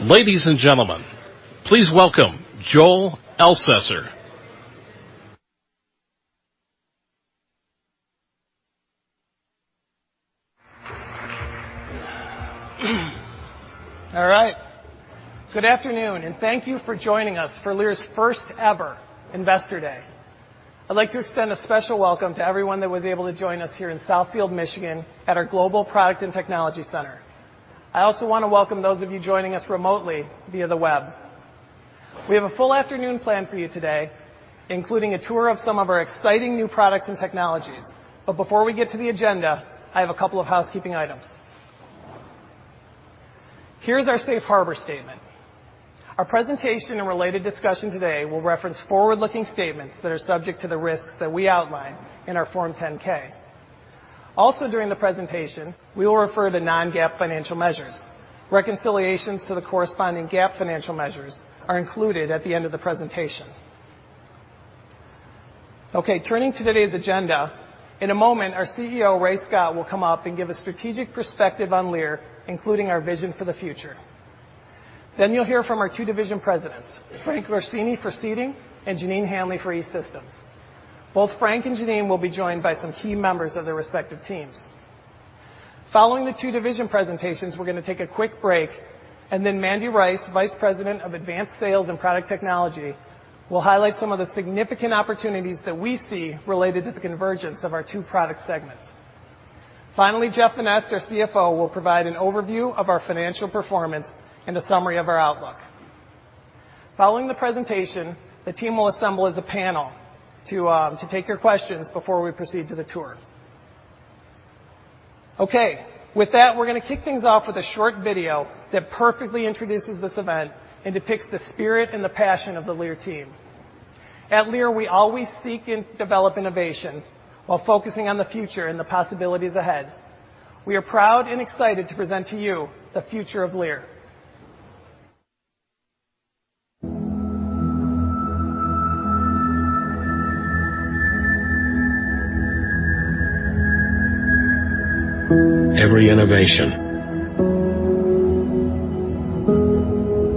Ladies and gentlemen, please welcome Joel Elsesser. All right. Good afternoon, and thank you for joining us for Lear's first-ever Investor Day. I'd like to extend a special welcome to everyone that was able to join us here in Southfield, Michigan, at our Global Product and Technology Center. I also want to welcome those of you joining us remotely via the web. We have a full afternoon planned for you today, including a tour of some of our exciting new products and technologies. Before we get to the agenda, I have a couple of housekeeping items. Here's our safe harbor statement. Our presentation and related discussion today will reference forward-looking statements that are subject to the risks that we outline in our Form 10-K. Also, during the presentation, we will refer to non-GAAP financial measures. Reconciliations to the corresponding GAAP financial measures are included at the end of the presentation. Okay, turning to today's agenda, in a moment, our CEO, Ray Scott, will come up and give a strategic perspective on Lear, including our vision for the future. You'll hear from our two division presidents, Frank Orsini for Seating and Jeneanne Hanley for E-Systems. Both Frank and Jeneanne will be joined by some key members of their respective teams. Following the two division presentations, we're going to take a quick break, Mandy Rice, Vice President of Advanced Sales and Product Technology, will highlight some of the significant opportunities that we see related to the convergence of our two product segments. Finally, Jeff Vanneste, our CFO, will provide an overview of our financial performance and a summary of our outlook. Following the presentation, the team will assemble as a panel to take your questions before we proceed to the tour. Okay. With that, we're going to kick things off with a short video that perfectly introduces this event and depicts the spirit and the passion of the Lear team. At Lear, we always seek and develop innovation while focusing on the future and the possibilities ahead. We are proud and excited to present to you the future of Lear. Every innovation,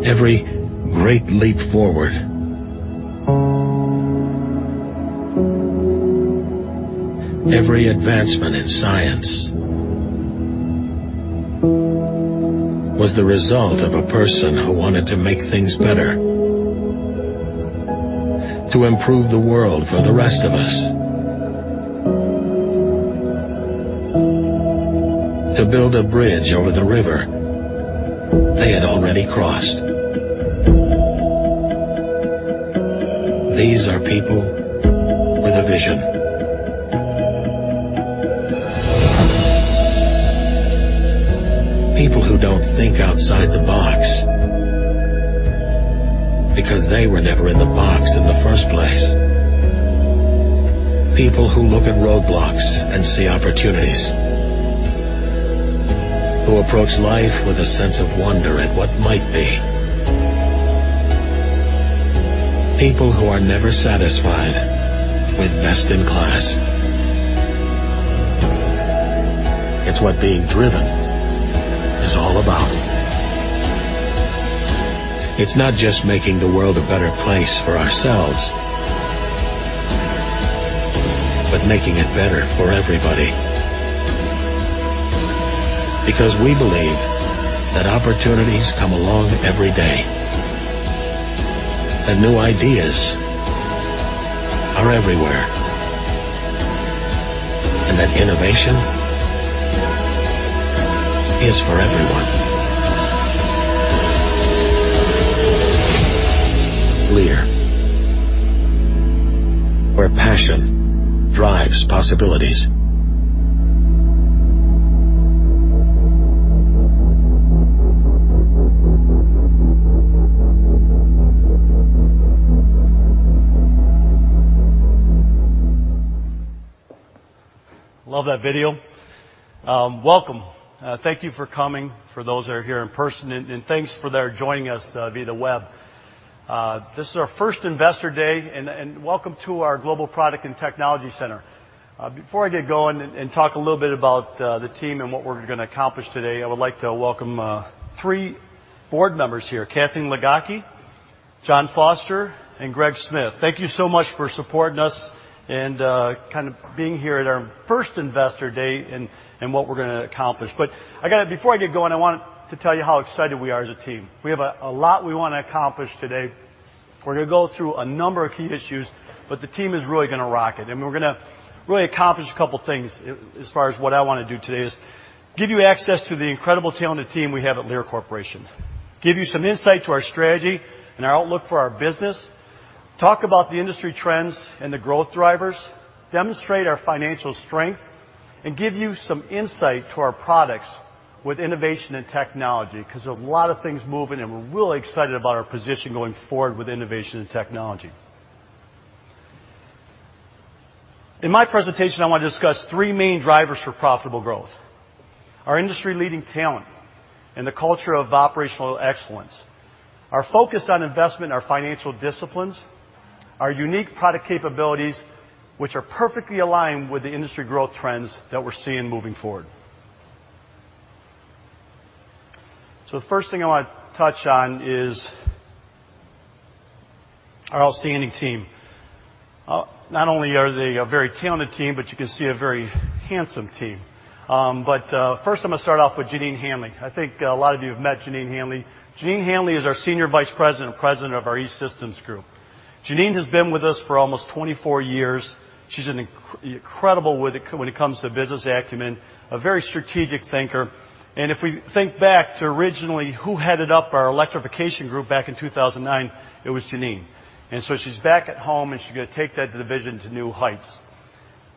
every great leap forward, every advancement in science was the result of a person who wanted to make things better, to improve the world for the rest of us, to build a bridge over the river they had already crossed. These are people with a vision. People who don't think outside the box because they were never in the box in the first place. People who look at roadblocks and see opportunities, who approach life with a sense of wonder at what might be. People who are never satisfied with best in class. It's what being driven is all about. It's not just making the world a better place for ourselves, but making it better for everybody because we believe that opportunities come along every day, that new ideas are everywhere, and that innovation is for everyone. Lear, where passion drives possibilities. Love that video. Welcome. Thank you for coming, for those that are here in person, and thanks for their joining us via the web. This is our first Investor Day, welcome to our Global Product and Technology Center. Before I get going and talk a little bit about the team and what we're going to accomplish today, I would like to welcome three board members here, Kathleen Ligocki, John Foster, and Greg Smith. Thank you so much for supporting us and kind of being here at our first Investor Day and what we're going to accomplish. Before I get going, I want to tell you how excited we are as a team. We have a lot we want to accomplish today. We're going to go through a number of key issues, the team is really going to rock it, we're going to really accomplish a couple of things as far as what I want to do today is give you access to the incredible talented team we have at Lear Corporation, give you some insight to our strategy and our outlook for our business, talk about the industry trends and the growth drivers, demonstrate our financial strength, and give you some insight to our products with innovation and technology, because there's a lot of things moving, we're really excited about our position going forward with innovation and technology. In my presentation, I want to discuss three main drivers for profitable growth, our industry-leading talent, and the culture of operational excellence. Our focus on investment and our financial disciplines, our unique product capabilities, which are perfectly aligned with the industry growth trends that we're seeing moving forward. The first thing I want to touch on is our outstanding team. Not only are they a very talented team, you can see a very handsome team. First, I'm going to start off with Jeneanne Hanley. I think a lot of you have met Jeneanne Hanley. Jeneanne Hanley is our Senior Vice President and President of our E-Systems group. Jeneanne has been with us for almost 24 years. She's incredible when it comes to business acumen, a very strategic thinker. If we think back to originally who headed up our electrification group back in 2009, it was Jeneanne. She's back at home, she's going to take that division to new heights.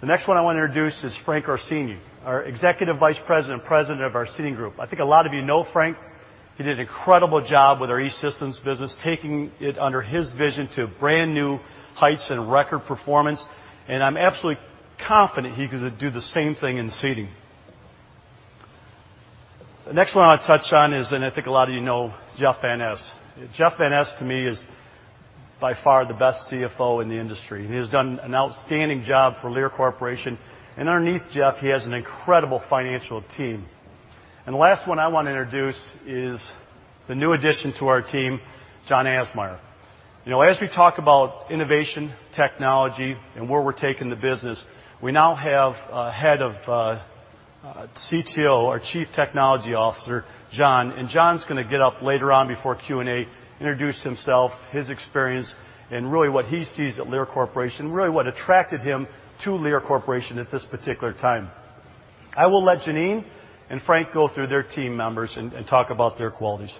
The next one I want to introduce is Frank Orsini, our executive vice president and president of our seating group. I think a lot of you know Frank. He did an incredible job with our E-Systems business, taking it under his vision to brand-new heights and record performance, and I'm absolutely confident he is going to do the same thing in seating. The next one I want to touch on is, and I think a lot of you know Jeff Vanneste. Jeff Vanneste, to me, is by far the best CFO in the industry, and he has done an outstanding job for Lear Corporation. Underneath Jeff, he has an incredible financial team. The last one I want to introduce is the new addition to our team, John Absmeier. As we talk about innovation, technology, and where we're taking the business, we now have a head of, CTO, our chief technology officer, John, and John's going to get up later on before Q&A, introduce himself, his experience, and really what he sees at Lear Corporation, really what attracted him to Lear Corporation at this particular time. I will let Jeneanne and Frank go through their team members and talk about their qualities.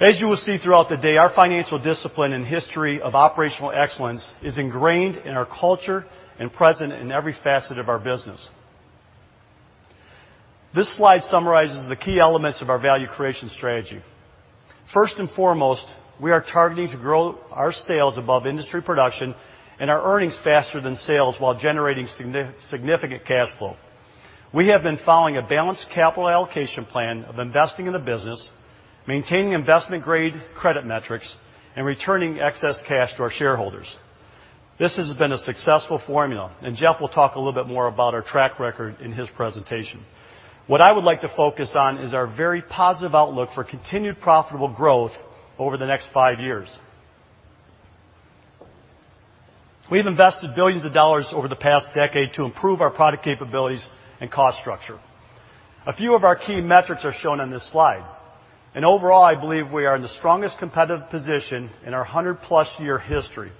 As you will see throughout the day, our financial discipline and history of operational excellence is ingrained in our culture and present in every facet of our business. This slide summarizes the key elements of our value creation strategy. First and foremost, we are targeting to grow our sales above industry production and our earnings faster than sales while generating significant cash flow. We have been following a balanced capital allocation plan of investing in the business, maintaining investment-grade credit metrics, and returning excess cash to our shareholders. This has been a successful formula, and Jeff will talk a little bit more about our track record in his presentation. What I would like to focus on is our very positive outlook for continued profitable growth over the next five years. We've invested $ billions over the past decade to improve our product capabilities and cost structure. A few of our key metrics are shown on this slide. Overall, I believe we are in the strongest competitive position in our 100-plus year history,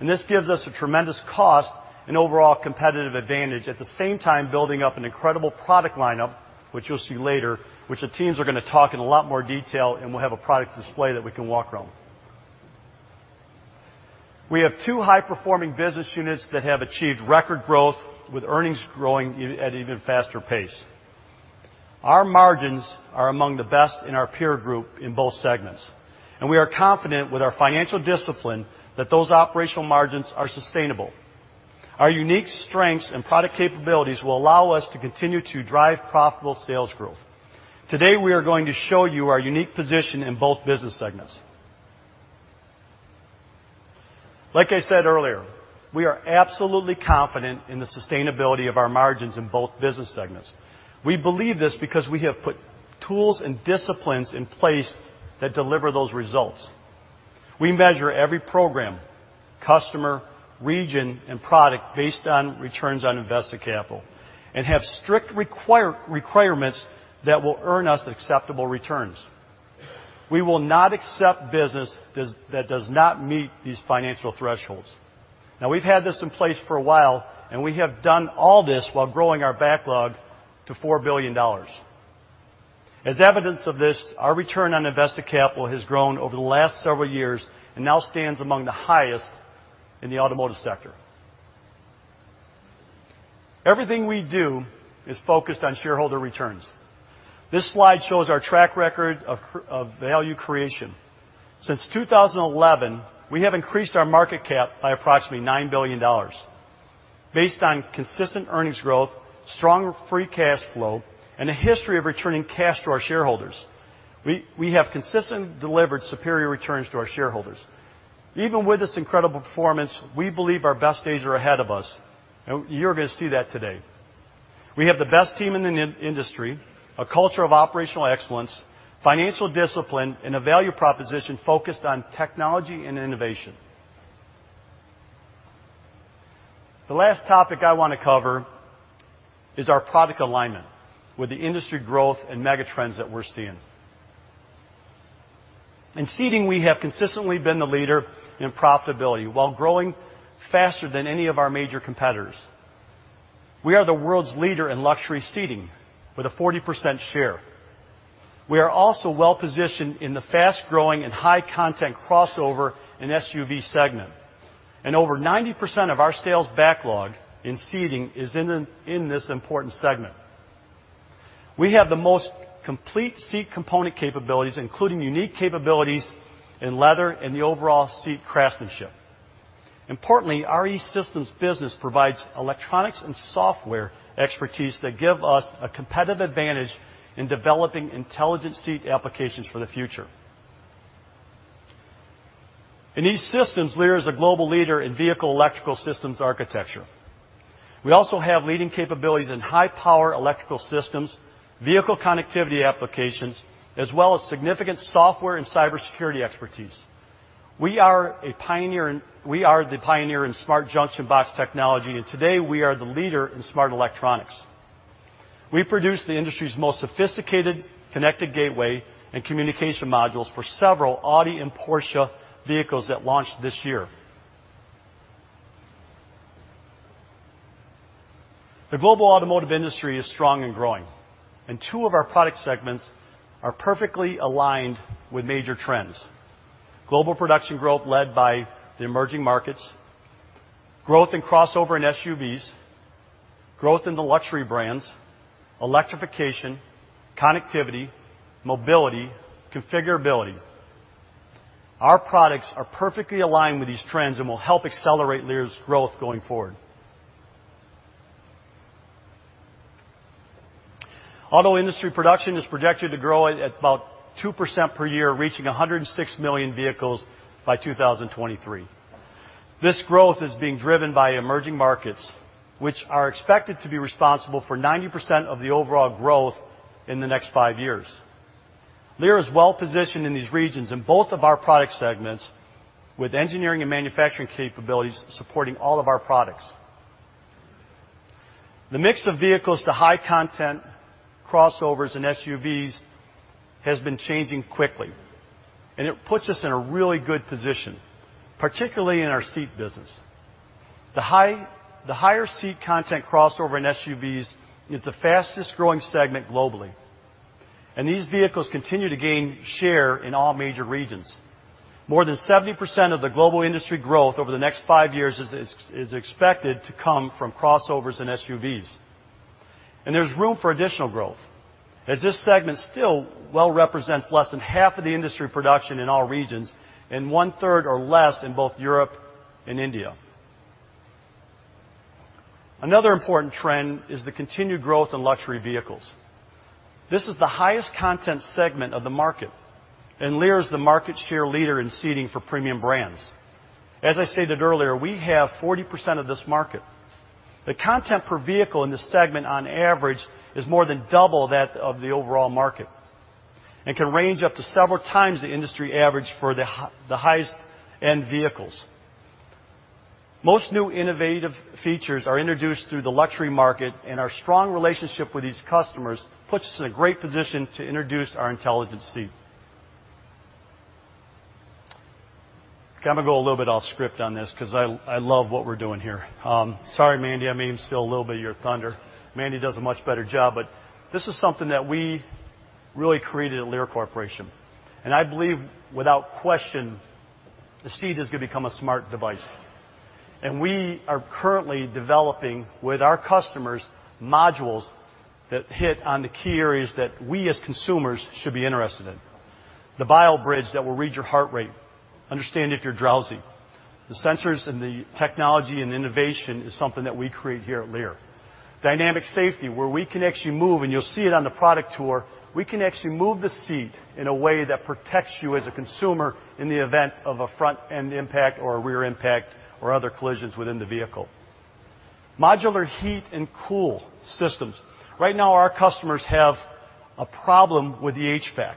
and this gives us a tremendous cost and overall competitive advantage, at the same time, building up an incredible product lineup, which you'll see later, which the teams are going to talk in a lot more detail, and we'll have a product display that we can walk around. We have two high-performing business units that have achieved record growth with earnings growing at even faster pace. Our margins are among the best in our peer group in both segments, and we are confident with our financial discipline that those operational margins are sustainable. Our unique strengths and product capabilities will allow us to continue to drive profitable sales growth. Today, we are going to show you our unique position in both business segments. Like I said earlier, we are absolutely confident in the sustainability of our margins in both business segments. We believe this because we have put tools and disciplines in place that deliver those results. We measure every program, customer, region, and product based on returns on invested capital and have strict requirements that will earn us acceptable returns. We will not accept business that does not meet these financial thresholds. We've had this in place for a while, and we have done all this while growing our backlog to $4 billion. As evidence of this, our return on invested capital has grown over the last several years and now stands among the highest in the automotive sector. Everything we do is focused on shareholder returns. This slide shows our track record of value creation. Since 2011, we have increased our market cap by approximately $9 billion. Based on consistent earnings growth, strong free cash flow, and a history of returning cash to our shareholders, we have consistently delivered superior returns to our shareholders. Even with this incredible performance, we believe our best days are ahead of us, and you're going to see that today. We have the best team in the industry, a culture of operational excellence, financial discipline, and a value proposition focused on technology and innovation. The last topic I want to cover is our product alignment with the industry growth and mega trends that we're seeing. In Seating, we have consistently been the leader in profitability while growing faster than any of our major competitors. We are the world's leader in luxury seating with a 40% share. We are also well-positioned in the fast-growing and high-content crossover and SUV segment, and over 90% of our sales backlog in Seating is in this important segment. We have the most complete seat component capabilities, including unique capabilities in leather and the overall seat craftsmanship. Importantly, our E-Systems business provides electronics and software expertise that give us a competitive advantage in developing intelligent seat applications for the future. In E-Systems, Lear is a global leader in vehicle electrical systems architecture. We also have leading capabilities in high-power electrical systems, vehicle connectivity applications, as well as significant software and cybersecurity expertise. We are the pioneer in smart junction box technology, and today, we are the leader in smart electronics. We produce the industry's most sophisticated connected gateway and communication modules for several Audi and Porsche vehicles that launched this year. The global automotive industry is strong and growing, and two of our product segments are perfectly aligned with major trends. Global production growth led by the emerging markets, growth in crossover and SUVs, growth in the luxury brands, electrification, connectivity, mobility, configurability. Our products are perfectly aligned with these trends and will help accelerate Lear's growth going forward. Auto industry production is projected to grow at about 2% per year, reaching 106 million vehicles by 2023. This growth is being driven by emerging markets, which are expected to be responsible for 90% of the overall growth in the next five years. Lear is well-positioned in these regions in both of our product segments, with engineering and manufacturing capabilities supporting all of our products. The mix of vehicles to high-content crossovers and SUVs has been changing quickly, and it puts us in a really good position, particularly in our Seating business. The higher seat content crossover in SUVs is the fastest-growing segment globally, and these vehicles continue to gain share in all major regions. More than 70% of the global industry growth over the next 5 years is expected to come from crossovers and SUVs. There's room for additional growth, as this segment still well represents less than half of the industry production in all regions and one-third or less in both Europe and India. Another important trend is the continued growth in luxury vehicles. This is the highest content segment of the market, and Lear is the market share leader in seating for premium brands. As I stated earlier, we have 40% of this market. The content per vehicle in this segment on average is more than double that of the overall market and can range up to several times the industry average for the highest-end vehicles. Most new innovative features are introduced through the luxury market. Our strong relationship with these customers puts us in a great position to introduce our intelligent seat. I'm going to go a little bit off-script on this because I love what we're doing here. Sorry, Mandy, I may steal a little bit of your thunder. Mandy does a much better job, but this is something that we really created at Lear Corporation. I believe, without question, the seat is going to become a smart device. We are currently developing, with our customers, modules that hit on the key areas that we as consumers should be interested in. The BioBridge that will read your heart rate, understand if you're drowsy. The sensors and the technology and innovation is something that we create here at Lear. Dynamic Safety, where we can actually move, and you'll see it on the product tour, we can actually move the seat in a way that protects you as a consumer in the event of a front-end impact or a rear impact or other collisions within the vehicle. modular heat and cool systems. Right now, our customers have a problem with the HVAC.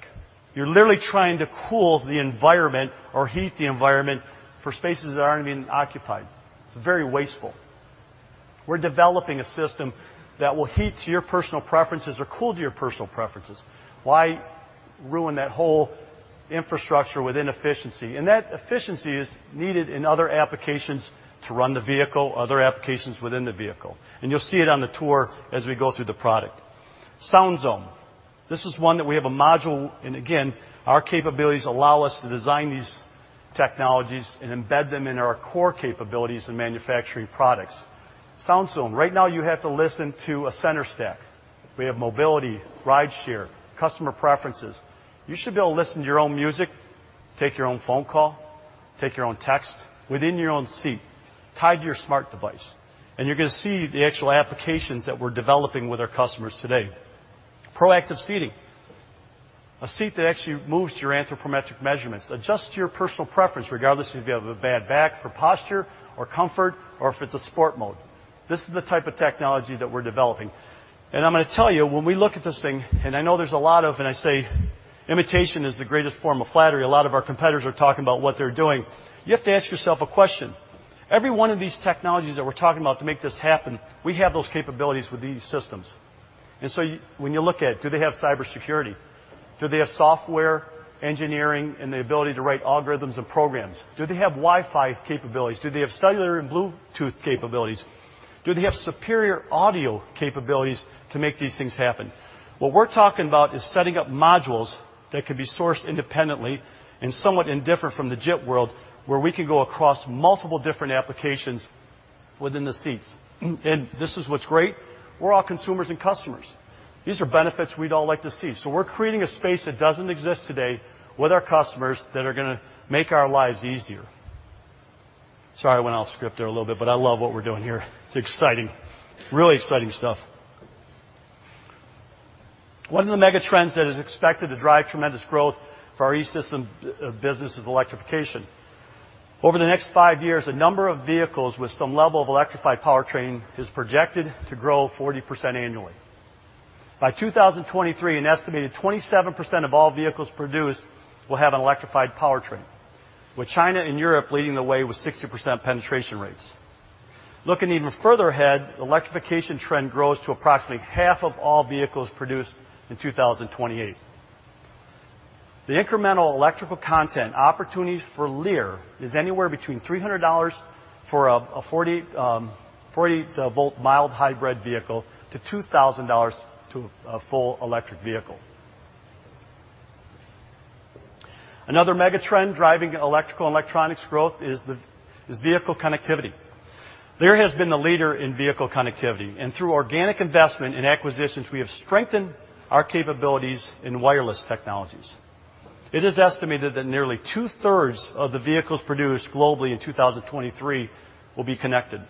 You're literally trying to cool the environment or heat the environment for spaces that aren't even occupied. It's very wasteful. We're developing a system that will heat to your personal preferences or cool to your personal preferences. Why ruin that whole infrastructure with inefficiency? That efficiency is needed in other applications to run the vehicle, other applications within the vehicle. You'll see it on the tour as we go through the product. SoundZone. This is one that we have a module. Again, our capabilities allow us to design these technologies and embed them in our core capabilities in manufacturing products. SoundZone. Right now, you have to listen to a center stack. We have mobility, ride share, customer preferences. You should be able to listen to your own music, take your own phone call, take your own text within your own seat, tied to your smart device. You're going to see the actual applications that we're developing with our customers today. ProActive Seating. A seat that actually moves to your anthropometric measurements, adjusts to your personal preference, regardless if you have a bad back for posture or comfort, or if it's a sport mode. This is the type of technology that we're developing. I'm going to tell you, when we look at this thing, and I know there's a lot of, and I say imitation is the greatest form of flattery. A lot of our competitors are talking about what they're doing. You have to ask yourself a question. Every one of these technologies that we're talking about to make this happen, we have those capabilities with these systems. When you look at, do they have cybersecurity? Do they have software engineering and the ability to write algorithms and programs? Do they have Wi-Fi capabilities? Do they have cellular and Bluetooth capabilities? Do they have superior audio capabilities to make these things happen? What we're talking about is setting up modules that can be sourced independently and somewhat indifferent from the JIT world, where we can go across multiple different applications within the seats. This is what's great, we're all consumers and customers. These are benefits we'd all like to see. We're creating a space that doesn't exist today with our customers that are going to make our lives easier. Sorry, I went off script there a little bit, but I love what we're doing here. It's exciting, really exciting stuff. One of the mega trends that is expected to drive tremendous growth for our E-Systems business is electrification. Over the next five years, the number of vehicles with some level of electrified powertrain is projected to grow 40% annually. By 2023, an estimated 27% of all vehicles produced will have an electrified powertrain, with China and Europe leading the way with 60% penetration rates. Looking even further ahead, the electrification trend grows to approximately half of all vehicles produced in 2028. The incremental electrical content opportunities for Lear is anywhere between $300 for a 48-volt mild hybrid vehicle to $2,000 to a full electric vehicle. Another mega trend driving electrical and electronics growth is vehicle connectivity. Lear has been the leader in vehicle connectivity, and through organic investment in acquisitions, we have strengthened our capabilities in wireless technologies. It is estimated that nearly two-thirds of the vehicles produced globally in 2023 will be connected.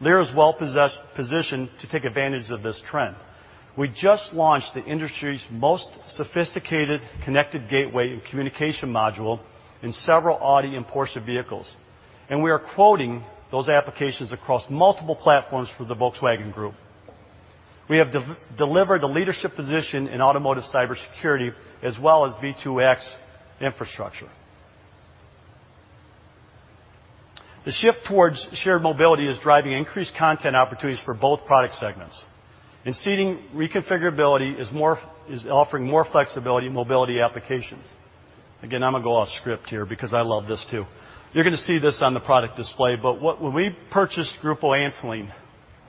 Lear is well-positioned to take advantage of this trend. We just launched the industry's most sophisticated connected gateway and communication module in several Audi and Porsche vehicles, and we are quoting those applications across multiple platforms for the Volkswagen Group. We have delivered a leadership position in automotive cybersecurity as well as V2X infrastructure. The shift towards shared mobility is driving increased content opportunities for both product segments. In seating, reconfigurability is offering more flexibility in mobility applications. Again, I'm going to go off script here because I love this, too. You're going to see this on the product display, but when we purchased Grupo Antolin,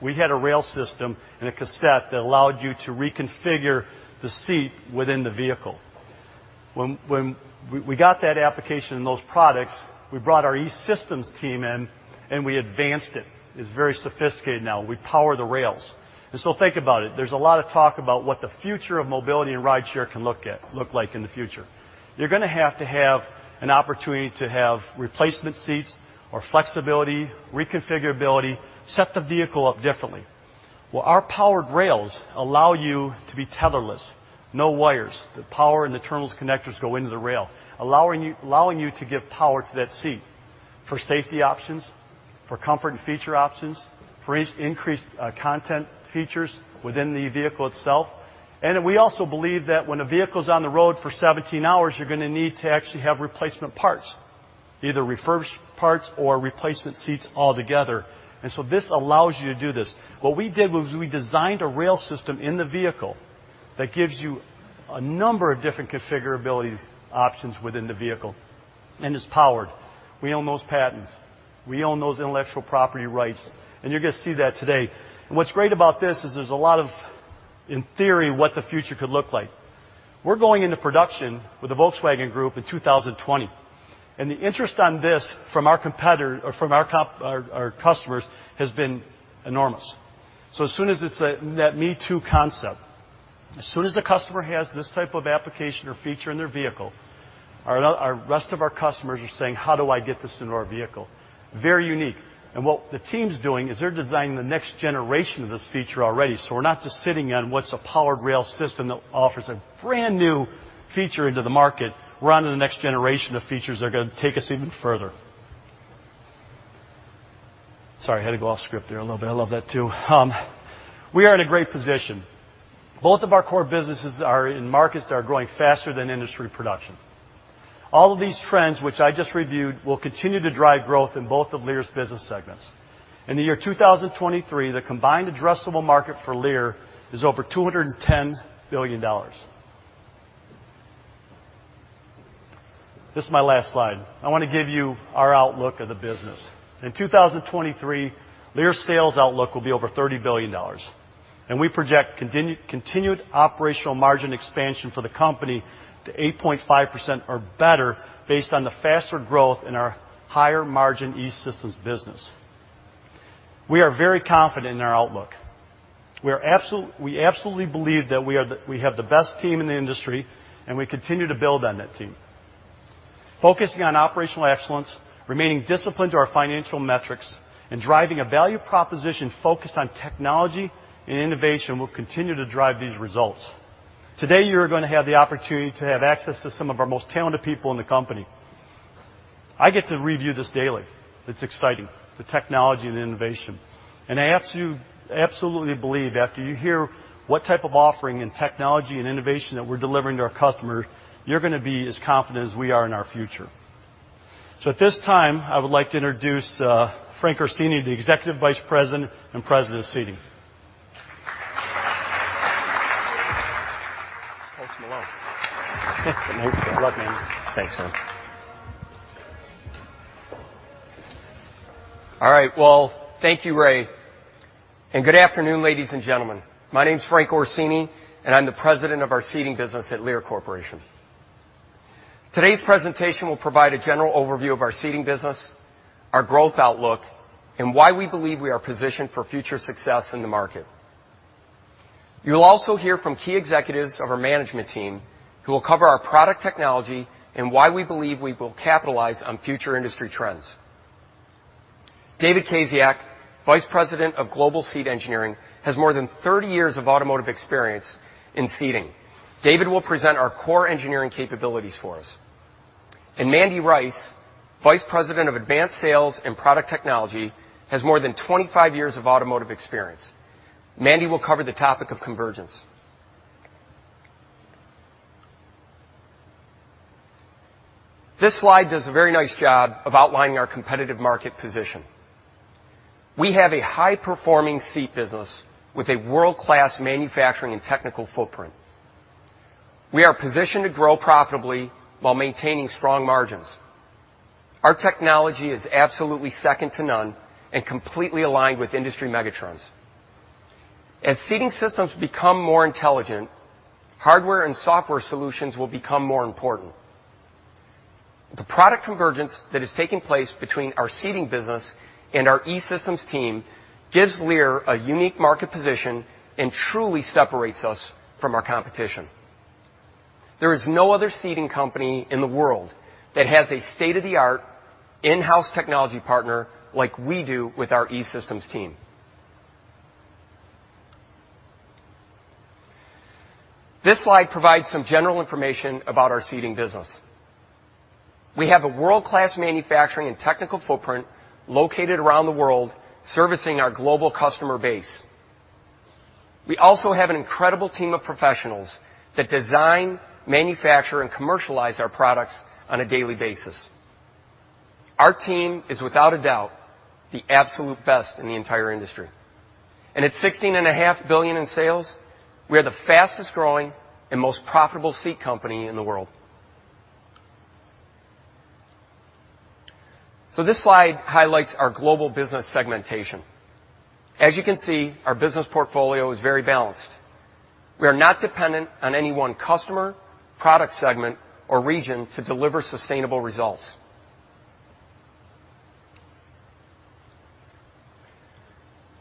we had a rail system and a cassette that allowed you to reconfigure the seat within the vehicle. When we got that application and those products, we brought our E-Systems team in, and we advanced it. It's very sophisticated now. We power the rails. Think about it. There's a lot of talk about what the future of mobility and rideshare can look like in the future. You're going to have to have an opportunity to have replacement seats or flexibility, reconfigurability, set the vehicle up differently. Our powered rails allow you to be tetherless, no wires. The power and the terminal's connectors go into the rail, allowing you to give power to that seat for safety options, for comfort and feature options, for increased content features within the vehicle itself. We also believe that when a vehicle's on the road for 17 hours, you're going to need to actually have replacement parts, either refurbished parts or replacement seats altogether. This allows you to do this. What we did was we designed a rail system in the vehicle that gives you a number of different configurability options within the vehicle and is powered. We own those patents. We own those intellectual property rights, and you're going to see that today. What's great about this is there's a lot of, in theory, what the future could look like. We're going into production with the Volkswagen Group in 2020, the interest on this from our customers has been enormous. As soon as it's that me-too concept, as soon as the customer has this type of application or feature in their vehicle, our rest of our customers are saying, "How do I get this into our vehicle?" Very unique. What the team's doing is they're designing the next generation of this feature already. We're not just sitting on what's a powered rail system that offers a brand-new feature into the market. We're onto the next generation of features that are going to take us even further. Sorry, I had to go off script there a little bit. I love that, too. We are in a great position. Both of our core businesses are in markets that are growing faster than industry production. All of these trends, which I just reviewed, will continue to drive growth in both of Lear's business segments. In the year 2023, the combined addressable market for Lear is over $210 billion. This is my last slide. I want to give you our outlook of the business. In 2023, Lear's sales outlook will be over $30 billion, we project continued operational margin expansion for the company to 8.5% or better based on the faster growth in our higher-margin E-Systems business. We are very confident in our outlook. We absolutely believe that we have the best team in the industry, we continue to build on that team. Focusing on operational excellence, remaining disciplined to our financial metrics, and driving a value proposition focused on technology and innovation will continue to drive these results. Today, you're going to have the opportunity to have access to some of our most talented people in the company. I get to review this daily. It's exciting, the technology and innovation. I absolutely believe after you hear what type of offering in technology and innovation that we're delivering to our customers, you're going to be as confident as we are in our future. At this time, I would like to introduce Frank Orsini, the Executive Vice President and President of Seating. Good luck, man. Thanks, man. All right. Well, thank you, Ray. Good afternoon, ladies and gentlemen. My name's Frank Orsini, and I'm the President of our Seating business at Lear Corporation. Today's presentation will provide a general overview of our Seating business, our growth outlook, and why we believe we are positioned for future success in the market. You'll also hear from key executives of our management team who will cover our product technology and why we believe we will capitalize on future industry trends. David Kowalczyk, Vice President of Global Seat Engineering, has more than 30 years of automotive experience in seating. David will present our core engineering capabilities for us. Mandy Rice, Vice President of Advanced Sales and Product Technology, has more than 25 years of automotive experience. Mandy will cover the topic of convergence. This slide does a very nice job of outlining our competitive market position. We have a high-performing seat business with a world-class manufacturing and technical footprint. We are positioned to grow profitably while maintaining strong margins. Our technology is absolutely second to none and completely aligned with industry megatrends. As seating systems become more intelligent, hardware and software solutions will become more important. The product convergence that is taking place between our Seating business and our E-Systems team gives Lear a unique market position and truly separates us from our competition. There is no other seating company in the world that has a state-of-the-art in-house technology partner like we do with our E-Systems team. This slide provides some general information about our Seating business. We have a world-class manufacturing and technical footprint located around the world, servicing our global customer base. We also have an incredible team of professionals that design, manufacture, and commercialize our products on a daily basis. Our team is, without a doubt, the absolute best in the entire industry. At $16.5 billion in sales, we are the fastest-growing and most profitable seat company in the world. This slide highlights our global business segmentation. As you can see, our business portfolio is very balanced. We are not dependent on any one customer, product segment, or region to deliver sustainable results.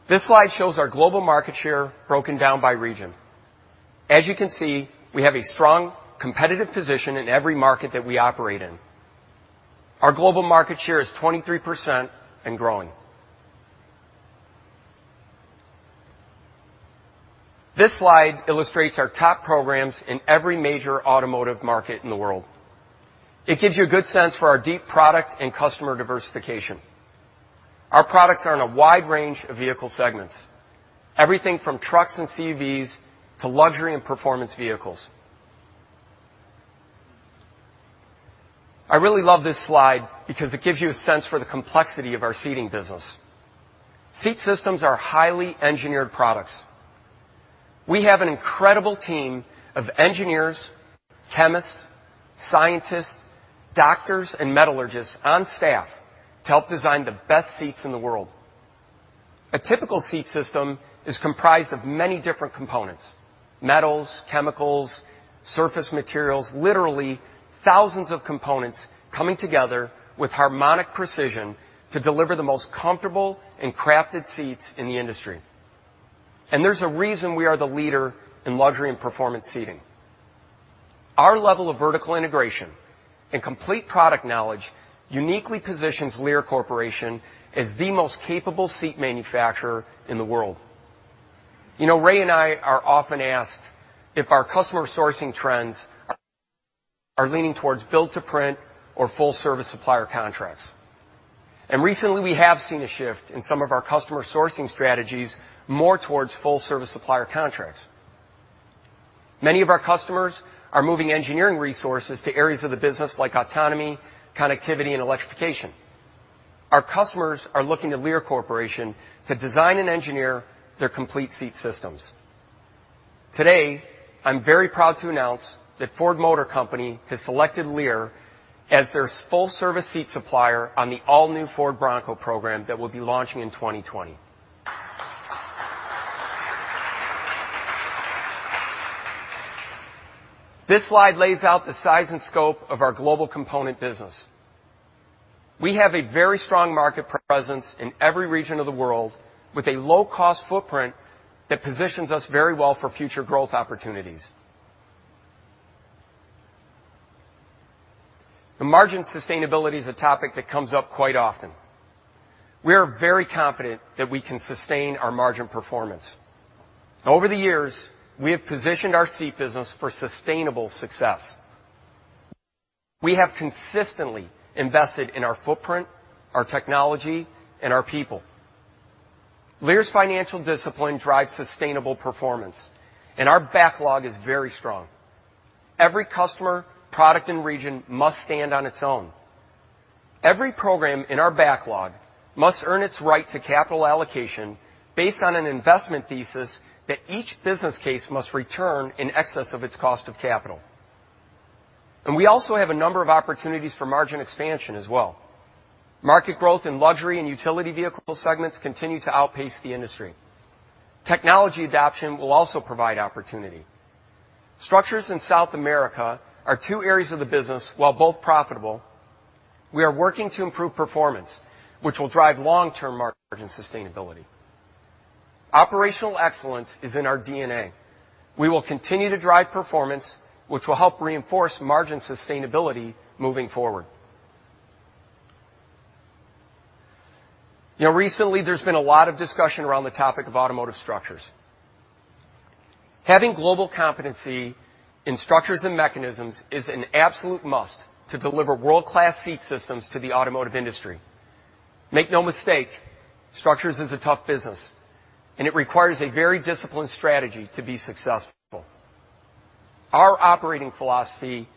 This slide shows our global market share broken down by region. As you can see, we have a strong competitive position in every market that we operate in. Our global market share is 23% and growing. This slide illustrates our top programs in every major automotive market in the world. It gives you a good sense for our deep product and customer diversification. Our products are in a wide range of vehicle segments, everything from trucks and SUVs to luxury and performance vehicles. I really love this slide because it gives you a sense for the complexity of our seating business. Seat systems are highly engineered products. We have an incredible team of engineers, chemists, scientists, doctors, and metallurgists on staff to help design the best seats in the world. A typical seat system is comprised of many different components. Metals, chemicals, surface materials, literally thousands of components coming together with harmonic precision to deliver the most comfortable and crafted seats in the industry. There's a reason we are the leader in luxury and performance seating. Our level of vertical integration and complete product knowledge uniquely positions Lear Corporation as the most capable seat manufacturer in the world. Ray and I are often asked if our customer sourcing trends are leaning towards build-to-print or full-service supplier contracts. Recently, we have seen a shift in some of our customer sourcing strategies more towards full-service supplier contracts. Many of our customers are moving engineering resources to areas of the business like autonomy, connectivity, and electrification. Our customers are looking to Lear Corporation to design and engineer their complete seat systems. Today, I'm very proud to announce that Ford Motor Company has selected Lear as their full-service seat supplier on the all-new Ford Bronco program that will be launching in 2020. This slide lays out the size and scope of our global component business. We have a very strong market presence in every region of the world with a low-cost footprint that positions us very well for future growth opportunities. The margin sustainability is a topic that comes up quite often. We are very confident that we can sustain our margin performance. Over the years, we have positioned our seat business for sustainable success. We have consistently invested in our footprint, our technology, and our people. Lear's financial discipline drives sustainable performance, and our backlog is very strong. Every customer, product, and region must stand on its own. Every program in our backlog must earn its right to capital allocation based on an investment thesis that each business case must return in excess of its cost of capital. We also have a number of opportunities for margin expansion as well. Market growth in luxury and utility vehicle segments continue to outpace the industry. Technology adoption will also provide opportunity. Structures and South America are two areas of the business, while both profitable, we are working to improve performance, which will drive long-term margin sustainability. Operational excellence is in our DNA. We will continue to drive performance, which will help reinforce margin sustainability moving forward. Recently, there's been a lot of discussion around the topic of automotive structures. Having global competency in structures and mechanisms is an absolute must to deliver world-class seat systems to the automotive industry. Make no mistake, structures is a tough business, and it requires a very disciplined strategy to be successful. Our operating philosophy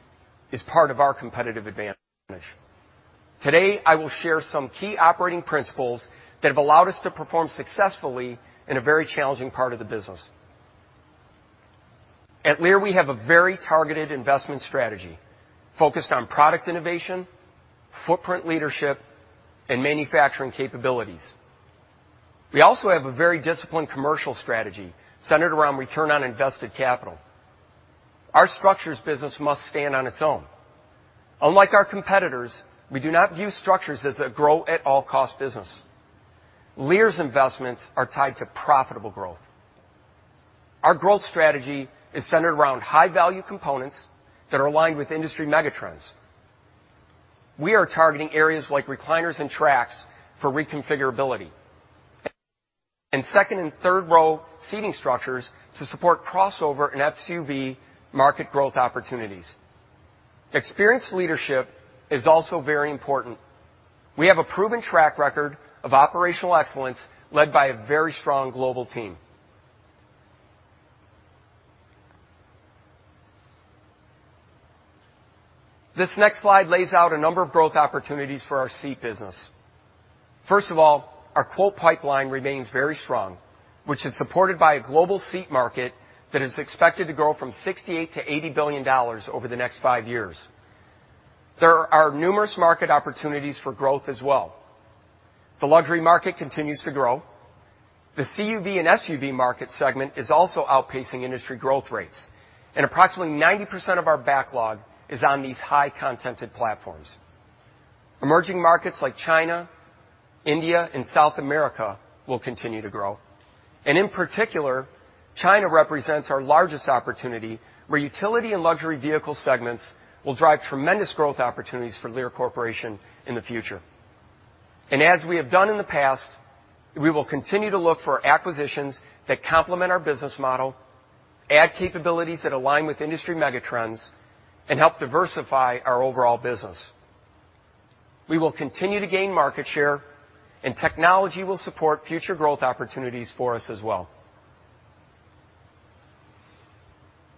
is part of our competitive advantage. Today, I will share some key operating principles that have allowed us to perform successfully in a very challenging part of the business. At Lear, we have a very targeted investment strategy focused on product innovation, footprint leadership, and manufacturing capabilities. We also have a very disciplined commercial strategy centered around return on invested capital. Our structures business must stand on its own. Unlike our competitors, we do not view structures as a grow-at-all-costs business. Lear's investments are tied to profitable growth. Our growth strategy is centered around high-value components that are aligned with industry megatrends. We are targeting areas like recliners and tracks for reconfigurability, and second and third-row seating structures to support crossover and SUV market growth opportunities. Experienced leadership is also very important. We have a proven track record of operational excellence led by a very strong global team. This next slide lays out a number of growth opportunities for our seat business. Our quote pipeline remains very strong, which is supported by a global seat market that is expected to grow from $68 billion-$80 billion over the next five years. There are numerous market opportunities for growth as well. The luxury market continues to grow. The CUV and SUV market segment is also outpacing industry growth rates, approximately 90% of our backlog is on these high-contented platforms. Emerging markets like China, India, and South America will continue to grow. In particular, China represents our largest opportunity, where utility and luxury vehicle segments will drive tremendous growth opportunities for Lear Corporation in the future. As we have done in the past, we will continue to look for acquisitions that complement our business model, add capabilities that align with industry megatrends, and help diversify our overall business. We will continue to gain market share, technology will support future growth opportunities for us as well.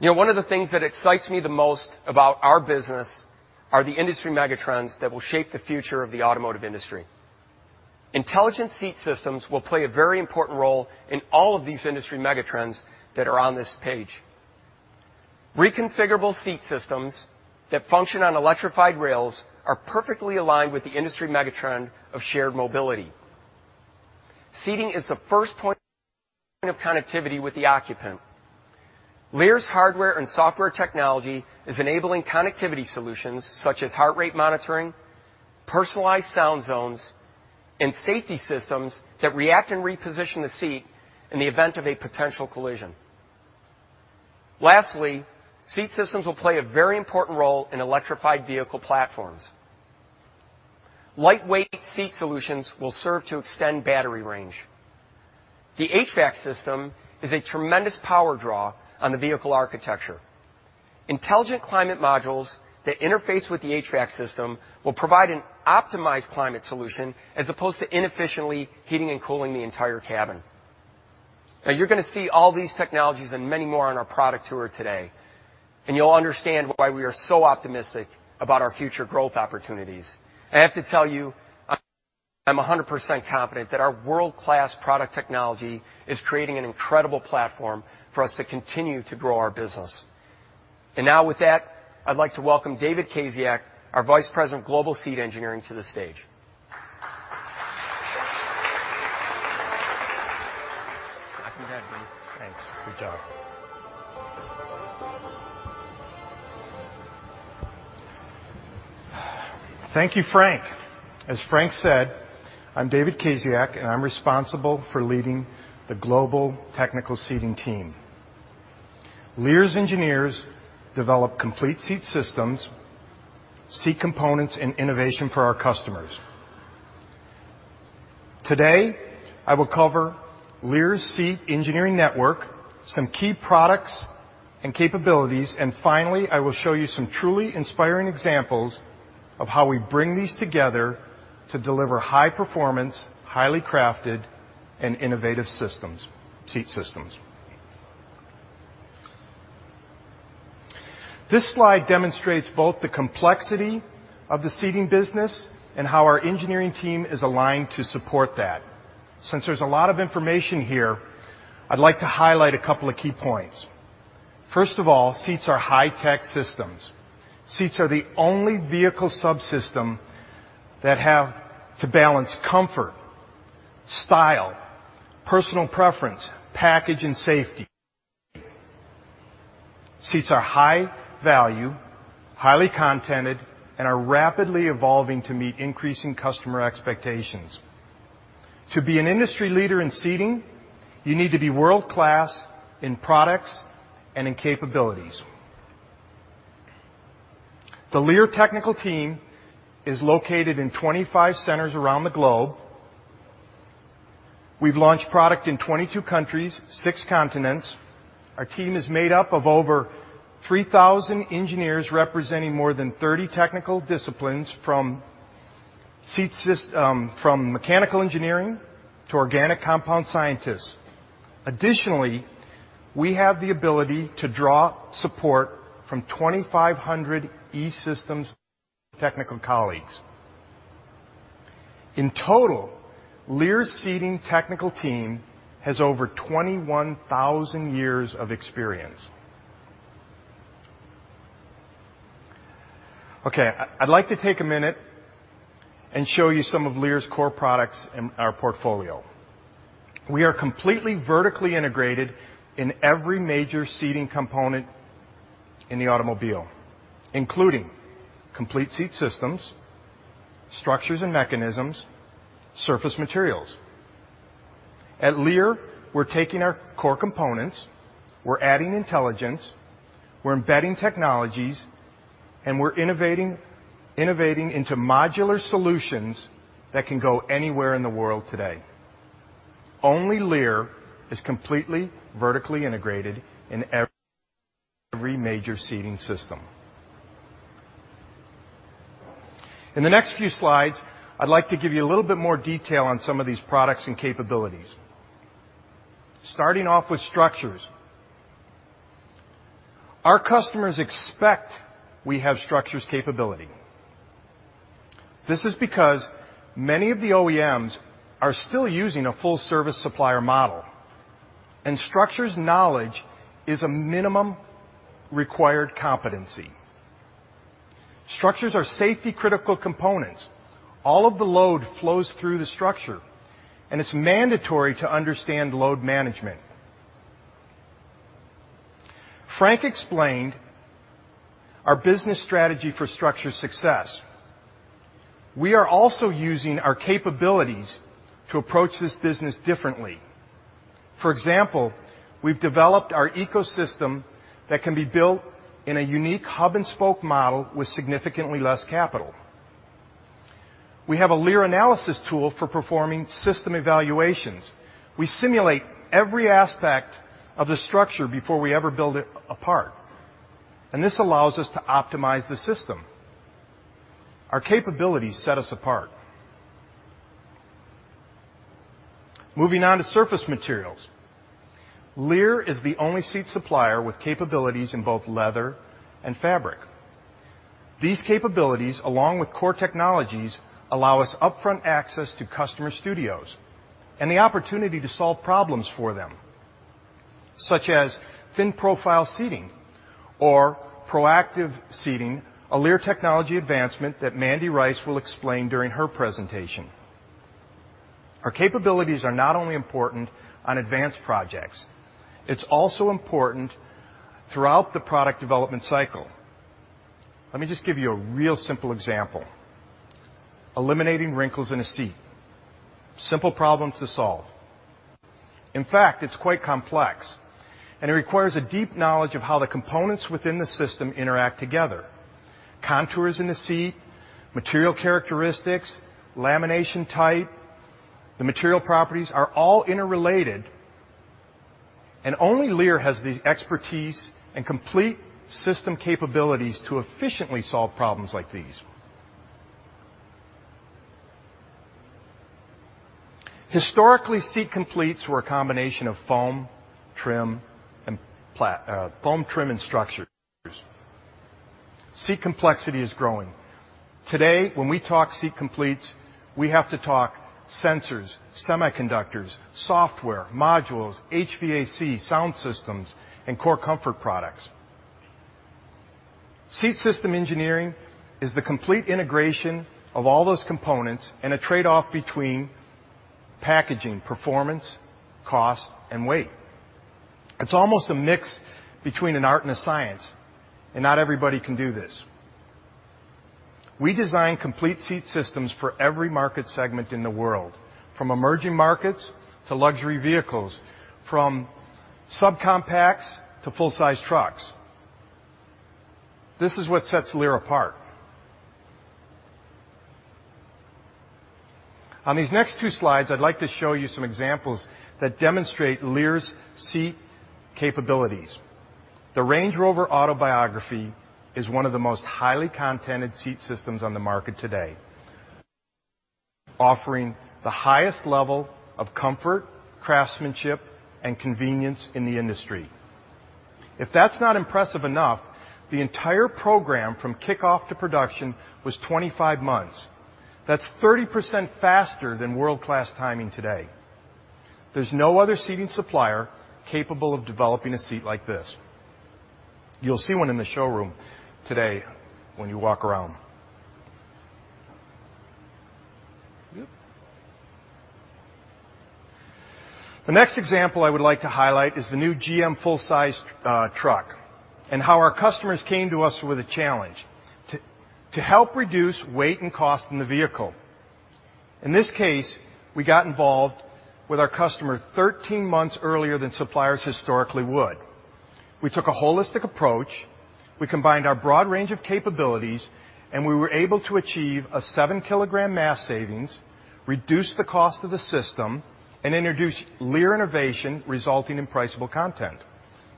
One of the things that excites me the most about our business are the industry megatrends that will shape the future of the automotive industry. Intelligent seat systems will play a very important role in all of these industry megatrends that are on this page. Reconfigurable seat systems that function on electrified rails are perfectly aligned with the industry megatrend of shared mobility. Seating is the first point of connectivity with the occupant. Lear's hardware and software technology is enabling connectivity solutions such as heart rate monitoring, personalized SoundZone, and safety systems that react and reposition the seat in the event of a potential collision. Seat systems will play a very important role in electrified vehicle platforms. Lightweight seat solutions will serve to extend battery range. The HVAC system is a tremendous power draw on the vehicle architecture. Intelligent climate modules that interface with the HVAC system will provide an optimized climate solution as opposed to inefficiently heating and cooling the entire cabin. You're going to see all these technologies and many more on our product tour today. You'll understand why we are so optimistic about our future growth opportunities. I have to tell you, I'm 100% confident that our world-class product technology is creating an incredible platform for us to continue to grow our business. Now with that, I'd like to welcome David Kowalczyk, our Vice President Global Seat Engineering, to the stage. After you, Dave. Thanks. Good job. Thank you, Frank. As Frank said, I'm David Kowalczyk, I'm responsible for leading the global technical seating team. Lear's engineers develop complete seat systems, seat components, and innovation for our customers. Today, I will cover Lear's seat engineering network, some key products and capabilities, and finally, I will show you some truly inspiring examples of how we bring these together to deliver high performance, highly crafted, and innovative seat systems. This slide demonstrates both the complexity of the seating business and how our engineering team is aligned to support that. Since there's a lot of information here, I'd like to highlight a couple of key points. First of all, seats are high-tech systems. Seats are the only vehicle subsystem that have to balance comfort, style, personal preference, package, and safety. Seats are high value, highly contented, and are rapidly evolving to meet increasing customer expectations. To be an industry leader in seating, you need to be world-class in products and in capabilities. The Lear technical team is located in 25 centers around the globe. We've launched product in 22 countries, six continents. Our team is made up of over 3,000 engineers representing more than 30 technical disciplines, from mechanical engineering to organic compound scientists. Additionally, we have the ability to draw support from 2,500 E-Systems technical colleagues. In total, Lear's seating technical team has over 21,000 years of experience. Okay, I'd like to take a minute and show you some of Lear's core products in our portfolio. We are completely vertically integrated in every major seating component in the automobile, including complete seat systems, structures and mechanisms, surface materials. At Lear, we're taking our core components, we're adding intelligence, we're embedding technologies, and we're innovating into modular solutions that can go anywhere in the world today. Only Lear is completely vertically integrated in every major seating system. In the next few slides, I'd like to give you a little bit more detail on some of these products and capabilities. Starting off with structures. Our customers expect we have structures capability. This is because many of the OEMs are still using a full-service supplier model, structures knowledge is a minimum required competency. Structures are safety-critical components. All of the load flows through the structure, it's mandatory to understand load management. Frank explained our business strategy for structure success. We are also using our capabilities to approach this business differently. For example, we've developed our ecosystem that can be built in a unique hub-and-spoke model with significantly less capital. We have a Lear analysis tool for performing system evaluations. We simulate every aspect of the structure before we ever build it apart, this allows us to optimize the system. Our capabilities set us apart. Moving on to surface materials. Lear is the only seat supplier with capabilities in both leather and fabric. These capabilities, along with core technologies, allow us upfront access to customer studios and the opportunity to solve problems for them, such as thin profile seating or ProActive Seating, a Lear technology advancement that Mandy Rice will explain during her presentation. Our capabilities are not only important on advanced projects, it's also important throughout the product development cycle. Let me just give you a real simple example. Eliminating wrinkles in a seat. Simple problem to solve. In fact, it's quite complex, it requires a deep knowledge of how the components within the system interact together. Contours in the seat, material characteristics, lamination type, the material properties are all interrelated, only Lear has the expertise and complete system capabilities to efficiently solve problems like these. Historically, seat completes were a combination of foam, trim, and structures. Seat complexity is growing. Today, when we talk seat completes, we have to talk sensors, semiconductors, software, modules, HVAC, sound systems, and core comfort products. Seat system engineering is the complete integration of all those components and a trade-off between packaging, performance, cost, and weight. It's almost a mix between an art and a science, not everybody can do this. We design complete seat systems for every market segment in the world, from emerging markets to luxury vehicles, from subcompacts to full-size trucks. This is what sets Lear apart. On these next two slides, I'd like to show you some examples that demonstrate Lear's seat capabilities. The Range Rover Autobiography is one of the most highly contented seat systems on the market today, offering the highest level of comfort, craftsmanship, and convenience in the industry. If that's not impressive enough, the entire program from kickoff to production was 25 months. That's 30% faster than world-class timing today. There's no other seating supplier capable of developing a seat like this. You'll see one in the showroom today when you walk around. The next example I would like to highlight is the new GM full-size truck, how our customers came to us with a challenge to help reduce weight and cost in the vehicle. In this case, we got involved with our customer 13 months earlier than suppliers historically would. We took a holistic approach, we combined our broad range of capabilities, we were able to achieve a seven-kilogram mass savings, reduce the cost of the system, and introduce Lear innovation, resulting in priceable content.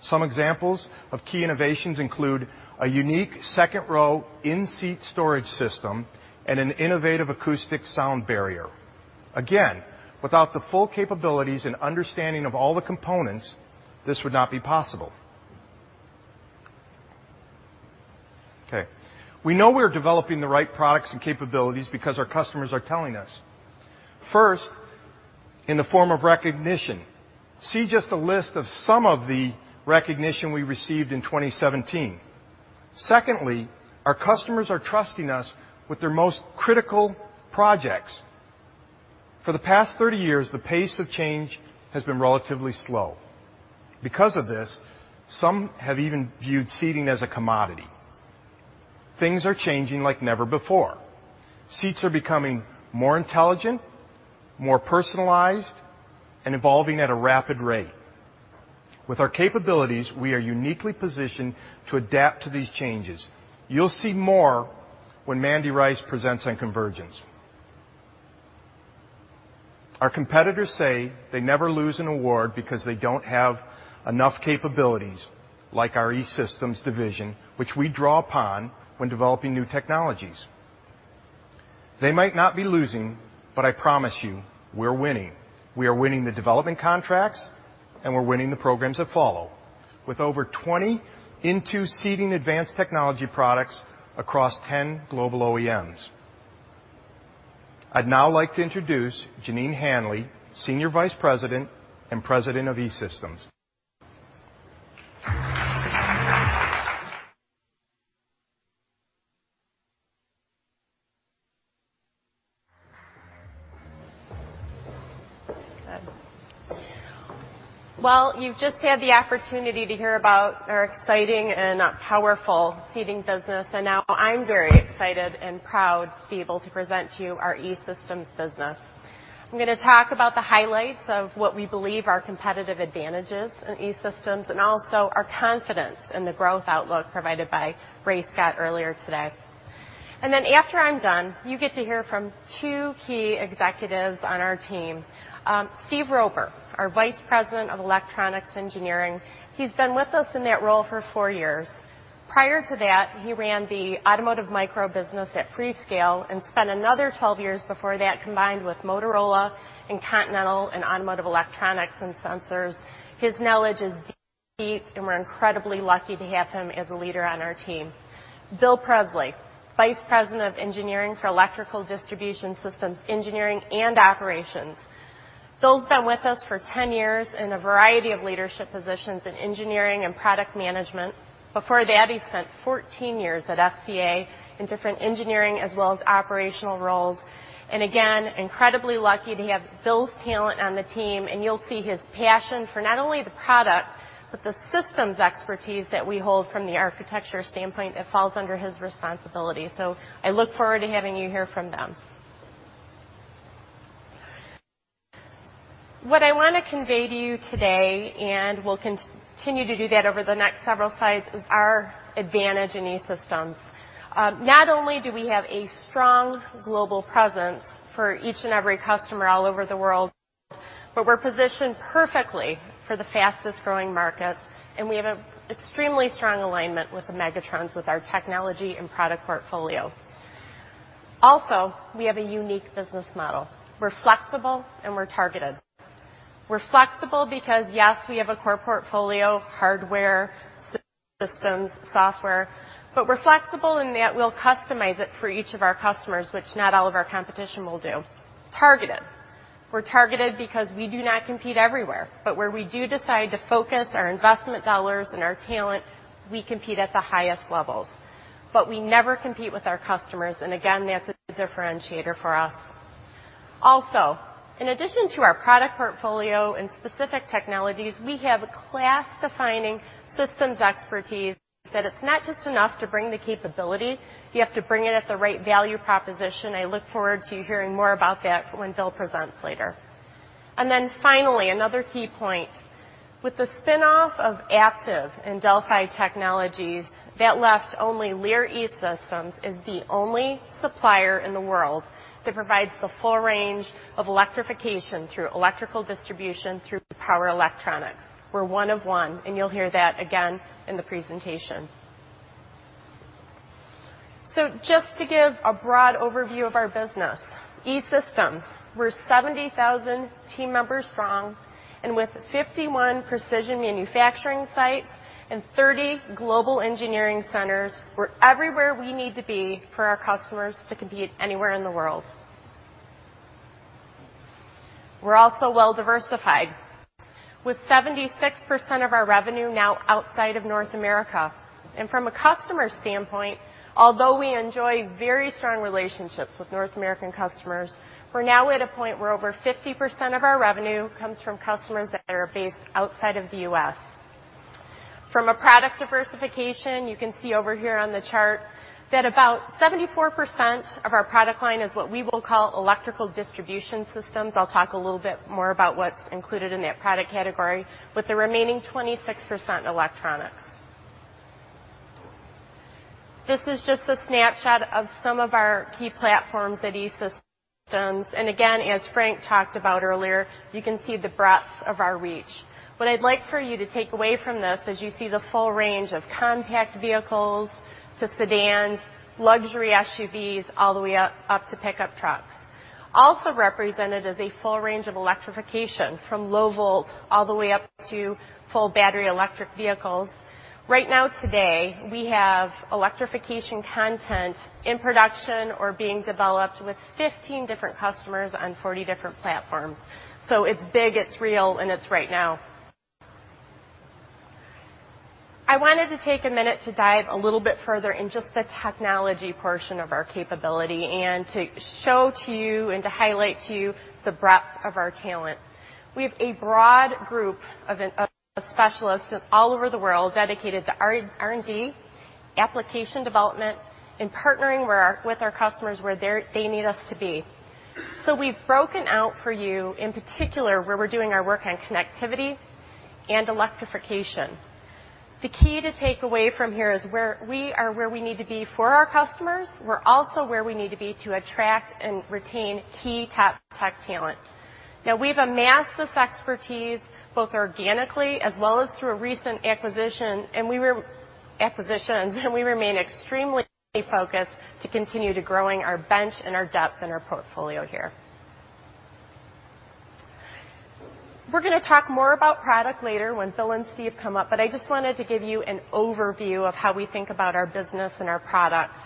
Some examples of key innovations include a unique second-row in-seat storage system and an innovative acoustic sound barrier. Again, without the full capabilities and understanding of all the components, this would not be possible. Okay. We know we're developing the right products and capabilities because our customers are telling us. First, in the form of recognition. See just a list of some of the recognition we received in 2017. Secondly, our customers are trusting us with their most critical projects. For the past 30 years, the pace of change has been relatively slow. Because of this, some have even viewed seating as a commodity. Things are changing like never before. Seats are becoming more intelligent, more personalized, and evolving at a rapid rate. With our capabilities, we are uniquely positioned to adapt to these changes. You'll see more when Mandy Rice presents on convergence. Our competitors say they never lose an award because they don't have enough capabilities like our E-Systems division, which we draw upon when developing new technologies. They might not be losing, but I promise you, we're winning. We are winning the development contracts, and we're winning the programs that follow, with over 20 in two seating advanced technology products across 10 global OEMs. I'd now like to introduce Jeneanne Hanley, Senior Vice President and President of E-Systems. Good. Well, you've just had the opportunity to hear about our exciting and powerful Seating business, now I'm very excited and proud to be able to present to you our E-Systems business. I'm going to talk about the highlights of what we believe are competitive advantages in E-Systems and also our confidence in the growth outlook provided by Ray Scott earlier today. After I'm done, you get to hear from two key executives on our team, Steve Rober, our Vice President of Electronics Engineering. He's been with us in that role for four years. Prior to that, he ran the automotive micro business at Freescale and spent another 12 years before that, combined with Motorola and Continental in automotive electronics and sensors. His knowledge is deep, and we're incredibly lucky to have him as a leader on our team. Bill Presley, Vice President of Engineering for Electrical Distribution Systems Engineering and Operations. Bill's been with us for 10 years in a variety of leadership positions in engineering and product management. Before that, he spent 14 years at FCA in different engineering as well as operational roles. Again, incredibly lucky to have Bill's talent on the team, and you'll see his passion for not only the product, but the systems expertise that we hold from the architecture standpoint that falls under his responsibility. I look forward to having you hear from them. What I want to convey to you today, and we'll continue to do that over the next several slides, is our advantage in E-Systems. Not only do we have a strong global presence for each and every customer all over the world, we're positioned perfectly for the fastest-growing markets, we have an extremely strong alignment with the megatrends, with our technology and product portfolio. We have a unique business model. We're flexible and we're targeted. We're flexible because, yes, we have a core portfolio, hardware systems, software, but we're flexible in that we'll customize it for each of our customers, which not all of our competition will do. Targeted. We're targeted because we do not compete everywhere. Where we do decide to focus our investment dollars and our talent, we compete at the highest levels. We never compete with our customers. Again, that's a differentiator for us. In addition to our product portfolio and specific technologies, we have a class-defining systems expertise that it's not just enough to bring the capability. You have to bring it at the right value proposition. I look forward to hearing more about that when Bill presents later. Finally, another key point. With the spinoff of Aptiv and Delphi Technologies, that left only Lear E-Systems as the only supplier in the world that provides the full range of electrification through electrical distribution through power electronics. We're one of one, and you'll hear that again in the presentation. Just to give a broad overview of our business. E-Systems, we're 70,000 team members strong and with 51 precision manufacturing sites and 30 global engineering centers. We're everywhere we need to be for our customers to compete anywhere in the world. We're also well diversified, with 76% of our revenue now outside of North America. From a customer standpoint, although we enjoy very strong relationships with North American customers, we're now at a point where over 50% of our revenue comes from customers that are based outside of the U.S. From a product diversification, you can see over here on the chart that about 74% of our product line is what we will call electrical distribution systems. I'll talk a little bit more about what's included in that product category, with the remaining 26% electronics. This is just a snapshot of some of our key platforms at E-Systems. Again, as Frank talked about earlier, you can see the breadth of our reach. What I'd like for you to take away from this is you see the full range of compact vehicles to sedans, luxury SUVs, all the way up to pickup trucks. Represented is a full range of electrification from low volt all the way up to full battery electric vehicles. Right now, today, we have electrification content in production or being developed with 15 different customers on 40 different platforms. It's big, it's real, and it's right now. I wanted to take a minute to dive a little bit further in just the technology portion of our capability and to show to you and to highlight to you the breadth of our talent. We have a broad group of specialists all over the world dedicated to R&D, application development, and partnering with our customers where they need us to be. We've broken out for you, in particular, where we're doing our work on connectivity and electrification. The key to take away from here is we are where we need to be for our customers. We're also where we need to be to attract and retain key top tech talent. We've amassed this expertise both organically as well as through our recent acquisitions, and we remain extremely focused to continue to growing our bench and our depth in our portfolio here. We're going to talk more about product later when Bill and Steve come up, but I just wanted to give you an overview of how we think about our business and our products.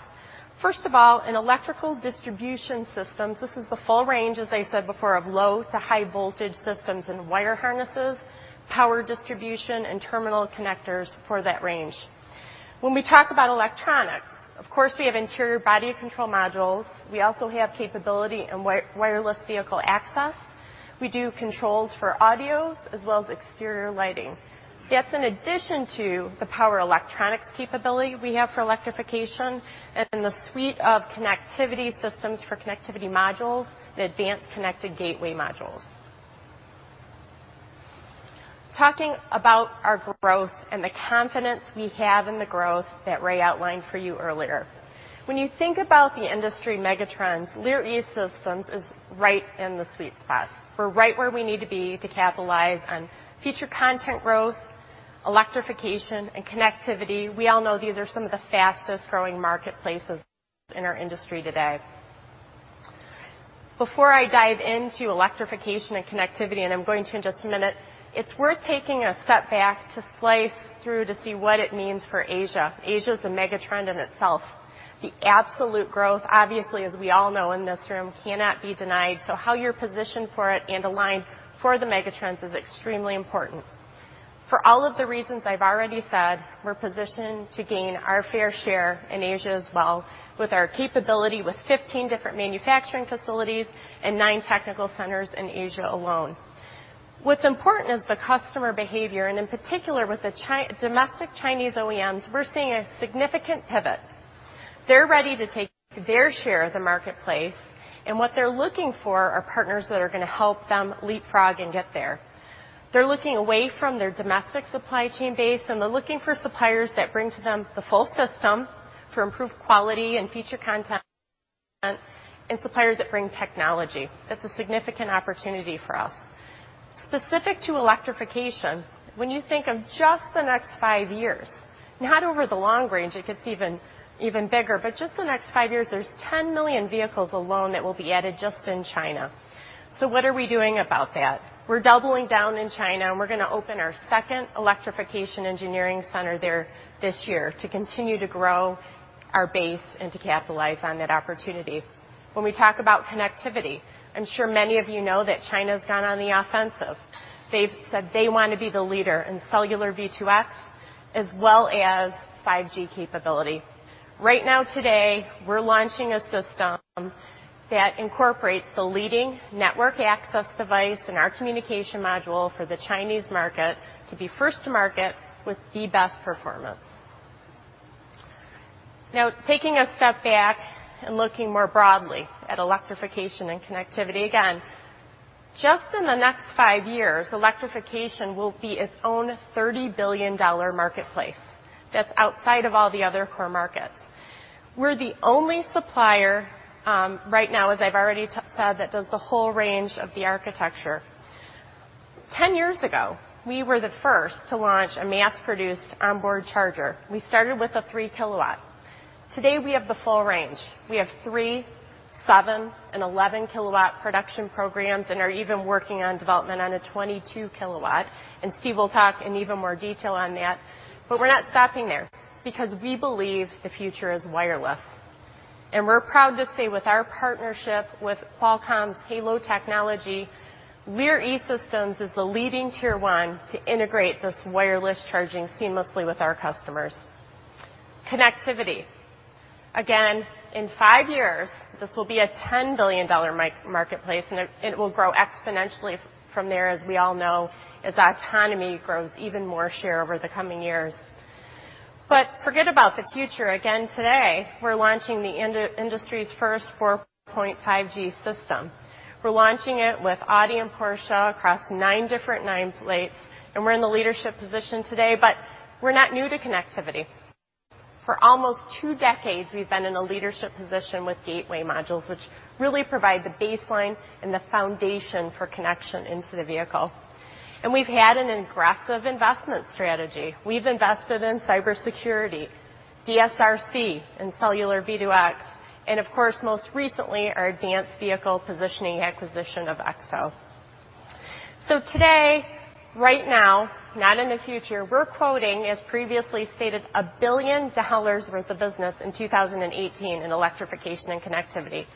First of all, in electrical distribution systems, this is the full range, as I said before, of low to high voltage systems and wire harnesses, power distribution, and terminal connectors for that range. When we talk about electronics, of course, we have interior body control modules. We also have capability in wireless vehicle access. We do controls for audios as well as exterior lighting. That's in addition to the power electronics capability we have for electrification and the suite of connectivity systems for connectivity modules and advanced connected gateway modules. Talking about our growth and the confidence we have in the growth that Ray outlined for you earlier. When you think about the industry megatrends, Lear E-Systems is right in the sweet spot. We're right where we need to be to capitalize on future content growth, electrification, and connectivity. We all know these are some of the fastest-growing marketplaces in our industry today. Before I dive into electrification and connectivity, and I'm going to in just a minute, it's worth taking a step back to slice through to see what it means for Asia. Asia is a megatrend in itself. The absolute growth, obviously, as we all know in this room, cannot be denied. How you're positioned for it and aligned for the megatrends is extremely important. For all of the reasons I've already said, we're positioned to gain our fair share in Asia as well with our capability with 15 different manufacturing facilities and nine technical centers in Asia alone. What's important is the customer behavior, and in particular with the domestic Chinese OEMs, we're seeing a significant pivot. They're ready to take their share of the marketplace, and what they're looking for are partners that are going to help them leapfrog and get there. They're looking away from their domestic supply chain base, and they're looking for suppliers that bring to them the full system for improved quality and feature content and suppliers that bring technology. That's a significant opportunity for us. Specific to electrification, when you think of just the next five years, not over the long range, it gets even bigger, but just the next five years, there's 10 million vehicles alone that will be added just in China. What are we doing about that? We're doubling down in China, and we're going to open our second electrification engineering center there this year to continue to grow our base and to capitalize on that opportunity. When we talk about connectivity, I'm sure many of you know that China's gone on the offensive. They've said they want to be the leader in cellular V2X as well as 5G capability. Right now today, we're launching a system that incorporates the leading network access device and our communication module for the Chinese market to be first to market with the best performance. Now, taking a step back and looking more broadly at electrification and connectivity, again, just in the next 5 years, electrification will be its own $30 billion marketplace. That's outside of all the other core markets. We're the only supplier right now, as I've already said, that does the whole range of the architecture. Ten years ago, we were the first to launch a mass-produced onboard charger. We started with a three kilowatt. Today, we have the full range. We have three, seven, and 11 kilowatt production programs and are even working on development on a 22 kilowatt. Stephen will talk in even more detail on that. We're not stopping there because we believe the future is wireless. We're proud to say with our partnership with Qualcomm's Halo technology, Lear E-Systems is the leading tier 1 to integrate this wireless charging seamlessly with our customers. Connectivity. Again, in 5 years, this will be a $10 billion marketplace, and it will grow exponentially from there, as we all know, as autonomy grows even more share over the coming years. Forget about the future. Again, today, we're launching the industry's first 4.5G system. We're launching it with Audi and Porsche across nine different nameplates. We're in the leadership position today, but we're not new to connectivity. For almost two decades, we've been in a leadership position with gateway modules, which really provide the baseline and the foundation for connection into the vehicle. We've had an aggressive investment strategy. We've invested in cybersecurity, DSRC, in cellular V2X, and of course, most recently, our advanced vehicle positioning acquisition of Exo. Today, right now, not in the future, we're quoting, as previously stated, $1 billion worth of business in 2018 in electrification and connectivity.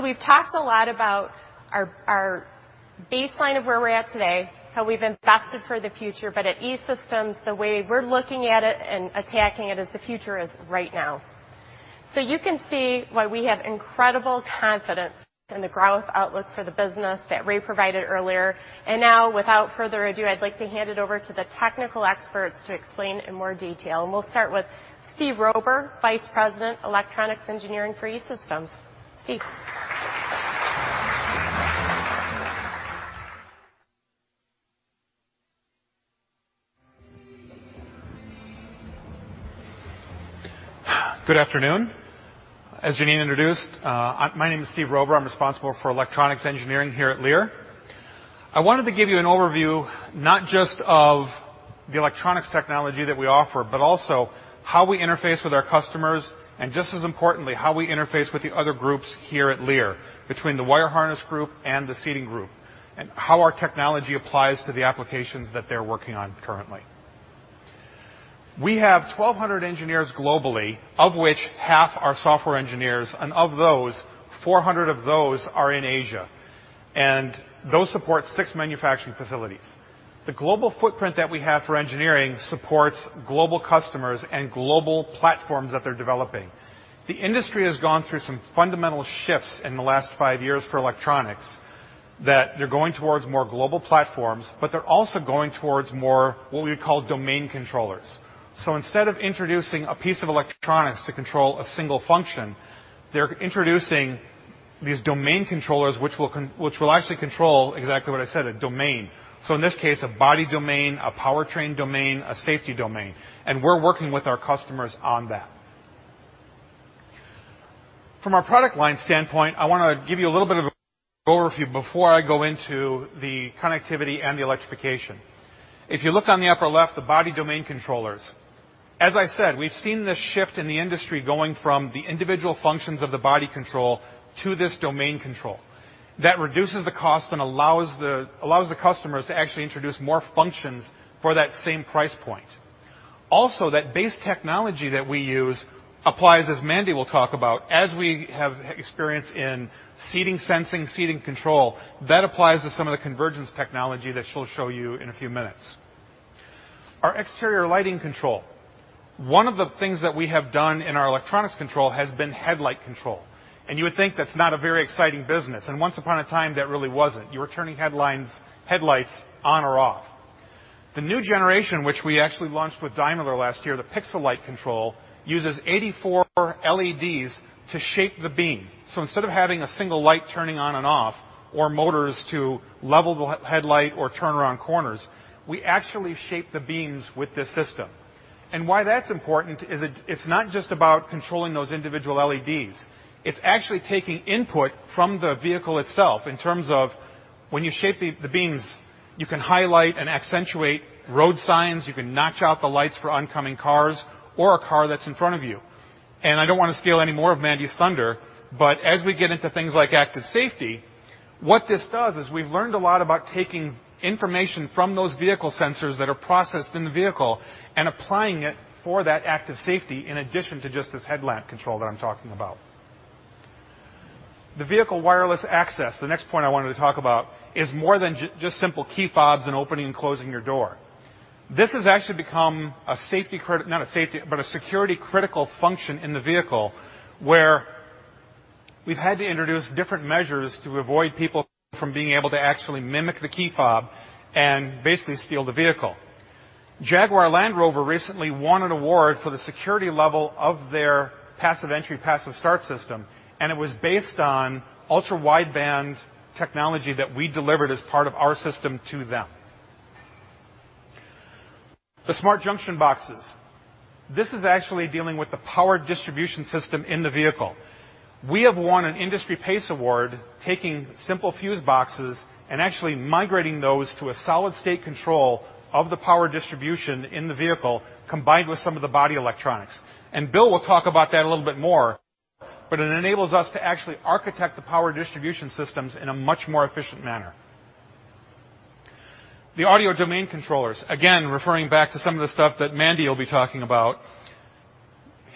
We've talked a lot about our baseline of where we're at today, how we've invested for the future. At E-Systems, the way we're looking at it and attacking it is the future is right now. You can see why we have incredible confidence in the growth outlook for the business that Ray provided earlier. Now, without further ado, I'd like to hand it over to the technical experts to explain in more detail. We'll start with Stephen Rober, Vice President, electronics engineering for E-Systems. Stephen. Good afternoon. As Jeneanne introduced, my name is Stephen Rober. I am responsible for electronics engineering here at Lear. I wanted to give you an overview, not just of the electronics technology that we offer, but also how we interface with our customers, and just as importantly, how we interface with the other groups here at Lear, between the wire harness group and the seating group, and how our technology applies to the applications that they are working on currently. We have 1,200 engineers globally, of which half are software engineers, and of those, 400 of those are in Asia. Those support six manufacturing facilities. The global footprint that we have for engineering supports global customers and global platforms that they are developing. The industry has gone through some fundamental shifts in the last five years for electronics, that they are going towards more global platforms, they are also going towards more, what we call domain controllers. Instead of introducing a piece of electronics to control a single function, they are introducing these domain controllers, which will actually control exactly what I said, a domain. In this case, a body domain, a powertrain domain, a safety domain, and we are working with our customers on that. From a product line standpoint, I want to give you a little bit of an overview before I go into the connectivity and the electrification. If you look on the upper left, the body domain controllers. As I said, we have seen this shift in the industry going from the individual functions of the body control to this domain control. That reduces the cost and allows the customers to actually introduce more functions for that same price point. Also, that base technology that we use applies, as Mandy will talk about, as we have experience in seating sensing, seating control. That applies to some of the convergence technology that she will show you in a few minutes. Our exterior lighting control. One of the things that we have done in our electronics control has been headlight control. You would think that is not a very exciting business, once upon a time, that really was not. You were turning headlights on or off. The new generation, which we actually launched with Daimler last year, the Pixel Light Control, uses 84 LEDs to shape the beam. Instead of having a single light turning on and off, or motors to level the headlight or turn around corners, we actually shape the beams with this system. Why that is important is it is not just about controlling those individual LEDs. It is actually taking input from the vehicle itself in terms of when you shape the beams, you can highlight and accentuate road signs, you can notch out the lights for oncoming cars or a car that is in front of you. I do not want to steal any more of Mandy's thunder, as we get into things like active safety, what this does is we have learned a lot about taking information from those vehicle sensors that are processed in the vehicle and applying it for that active safety, in addition to just this headlamp control that I am talking about. The vehicle wireless access, the next point I wanted to talk about, is more than just simple key fobs and opening and closing your door. This has actually become a security-critical function in the vehicle, where we've had to introduce different measures to avoid people from being able to actually mimic the key fob and basically steal the vehicle. Jaguar Land Rover recently won an award for the security level of their passive entry, passive start system, and it was based on ultra-wideband technology that we delivered as part of our system to them. The smart junction boxes. This is actually dealing with the power distribution system in the vehicle. We have won an industry PACE Award, taking simple fuse boxes and actually migrating those to a solid-state control of the power distribution in the vehicle, combined with some of the body electronics. Bill will talk about that a little bit more, but it enables us to actually architect the power distribution systems in a much more efficient manner. The audio domain controllers, again, referring back to some of the stuff that Mandy will be talking about.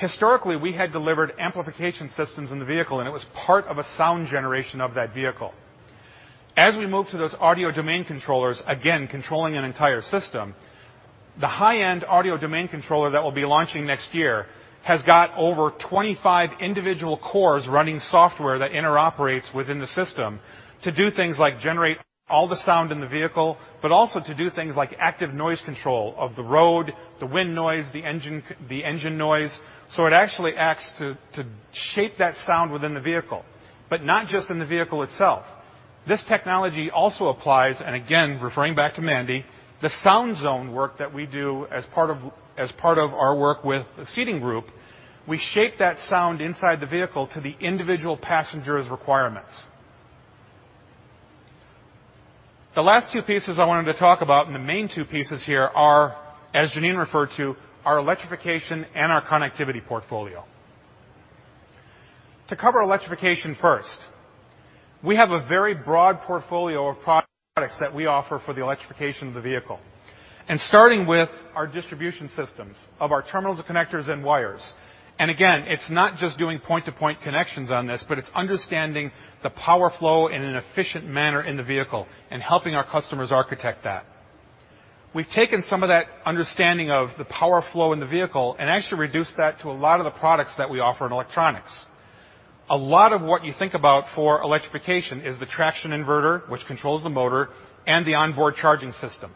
Historically, we had delivered amplification systems in the vehicle, and it was part of a sound generation of that vehicle. As we move to those audio domain controllers, again, controlling an entire system, the high-end audio domain controller that we'll be launching next year has got over 25 individual cores running software that interoperates within the system to do things like generate all the sound in the vehicle, but also to do things like active noise control of the road, the wind noise, the engine noise. It actually acts to shape that sound within the vehicle. Not just in the vehicle itself. This technology also applies, again, referring back to Mandy, the SoundZone work that we do as part of our work with the seating group, we shape that sound inside the vehicle to the individual passenger's requirements. The last two pieces I wanted to talk about, and the main two pieces here are, as Jeneanne referred to, our electrification and our connectivity portfolio. To cover electrification first, we have a very broad portfolio of products that we offer for the electrification of the vehicle. Starting with our distribution systems of our terminals and connectors and wires. Again, it's not just doing point-to-point connections on this, but it's understanding the power flow in an efficient manner in the vehicle and helping our customers architect that. We've taken some of that understanding of the power flow in the vehicle and actually reduced that to a lot of the products that we offer in electronics. A lot of what you think about for electrification is the traction inverter, which controls the motor, and the onboard charging system.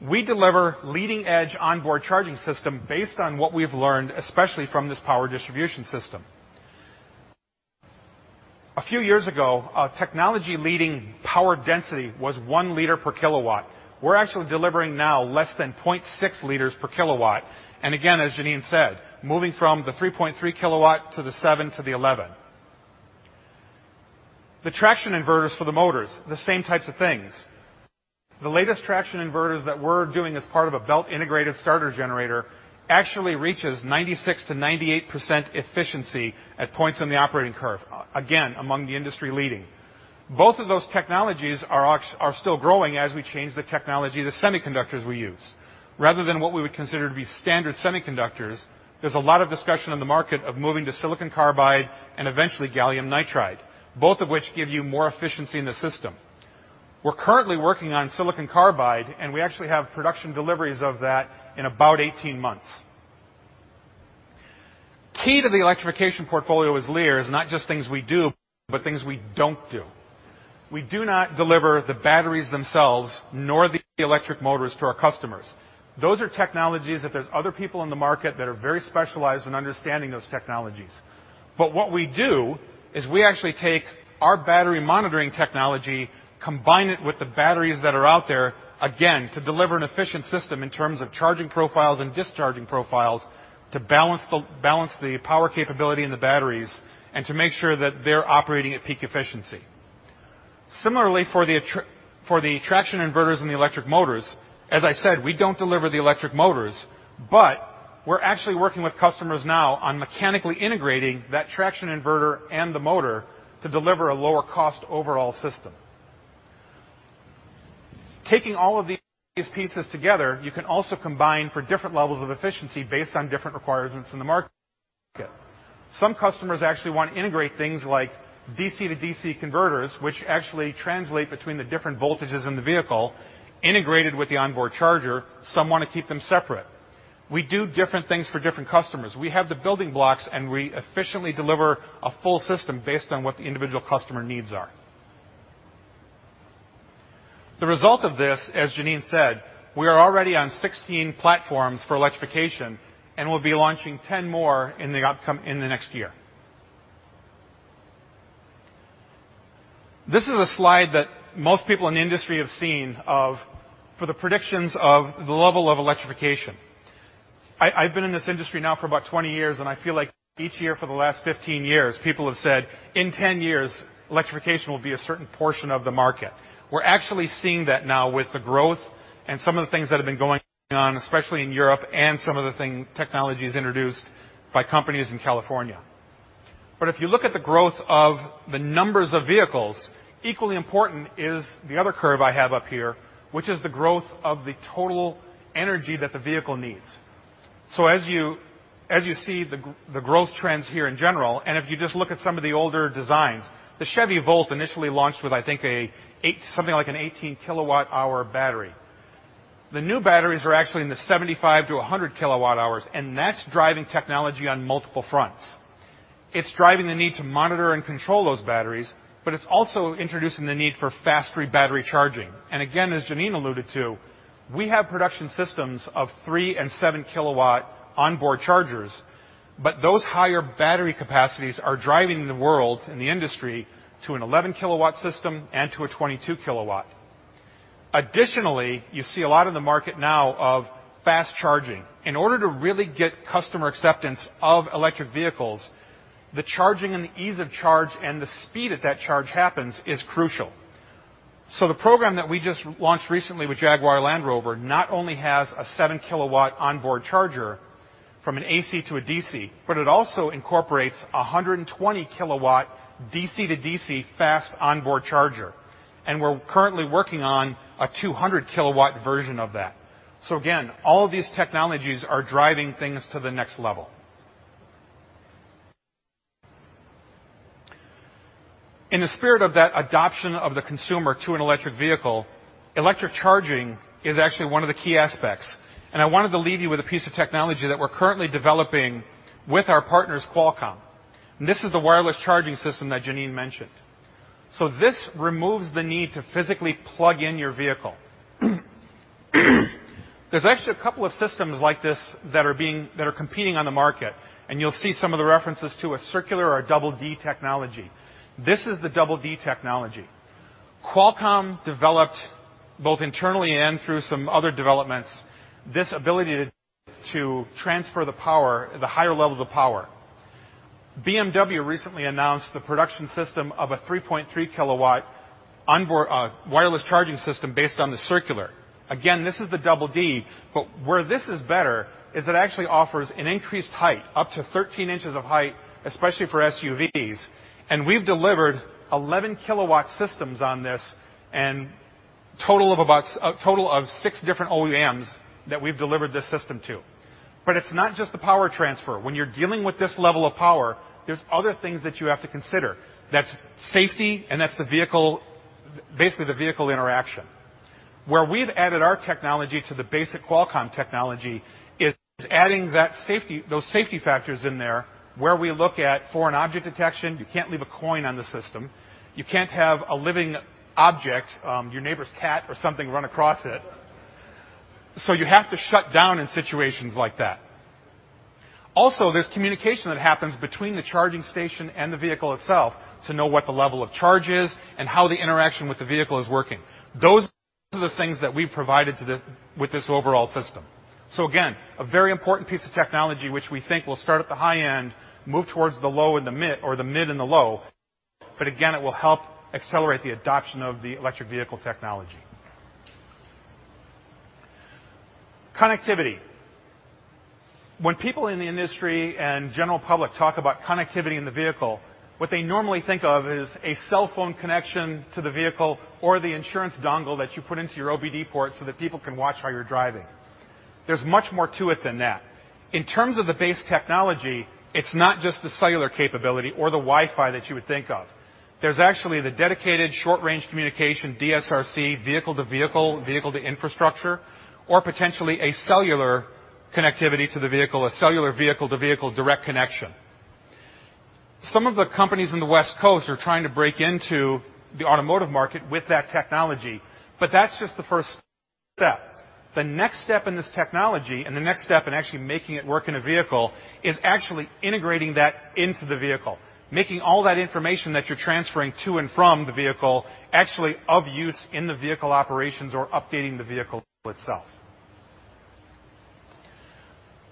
We deliver leading-edge onboard charging system based on what we've learned, especially from this power distribution system. A few years ago, technology-leading power density was one liter per kilowatt. We're actually delivering now less than 0.6 liters per kilowatt, again, as Jeneanne said, moving from the 3.3 kilowatt to the seven to the 11. The traction inverters for the motors, the same types of things. The latest traction inverters that we're doing as part of a belt integrated starter generator actually reaches 96%-98% efficiency at points in the operating curve, again, among the industry-leading. Both of those technologies are still growing as we change the technology of the semiconductors we use. Rather than what we would consider to be standard semiconductors, there's a lot of discussion on the market of moving to silicon carbide and eventually gallium nitride, both of which give you more efficiency in the system. We're currently working on silicon carbide, and we actually have production deliveries of that in about 18 months. Key to the electrification portfolio as Lear is not just things we do, but things we don't do. We do not deliver the batteries themselves nor the electric motors to our customers. Those are technologies that there's other people in the market that are very specialized in understanding those technologies. What we do is we actually take our battery monitoring technology, combine it with the batteries that are out there, again, to deliver an efficient system in terms of charging profiles and discharging profiles to balance the power capability in the batteries and to make sure that they're operating at peak efficiency. Similarly, for the traction inverters and the electric motors, as I said, we don't deliver the electric motors, but we're actually working with customers now on mechanically integrating that traction inverter and the motor to deliver a lower-cost overall system. Taking all of these pieces together, you can also combine for different levels of efficiency based on different requirements in the market. Some customers actually want to integrate things like DC-DC converters, which actually translate between the different voltages in the vehicle integrated with the onboard charger. Some want to keep them separate. We do different things for different customers. We have the building blocks, we efficiently deliver a full system based on what the individual customer needs are. The result of this, as Jeneanne said, we are already on 16 platforms for electrification, and we'll be launching 10 more in the next year. This is a slide that most people in the industry have seen for the predictions of the level of electrification. I've been in this industry now for about 20 years, and I feel like each year for the last 15 years, people have said, "In 10 years, electrification will be a certain portion of the market." We're actually seeing that now with the growth and some of the things that have been going on, especially in Europe and some of the technologies introduced by companies in California. If you look at the growth of the numbers of vehicles, equally important is the other curve I have up here, which is the growth of the total energy that the vehicle needs. As you see the growth trends here in general, if you just look at some of the older designs, the Chevy Volt initially launched with, I think, something like an 18 kilowatt-hour battery. The new batteries are actually in the 75-100 kilowatt hours, that's driving technology on multiple fronts. It's driving the need to monitor and control those batteries, it's also introducing the need for faster battery charging. Again, as Jeneanne alluded to, we have production systems of three and seven-kilowatt onboard chargers, those higher battery capacities are driving the world and the industry to an 11-kilowatt system and to a 22 kilowatt. Additionally, you see a lot in the market now of fast charging. In order to really get customer acceptance of electric vehicles, the charging and the ease of charge and the speed at that charge happens is crucial. The program that we just launched recently with Jaguar Land Rover not only has a 7-kilowatt onboard charger from an AC to a DC, but it also incorporates a 120-kilowatt DC to DC fast onboard charger, and we're currently working on a 200-kilowatt version of that. Again, all of these technologies are driving things to the next level. In the spirit of that adoption of the consumer to an electric vehicle, electric charging is actually one of the key aspects, and I wanted to leave you with a piece of technology that we're currently developing with our partners, Qualcomm. This is the wireless charging system that Jeneanne mentioned. This removes the need to physically plug in your vehicle. There's actually a couple of systems like this that are competing on the market, and you'll see some of the references to a circular or a double D technology. This is the double D technology. Qualcomm developed, both internally and through some other developments, this ability to transfer the higher levels of power. BMW recently announced the production system of a 3.3-kilowatt wireless charging system based on the circular. Again, this is the double D, but where this is better is it actually offers an increased height, up to 13 inches of height, especially for SUVs, and we've delivered 11-kilowatt systems on this and a total of six different OEMs that we've delivered this system to. It's not just the power transfer. When you're dealing with this level of power, there's other things that you have to consider. That's safety and that's basically the vehicle interaction. Where we've added our technology to the basic Qualcomm technology is adding those safety factors in there, where we look at foreign object detection. You can't leave a coin on the system. You can't have a living object, your neighbor's cat or something, run across it. You have to shut down in situations like that. Also, there's communication that happens between the charging station and the vehicle itself to know what the level of charge is and how the interaction with the vehicle is working. Those are the things that we've provided with this overall system. Again, a very important piece of technology, which we think will start at the high end, move towards the mid and the low, but again, it will help accelerate the adoption of the electric vehicle technology. Connectivity. When people in the industry and general public talk about connectivity in the vehicle, what they normally think of is a cellphone connection to the vehicle or the insurance dongle that you put into your OBD port so that people can watch how you're driving. There's much more to it than that. In terms of the base technology, it's not just the cellular capability or the Wi-Fi that you would think of. There's actually the dedicated short range communication, DSRC, vehicle-to-vehicle, vehicle-to-infrastructure, or potentially a cellular connectivity to the vehicle, a cellular vehicle-to-vehicle direct connection. Some of the companies in the West Coast are trying to break into the automotive market with that technology, but that's just the first step. The next step in this technology and the next step in actually making it work in a vehicle is actually integrating that into the vehicle. Making all that information that you're transferring to and from the vehicle actually of use in the vehicle operations or updating the vehicle itself.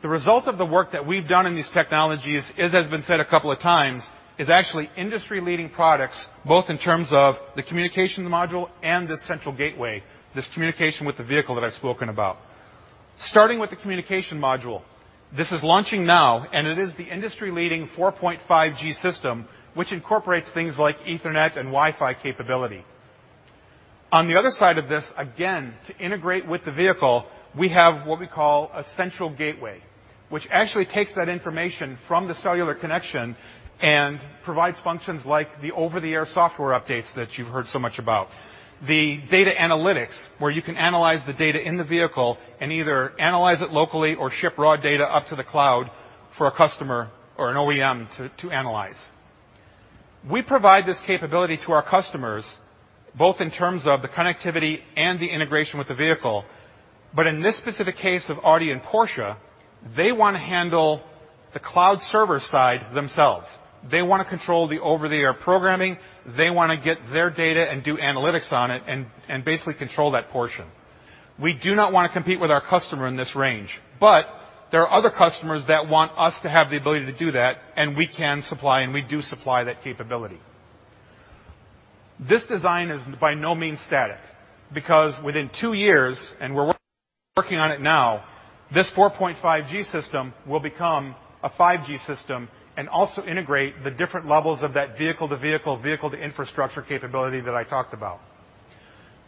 The result of the work that we've done in these technologies, as has been said a couple of times, is actually industry-leading products, both in terms of the communication module and the central gateway, this communication with the vehicle that I've spoken about. Starting with the communication module, this is launching now, it is the industry-leading 4.5G system, which incorporates things like Ethernet and Wi-Fi capability. On the other side of this, again, to integrate with the vehicle, we have what we call a central gateway, which actually takes that information from the cellular connection and provides functions like the over-the-air software updates that you've heard so much about. The data analytics, where you can analyze the data in the vehicle and either analyze it locally or ship raw data up to the cloud for a customer or an OEM to analyze. We provide this capability to our customers, both in terms of the connectivity and the integration with the vehicle. In this specific case of Audi and Porsche, they want to handle the cloud server side themselves. They want to control the over-the-air programming. They want to get their data and do analytics on it, basically control that portion. We do not want to compete with our customer in this range, there are other customers that want us to have the ability to do that, we can supply and we do supply that capability. This design is by no means static, because within two years, we're working on it now, this 4.5G system will become a 5G system, also integrate the different levels of that vehicle-to-vehicle, vehicle-to-infrastructure capability that I talked about.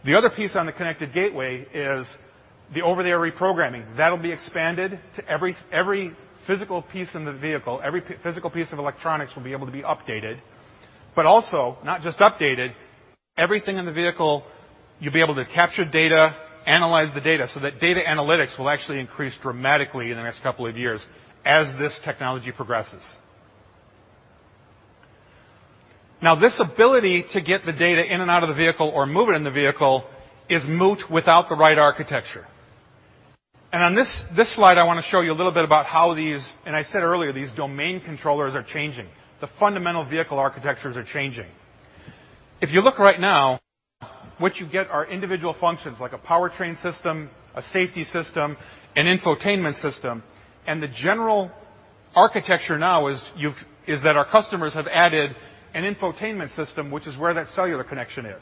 The other piece on the connected gateway is the over-the-air reprogramming. That'll be expanded to every physical piece in the vehicle. Every physical piece of electronics will be able to be updated, also not just updated, everything in the vehicle, you'll be able to capture data, analyze the data, that data analytics will actually increase dramatically in the next couple of years as this technology progresses. This ability to get the data in and out of the vehicle or move it in the vehicle is moot without the right architecture. On this slide, I want to show you a little bit about how these, I said earlier, these domain controllers are changing. The fundamental vehicle architectures are changing. If you look right now, what you get are individual functions like a powertrain system, a safety system, an infotainment system, the general architecture now is that our customers have added an infotainment system, which is where that cellular connection is.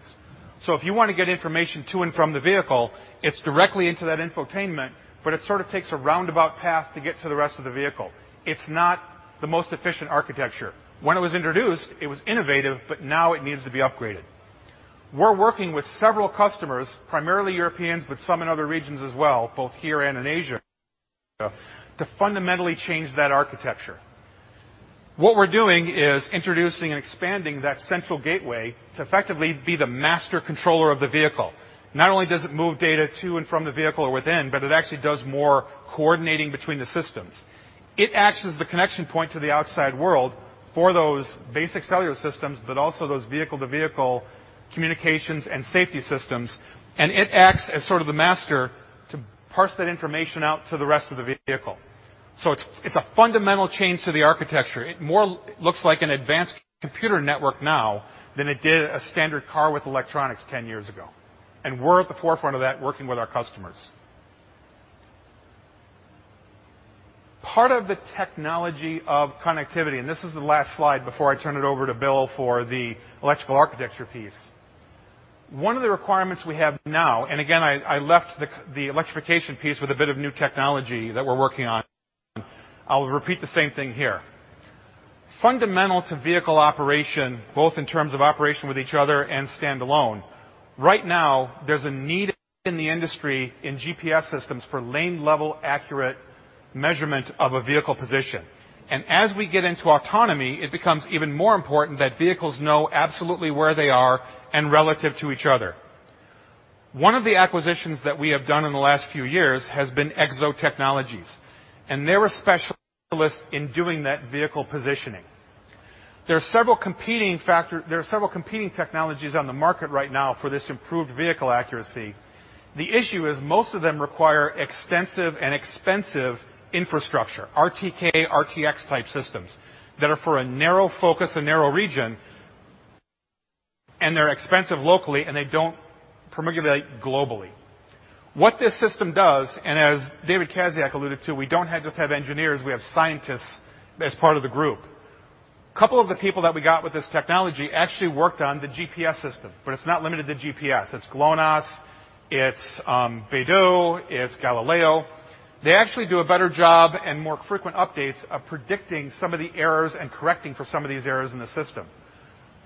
If you want to get information to and from the vehicle, it's directly into that infotainment, it sort of takes a roundabout path to get to the rest of the vehicle. It's not the most efficient architecture. When it was introduced, it was innovative, now it needs to be upgraded. We're working with several customers, primarily Europeans, some in other regions as well, both here in Asia, to fundamentally change that architecture. What we're doing is introducing and expanding that central gateway to effectively be the master controller of the vehicle. Not only does it move data to and from the vehicle or within, but it actually does more coordinating between the systems. It acts as the connection point to the outside world for those basic cellular systems, but also those vehicle-to-vehicle communications and safety systems, and it acts as sort of the master to parse that information out to the rest of the vehicle. It's a fundamental change to the architecture. It more looks like an advanced computer network now than it did a standard car with electronics 10 years ago, and we're at the forefront of that, working with our customers. Part of the technology of connectivity, and this is the last slide before I turn it over to Bill for the electrical architecture piece. One of the requirements we have now, again, I left the electrification piece with a bit of new technology that we're working on. I'll repeat the same thing here. Fundamental to vehicle operation, both in terms of operation with each other and standalone. Right now, there's a need in the industry in GPS systems for lane-level accurate measurement of a vehicle position. As we get into autonomy, it becomes even more important that vehicles know absolutely where they are and relative to each other. One of the acquisitions that we have done in the last few years has been EXO Technologies, and they're a specialist in doing that vehicle positioning. There are several competing technologies on the market right now for this improved vehicle accuracy. The issue is most of them require extensive and expensive infrastructure, RTK, RTX-type systems, that are for a narrow focus and narrow region, and they're expensive locally, and they don't promulgate globally. What this system does, and as David Kowalczyk alluded to, we don't just have engineers, we have scientists as part of the group. A couple of the people that we got with this technology actually worked on the GPS system, but it's not limited to GPS. It's GLONASS, it's BeiDou, it's Galileo. They actually do a better job and more frequent updates of predicting some of the errors and correcting for some of these errors in the system.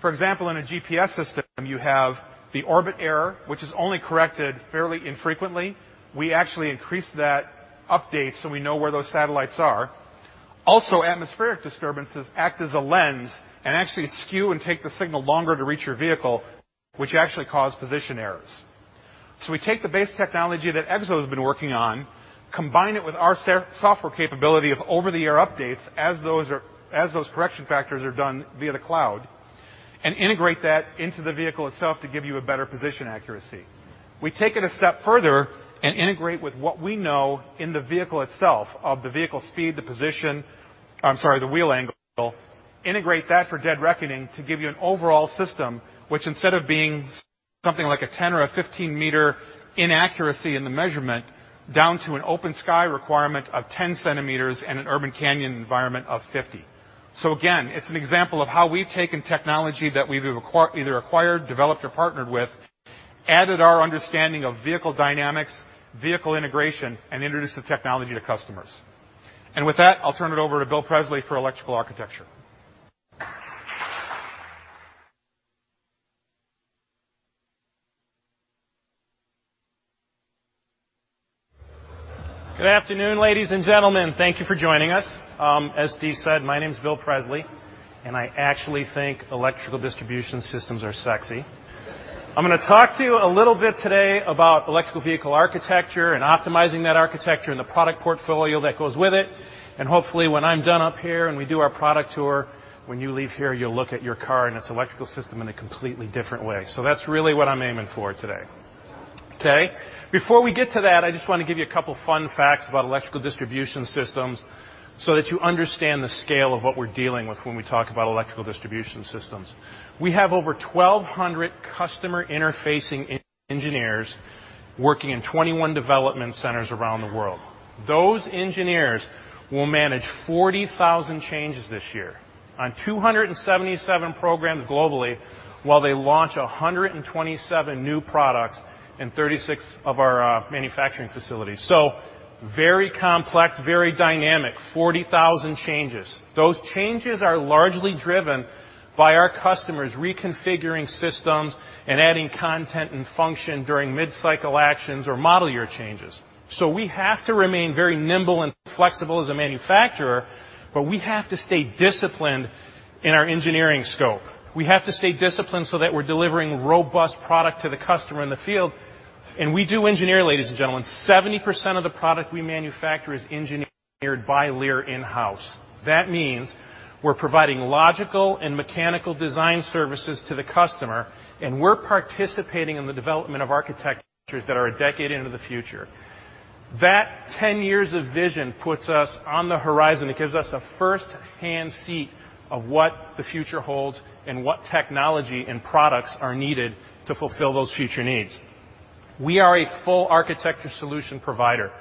For example, in a GPS system, you have the orbit error, which is only corrected fairly infrequently. We actually increase that update so we know where those satellites are. Also, atmospheric disturbances act as a lens and actually skew and take the signal longer to reach your vehicle, which actually cause position errors. We take the base technology that EXO's been working on, combine it with our software capability of over-the-air updates as those correction factors are done via the cloud, and integrate that into the vehicle itself to give you a better position accuracy. We take it a step further and integrate with what we know in the vehicle itself of the vehicle speed, the wheel angle, integrate that for dead reckoning to give you an overall system, which instead of being something like a 10 or a 15-meter inaccuracy in the measurement, down to an open-sky requirement of 10 centimeters and an urban canyon environment of 50. It's an example of how we've taken technology that we've either acquired, developed, or partnered with, added our understanding of vehicle dynamics, vehicle integration, and introduced the technology to customers. With that, I'll turn it over to Bill Presley for electrical architecture. Good afternoon, ladies and gentlemen. Thank you for joining us. As Steve said, my name's Bill Presley, and I actually think electrical distribution systems are sexy. I'm going to talk to you a little bit today about electrical vehicle architecture and optimizing that architecture and the product portfolio that goes with it. Hopefully, when I'm done up here and we do our product tour, when you leave here, you'll look at your car and its electrical system in a completely different way. That's really what I'm aiming for today. Okay? Before we get to that, I just want to give you a couple of fun facts about electrical distribution systems so that you understand the scale of what we're dealing with when we talk about electrical distribution systems. We have over 1,200 customer-interfacing engineers working in 21 development centers around the world. Those engineers will manage 40,000 changes this year on 277 programs globally while they launch 127 new products in 36 of our manufacturing facilities. Very complex, very dynamic, 40,000 changes. Those changes are largely driven by our customers reconfiguring systems and adding content and function during mid-cycle actions or model year changes. We have to remain very nimble and flexible as a manufacturer, but we have to stay disciplined in our engineering scope. We have to stay disciplined so that we're delivering robust product to the customer in the field. We do engineer, ladies and gentlemen. 70% of the product we manufacture is engineered by Lear in-house. That means we're providing logical and mechanical design services to the customer, and we're participating in the development of architectures that are a decade into the future. That 10 years of vision puts us on the horizon. It gives us a first-hand seat of what the future holds and what technology and products are needed to fulfill those future needs. We are a full architecture solution provider.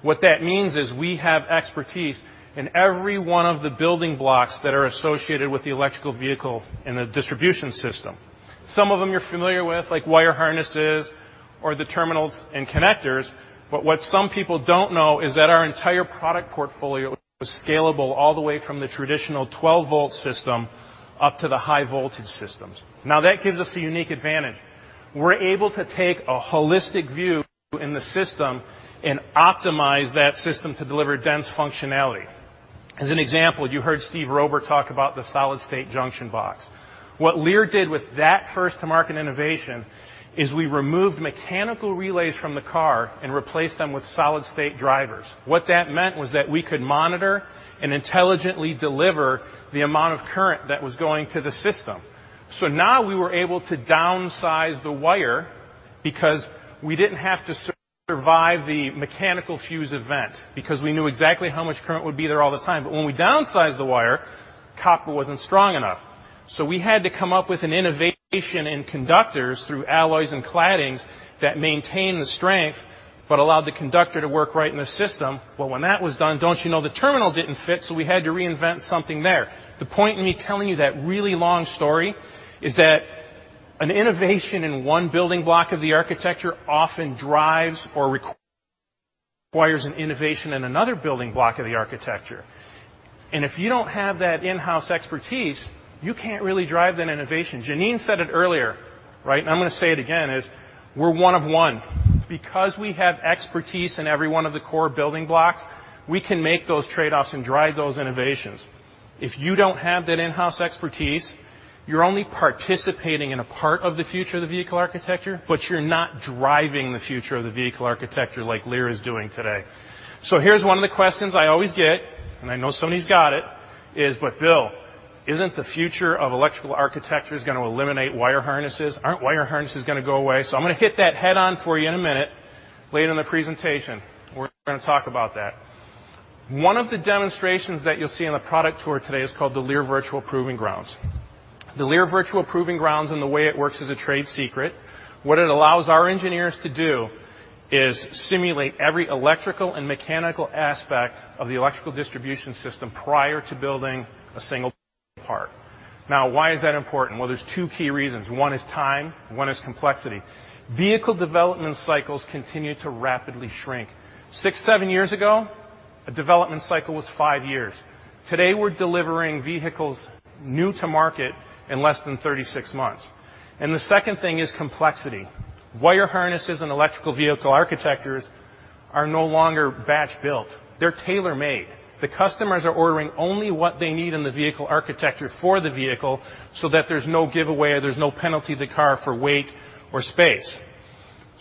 What that means is we have expertise in every one of the building blocks that are associated with the electrical vehicle and the distribution system. Some of them you're familiar with, like wire harnesses or the terminals and connectors. What some people don't know is that our entire product portfolio is scalable all the way from the traditional 12-volt system up to the high-voltage systems. That gives us a unique advantage. We're able to take a holistic view in the system and optimize that system to deliver dense functionality. As an example, you heard Stephen Rober talk about the solid-state junction box. What Lear did with that first-to-market innovation is we removed mechanical relays from the car and replaced them with solid-state drivers. What that meant was that we could monitor and intelligently deliver the amount of current that was going to the system. Now we were able to downsize the wire because we didn't have to survive the mechanical fuse event, because we knew exactly how much current would be there all the time. When we downsized the wire, copper wasn't strong enough. We had to come up with an innovation in conductors through alloys and claddings that maintain the strength, but allow the conductor to work right in the system. When that was done, don't you know the terminal didn't fit, we had to reinvent something there. The point in me telling you that really long story is that an innovation in one building block of the architecture often drives or requires an innovation in another building block of the architecture. If you don't have that in-house expertise, you can't really drive that innovation. Jeneanne said it earlier, right? I'm going to say it again is, we're one of one. Because we have expertise in every one of the core building blocks, we can make those trade-offs and drive those innovations. If you don't have that in-house expertise, you're only participating in a part of the future of the vehicle architecture, but you're not driving the future of the vehicle architecture like Lear is doing today. Here's one of the questions I always get, and I know somebody's got it is, "Bill, isn't the future of electrical architectures going to eliminate wire harnesses? Aren't wire harnesses going to go away?" I'm going to hit that head-on for you in a minute later in the presentation. We're going to talk about that. One of the demonstrations that you'll see in the product tour today is called the Lear Virtual Proving Grounds. The Lear Virtual Proving Grounds and the way it works is a trade secret. What it allows our engineers to do is simulate every electrical and mechanical aspect of the electrical distribution system prior to building a single part. Now, why is that important? Well, there's two key reasons. One is time, one is complexity. Vehicle development cycles continue to rapidly shrink. Six, seven years ago, a development cycle was five years. Today, we're delivering vehicles new to market in less than 36 months. The second thing is complexity. Wire harnesses and electrical vehicle architectures are no longer batch-built. They're tailor-made. The customers are ordering only what they need in the vehicle architecture for the vehicle so that there's no giveaway or there's no penalty to the car for weight or space.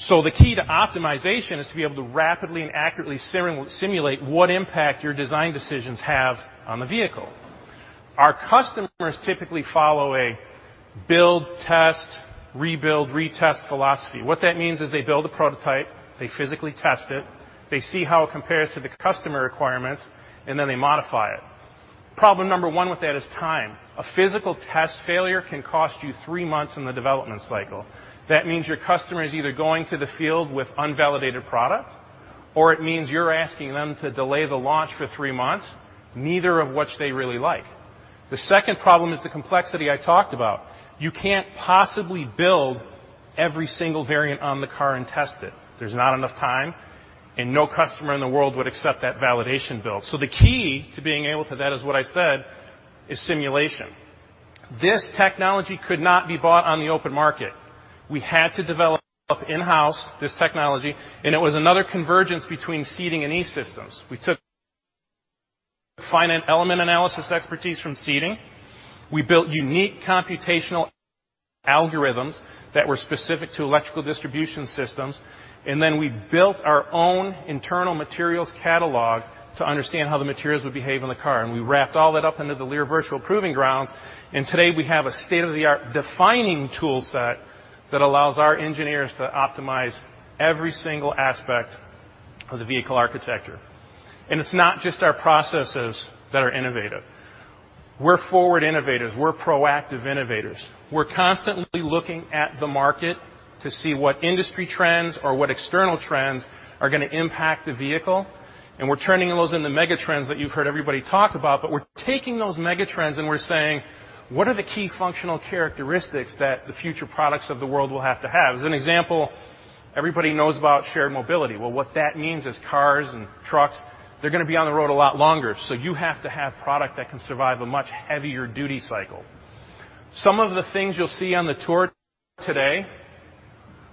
The key to optimization is to be able to rapidly and accurately simulate what impact your design decisions have on the vehicle. Our customers typically follow a build, test, rebuild, retest philosophy. What that means is they build a prototype, they physically test it, they see how it compares to the customer requirements, and then they modify it. Problem number 1 with that is time. A physical test failure can cost you three months in the development cycle. That means your customer is either going to the field with unvalidated product, or it means you're asking them to delay the launch for three months, neither of which they really like. The second problem is the complexity I talked about. You can't possibly build every single variant on the car and test it. There's not enough time, and no customer in the world would accept that validation build. The key to being able to that is what I said, is simulation. This technology could not be bought on the open market. We had to develop in-house this technology, and it was another convergence between seating and E-Systems. We took finite element analysis expertise from seating. We built unique computational algorithms that were specific to electrical distribution systems, then we built our own internal materials catalog to understand how the materials would behave in the car. We wrapped all that up into the Lear Virtual Proving Grounds, today we have a state-of-the-art defining tool set that allows our engineers to optimize every single aspect of the vehicle architecture. It's not just our processes that are innovative. We're forward innovators. We're proactive innovators. We're constantly looking at the market to see what industry trends or what external trends are going to impact the vehicle. We're turning those into mega trends that you've heard everybody talk about. We're taking those mega trends and we're saying, "What are the key functional characteristics that the future products of the world will have to have?" As an example, everybody knows about shared mobility. What that means is cars and trucks, they're going to be on the road a lot longer, you have to have product that can survive a much heavier duty cycle. Some of the things you'll see on the tour today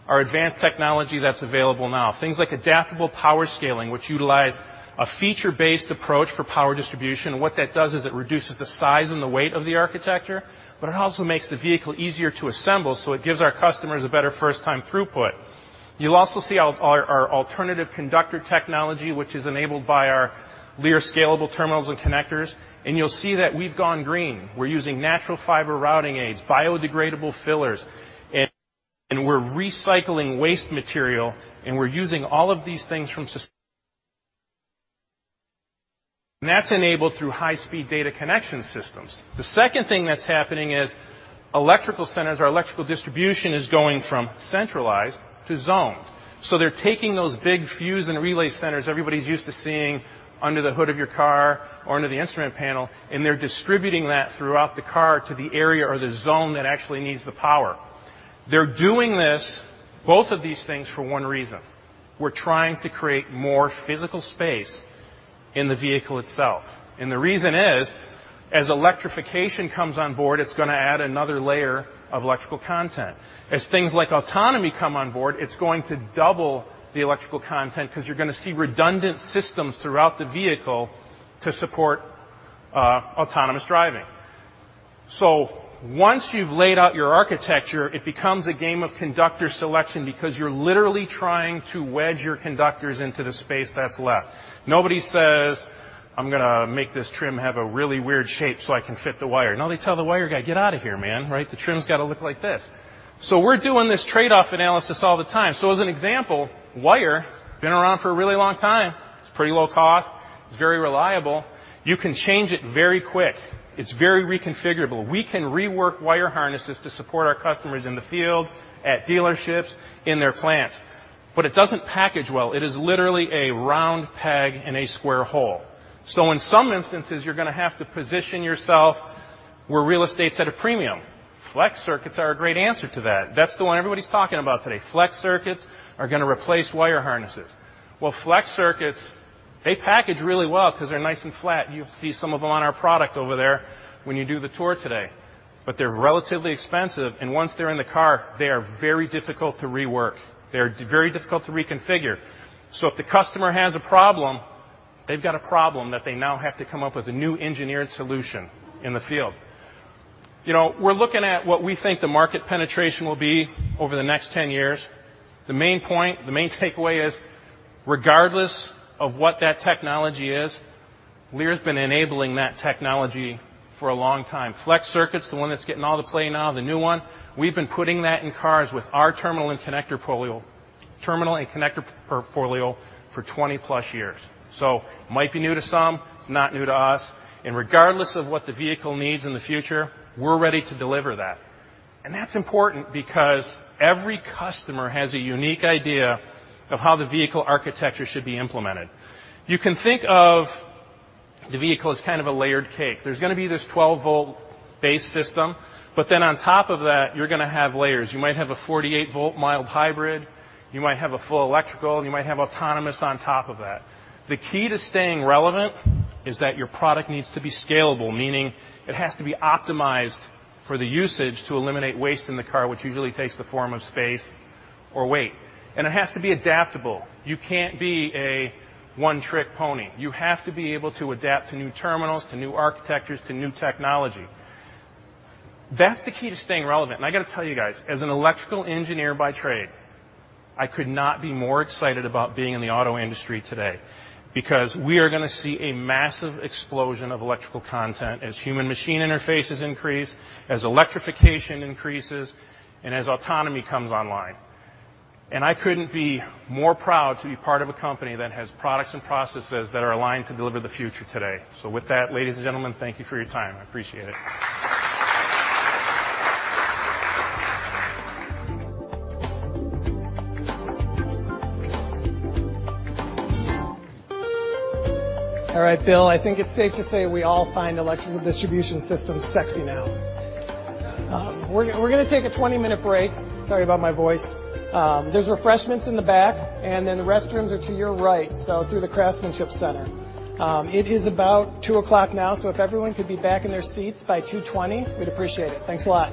are advanced technology that's available now. Things like adaptable power scaling, which utilize a feature-based approach for power distribution. What that does is it reduces the size and the weight of the architecture, it also makes the vehicle easier to assemble, it gives our customers a better first-time throughput. You'll also see our alternative conductor technology, which is enabled by our Lear scalable terminals and connectors. You'll see that we've gone green. We're using natural fiber routing aids, biodegradable fillers, and we're recycling waste material. That's enabled through high-speed data connection systems. The second thing that's happening is electrical centers or electrical distribution is going from centralized to zoned. They're taking those big fuse and relay centers everybody's used to seeing under the hood of your car or under the instrument panel, they're distributing that throughout the car to the area or the zone that actually needs the power. They're doing both of these things for one reason. We're trying to create more physical space in the vehicle itself. The reason is, as electrification comes on board, it's going to add another layer of electrical content. As things like autonomy come on board, it's going to double the electrical content because you're going to see redundant systems throughout the vehicle to support autonomous driving. Once you've laid out your architecture, it becomes a game of conductor selection because you're literally trying to wedge your conductors into the space that's left. Nobody says, "I'm going to make this trim have a really weird shape so I can fit the wire." They tell the wire guy, "Get out of here, man. The trim's got to look like this." We're doing this trade-off analysis all the time. As an example, wire, been around for a really long time. It's pretty low cost. It's very reliable. You can change it very quick. It's very reconfigurable. We can rework wire harnesses to support our customers in the field, at dealerships, in their plants. It doesn't package well. It is literally a round peg in a square hole. In some instances, you're going to have to position yourself where real estate's at a premium. Flex circuits are a great answer to that. That's the one everybody's talking about today. Flex circuits are going to replace wire harnesses. Flex circuits, they package really well because they're nice and flat. You'll see some of them on our product over there when you do the tour today. But they're relatively expensive, and once they're in the car, they are very difficult to rework. They are very difficult to reconfigure. If the customer has a problem, they've got a problem that they now have to come up with a new engineered solution in the field. We're looking at what we think the market penetration will be over the next 10 years. The main point, the main takeaway is, regardless of what that technology is, Lear has been enabling that technology for a long time. Flex circuits, the one that's getting all the play now, the new one, we've been putting that in cars with our terminal, and connector portfolio for 20-plus years. It might be new to some, it's not new to us. Regardless of what the vehicle needs in the future, we're ready to deliver that. That's important because every customer has a unique idea of how the vehicle architecture should be implemented. You can think of the vehicle as kind of a layered cake. There's going to be this 12-volt base system, but on top of that, you're going to have layers. You might have a 48-volt mild hybrid. You might have a full electrical. You might have autonomous on top of that. The key to staying relevant is that your product needs to be scalable, meaning it has to be optimized for the usage to eliminate waste in the car, which usually takes the form of space or weight. It has to be adaptable. You can't be a one-trick pony. You have to be able to adapt to new terminals, to new architectures, to new technology. That's the key to staying relevant. I got to tell you guys, as an electrical engineer by trade, I could not be more excited about being in the auto industry today because we are going to see a massive explosion of electrical content as human machine interfaces increase, as electrification increases, and as autonomy comes online. I couldn't be more proud to be part of a company that has products and processes that are aligned to deliver the future today. With that, ladies and gentlemen, thank you for your time. I appreciate it. All right, Bill, I think it is safe to say we all find electrical distribution systems sexy now. We are going to take a 20-minute break. Sorry about my voice. There are refreshments in the back. The restrooms are to your right, so through the Craftsmanship Center. It is about 2:00 P.M. now. If everyone could be back in their seats by 2:20 P.M., we would appreciate it. Thanks a lot.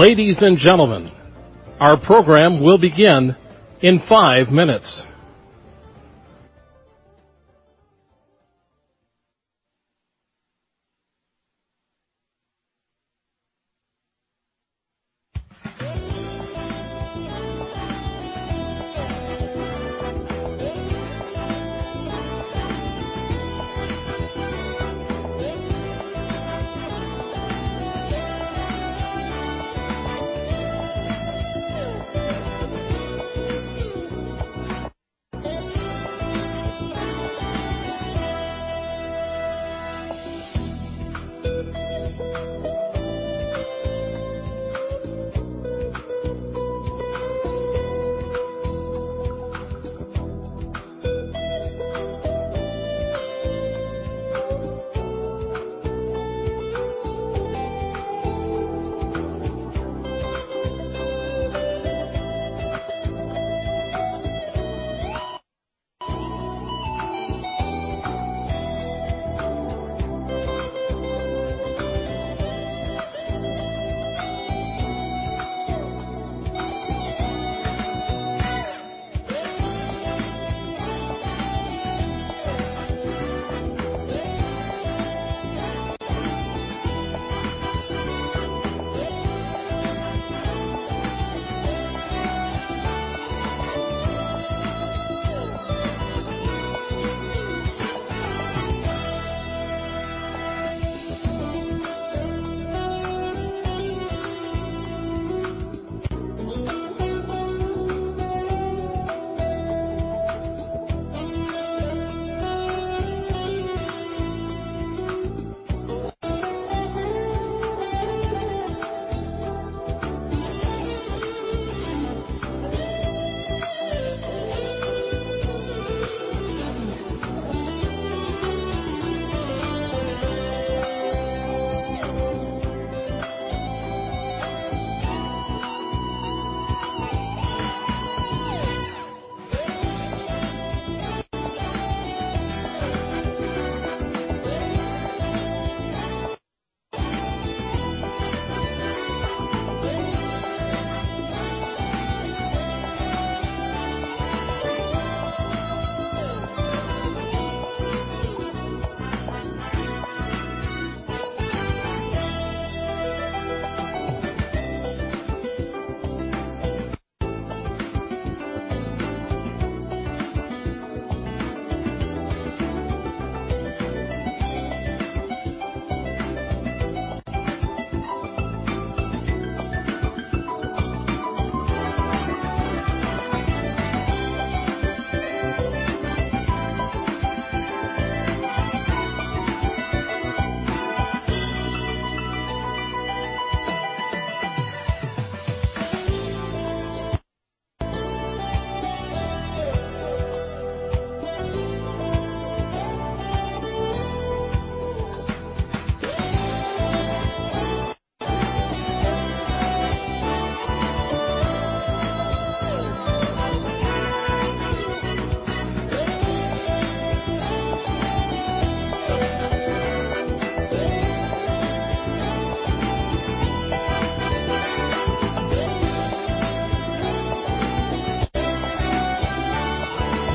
Ladies and gentlemen, our program will begin in five minutes.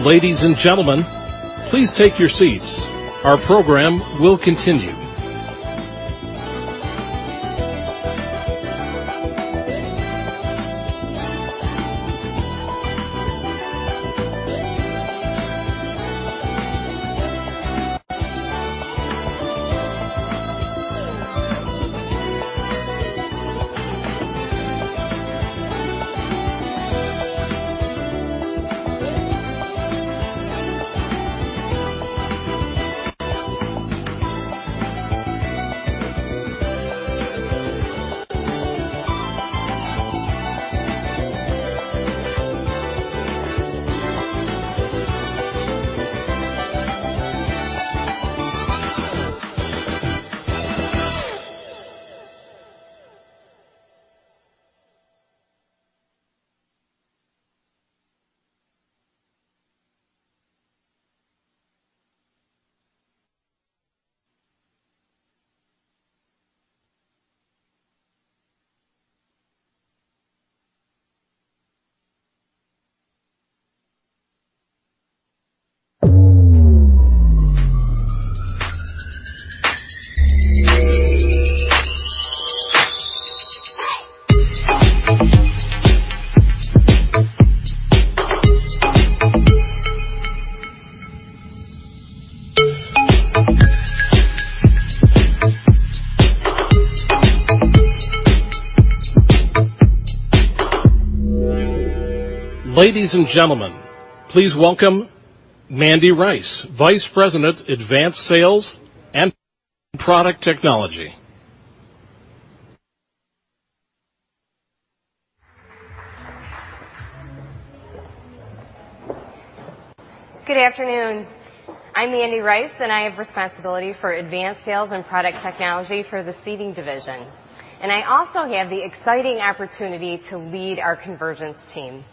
Ladies and gentlemen, please take your seats. Our program will continue. Ladies and gentlemen, please welcome Mandy Rice, Vice President, Advanced Sales and Product Technology. Good afternoon. I am Mandy Rice, and I have responsibility for advanced sales and product technology for the seating division, and I also have the exciting opportunity to lead our convergence team.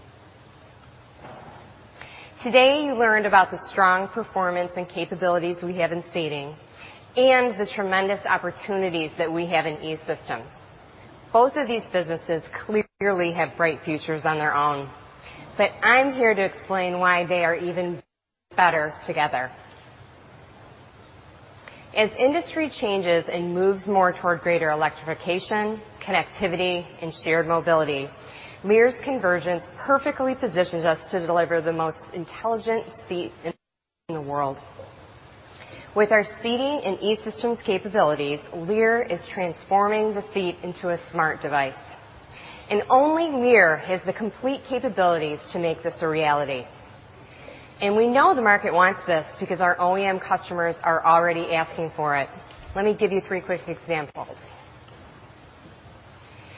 Today, you learned about the strong performance and capabilities we have in seating and the tremendous opportunities that we have in E-Systems. Both of these businesses clearly have bright futures on their own, but I am here to explain why they are even better together. As industry changes and moves more toward greater electrification, connectivity, and shared mobility, Lear's convergence perfectly positions us to deliver the most intelligent seat in the world. With our seating and E-Systems capabilities, Lear is transforming the seat into a smart device, and only Lear has the complete capabilities to make this a reality. We know the market wants this because our OEM customers are already asking for it. Let me give you three quick examples.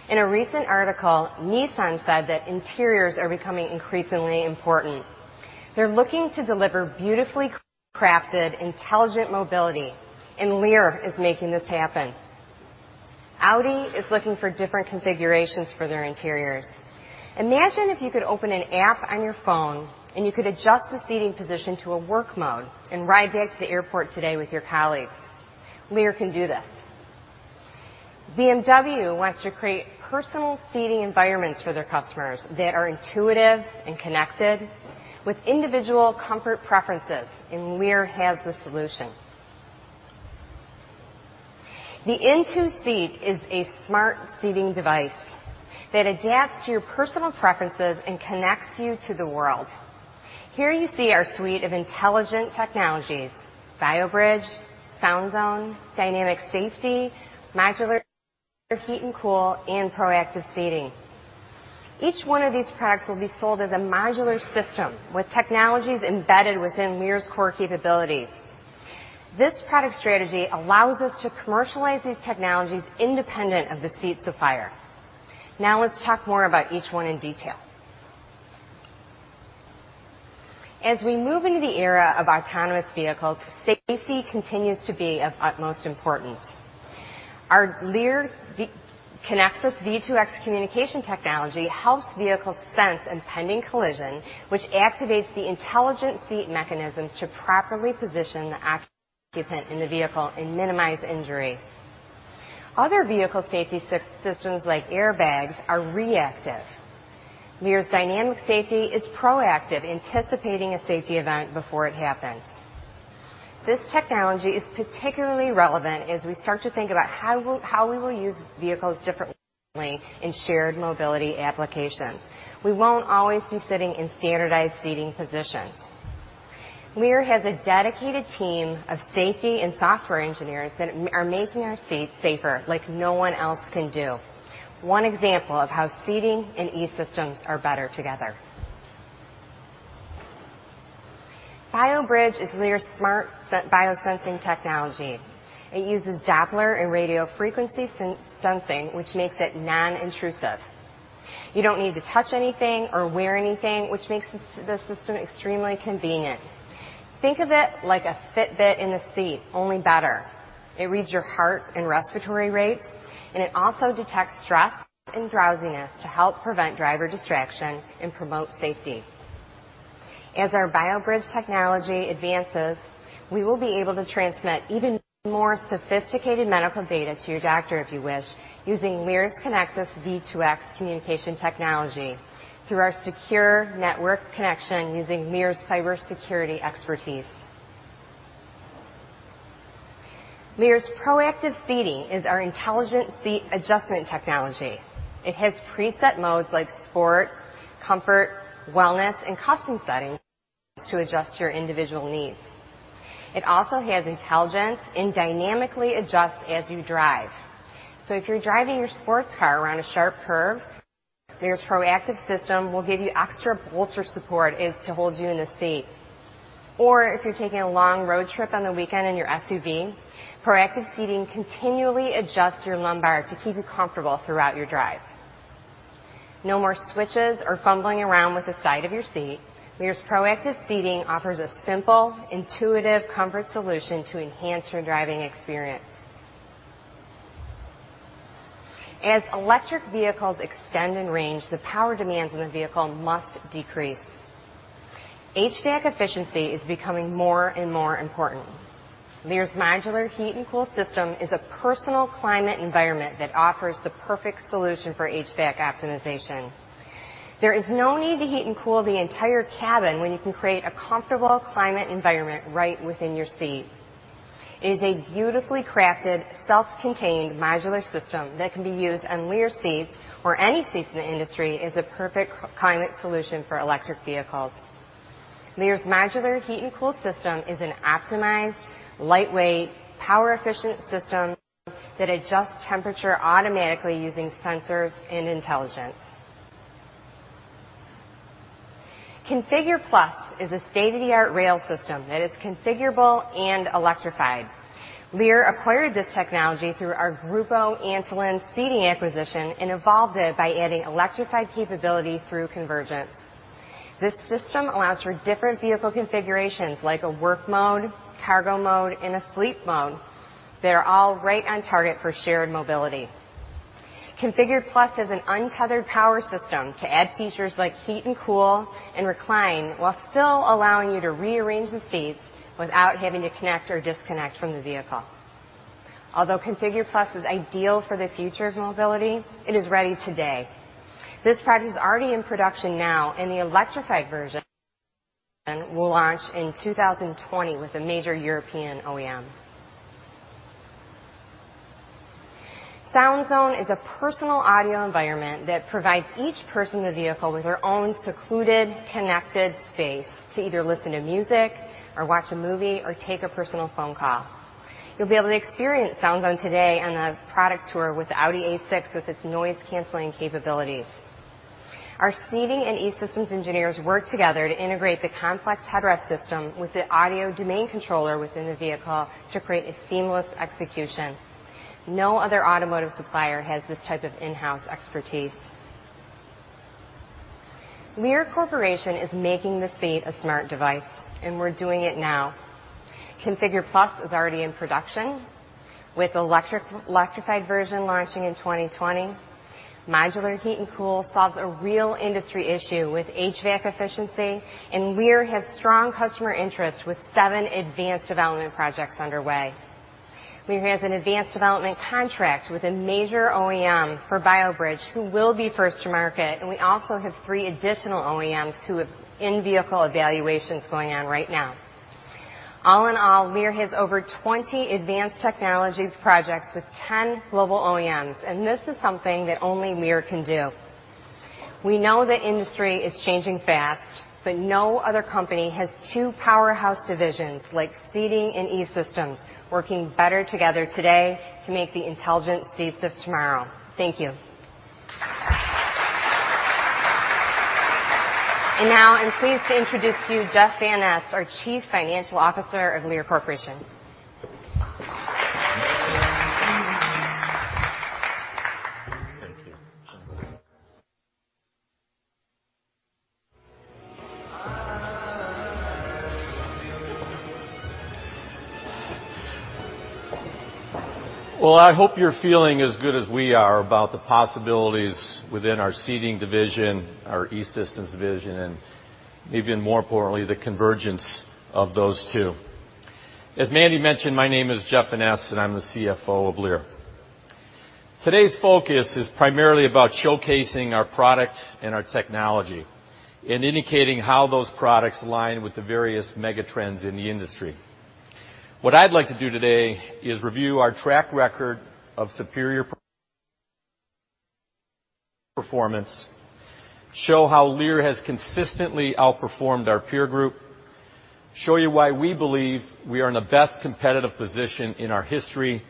In a recent article, Nissan said that interiors are becoming increasingly important. They are looking to deliver beautifully crafted, intelligent mobility, and Lear is making this happen. Audi is looking for different configurations for their interiors. Imagine if you could open an app on your phone and you could adjust the seating position to a work mode and ride back to the airport today with your colleagues. Lear can do this. BMW wants to create personal seating environments for their customers that are intuitive and connected with individual comfort preferences, and Lear has the solution. The N2 seat is a smart seating device that adapts to your personal preferences and connects you to the world. Here you see our suite of intelligent technologies, BioBridge, SoundZone, Dynamic Safety, modular heat and cool, and ProActive Seating. Each one of these products will be sold as a modular system with technologies embedded within Lear's core capabilities. This product strategy allows us to commercialize these technologies independent of the seats they fire. Let's talk more about each one in detail. As we move into the era of autonomous vehicles, safety continues to be of utmost importance. Our Lear Connexis V2X communication technology helps vehicles sense impending collision, which activates the intelligent seat mechanisms to properly position the occupant in the vehicle and minimize injury. Other vehicle safety systems like airbags are reactive. Lear's Dynamic Safety is proactive, anticipating a safety event before it happens. This technology is particularly relevant as we start to think about how we will use vehicles differently in shared mobility applications. We won't always be sitting in standardized seating positions. Lear has a dedicated team of safety and software engineers that are making our seats safer like no one else can do. One example of how seating and E-Systems are better together. BioBridge is Lear's smart biosensing technology. It uses Doppler and radio frequency sensing, which makes it non-intrusive. You don't need to touch anything or wear anything, which makes the system extremely convenient. Think of it like a Fitbit in the seat, only better. It reads your heart and respiratory rates, and it also detects stress and drowsiness to help prevent driver distraction and promote safety. As our BioBridge technology advances, we will be able to transmit even more sophisticated medical data to your doctor if you wish, using Lear's Connexis V2X communication technology through our secure network connection using Lear's cybersecurity expertise. Lear's ProActive Seating is our intelligent seat adjustment technology. It has preset modes like sport, comfort, wellness, and custom settings to adjust to your individual needs. It also has intelligence and dynamically adjusts as you drive. If you're driving your sports car around a sharp curve, Lear's ProActive system will give you extra bolster support is to hold you in the seat. If you're taking a long road trip on the weekend in your SUV, ProActive Seating continually adjusts your lumbar to keep you comfortable throughout your drive. No more switches or fumbling around with the side of your seat. Lear's ProActive Seating offers a simple, intuitive comfort solution to enhance your driving experience. As electric vehicles extend in range, the power demands in the vehicle must decrease. HVAC efficiency is becoming more and more important. Lear's modular heat and cool system is a personal climate environment that offers the perfect solution for HVAC optimization. There is no need to heat and cool the entire cabin when you can create a comfortable climate environment right within your seat. It is a beautifully crafted, self-contained modular system that can be used on Lear seats, or any seats in the industry, as a perfect climate solution for electric vehicles. Lear's modular heat and cool system is an optimized, lightweight, power-efficient system that adjusts temperature automatically using sensors and intelligence. ConfigurPlus is a state-of-the-art rail system that is configurable and electrified. Lear acquired this technology through our Grupo Antolin seating acquisition and evolved it by adding electrified capability through convergence. This system allows for different vehicle configurations, like a work mode, cargo mode, and a sleep mode. They're all right on target for shared mobility. ConfigurPlus is an untethered power system to add features like heat and cool and recline, while still allowing you to rearrange the seats without having to connect or disconnect from the vehicle. Although ConfigurPlus is ideal for the future of mobility, it is ready today. This product is already in production now, and the electrified version will launch in 2020 with a major European OEM. SoundZone is a personal audio environment that provides each person in the vehicle with their own secluded, connected space to either listen to music or watch a movie or take a personal phone call. You'll be able to experience SoundZone today on the product tour with the Audi A6 with its noise-canceling capabilities. Our Seating and E-Systems engineers worked together to integrate the complex headrest system with the audio domain controller within the vehicle to create a seamless execution. No other automotive supplier has this type of in-house expertise. Lear Corporation is making the seat a smart device, and we're doing it now. ConfigurPlus is already in production, with the electrified version launching in 2020. modular heat and cool solves a real industry issue with HVAC efficiency, and Lear has strong customer interest with seven advanced development projects underway. Lear has an advanced development contract with a major OEM for BioBridge, who will be first to market, and we also have three additional OEMs who have in-vehicle evaluations going on right now. All in all, Lear has over 20 advanced technology projects with 10 global OEMs, and this is something that only Lear can do. We know the industry is changing fast, but no other company has two powerhouse divisions like Seating and E-Systems working better together today to make the intelligent seats of tomorrow. Thank you. Now I'm pleased to introduce to you Jeff Vanneste, our Chief Financial Officer of Lear Corporation. Thank you. Well, I hope you're feeling as good as we are about the possibilities within our Seating division, our E-Systems division, and even more importantly, the convergence of those two. As Mandy mentioned, my name is Jeff Vanneste, and I'm the CFO of Lear. Today's focus is primarily about showcasing our product and our technology and indicating how those products align with the various mega trends in the industry. What I'd like to do today is review our track record of superior performance, show how Lear has consistently outperformed our peer group, show you why we believe we are in the best competitive position in our history,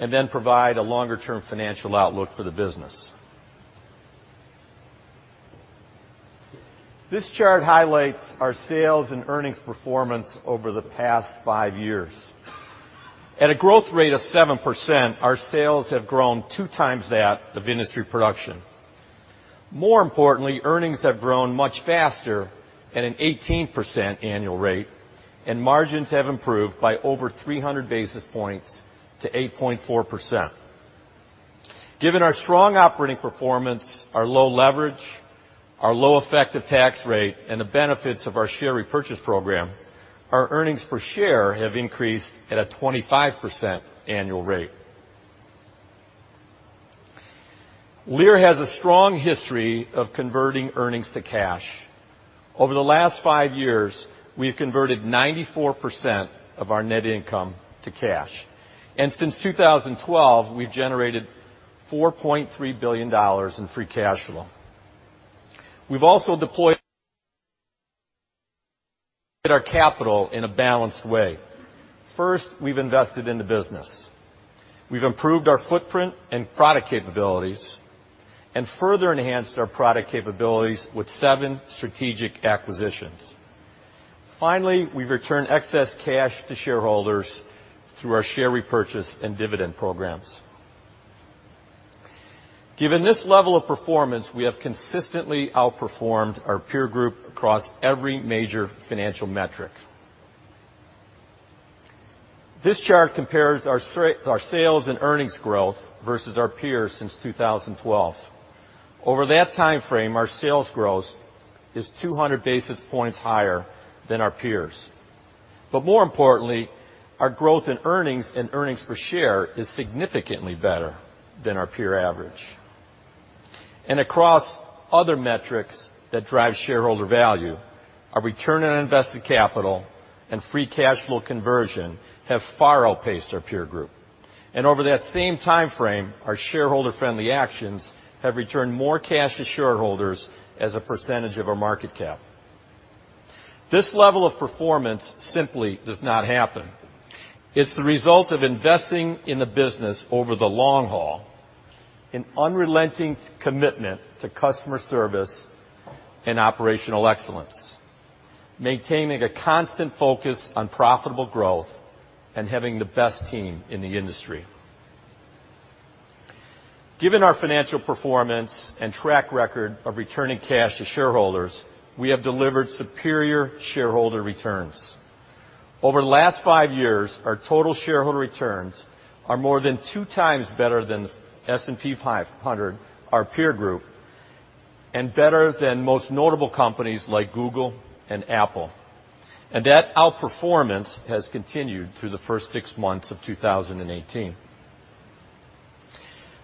and then provide a longer-term financial outlook for the business. This chart highlights our sales and earnings performance over the past five years. At a growth rate of 7%, our sales have grown two times that of industry production. More importantly, earnings have grown much faster, at an 18% annual rate, and margins have improved by over 300 basis points to 8.4%. Given our strong operating performance, our low leverage, our low effective tax rate, and the benefits of our share repurchase program, our earnings per share have increased at a 25% annual rate. Lear has a strong history of converting earnings to cash. Over the last five years, we've converted 94% of our net income to cash. Since 2012, we've generated $4.3 billion in free cash flow. We've also deployed our capital in a balanced way. First, we've invested in the business. We've improved our footprint and product capabilities and further enhanced our product capabilities with seven strategic acquisitions. Finally, we've returned excess cash to shareholders through our share repurchase and dividend programs. Given this level of performance, we have consistently outperformed our peer group across every major financial metric. This chart compares our sales and earnings growth versus our peers since 2012. Over that time frame, our sales growth is 200 basis points higher than our peers. More importantly, our growth in earnings and earnings per share is significantly better than our peer average. Across other metrics that drive shareholder value, our return on invested capital and free cash flow conversion have far outpaced our peer group. Over that same time frame, our shareholder-friendly actions have returned more cash to shareholders as a percentage of our market cap. This level of performance simply does not happen. It's the result of investing in the business over the long haul, an unrelenting commitment to customer service and operational excellence, maintaining a constant focus on profitable growth, and having the best team in the industry. Given our financial performance and track record of returning cash to shareholders, we have delivered superior shareholder returns. Over the last five years, our total shareholder returns are more than two times better than the S&P 500, our peer group, and better than most notable companies like Google and Apple. That outperformance has continued through the first six months of 2018.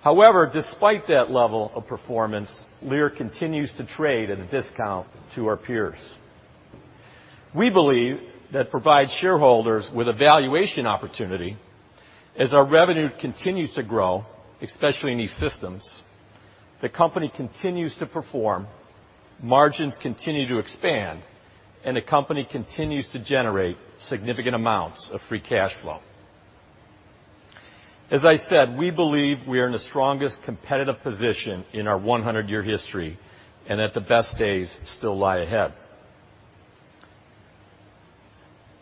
However, despite that level of performance, Lear continues to trade at a discount to our peers. We believe that provides shareholders with a valuation opportunity as our revenue continues to grow, especially in E-Systems, the company continues to perform, margins continue to expand, and the company continues to generate significant amounts of free cash flow. As I said, we believe we are in the strongest competitive position in our 100-year history, and that the best days still lie ahead.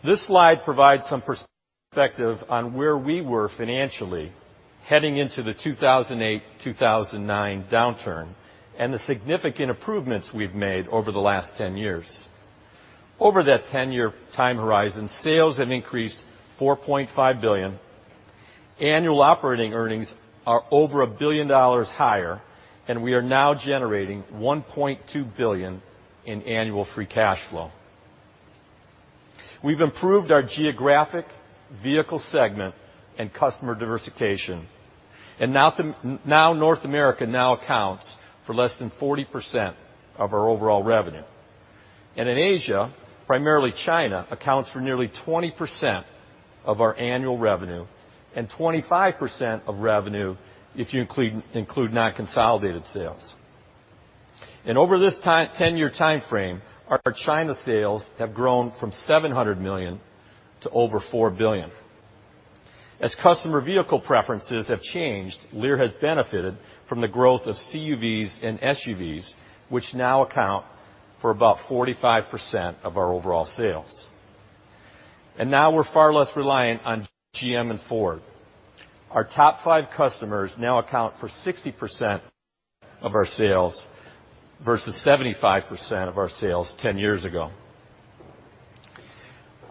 This slide provides some perspective on where we were financially heading into the 2008-2009 downturn and the significant improvements we've made over the last 10 years. Over that 10-year time horizon, sales have increased $4.5 billion, annual operating earnings are over $1 billion higher, and we are now generating $1.2 billion in annual free cash flow. We've improved our geographic vehicle segment and customer diversification, and now North America now accounts for less than 40% of our overall revenue. In Asia, primarily China, accounts for nearly 20% of our annual revenue and 25% of revenue if you include non-consolidated sales. Over this 10-year time frame, our China sales have grown from $700 million to over $4 billion. As customer vehicle preferences have changed, Lear has benefited from the growth of CUVs and SUVs, which now account for about 45% of our overall sales. Now we're far less reliant on GM and Ford. Our top five customers now account for 60% of our sales versus 75% of our sales 10 years ago.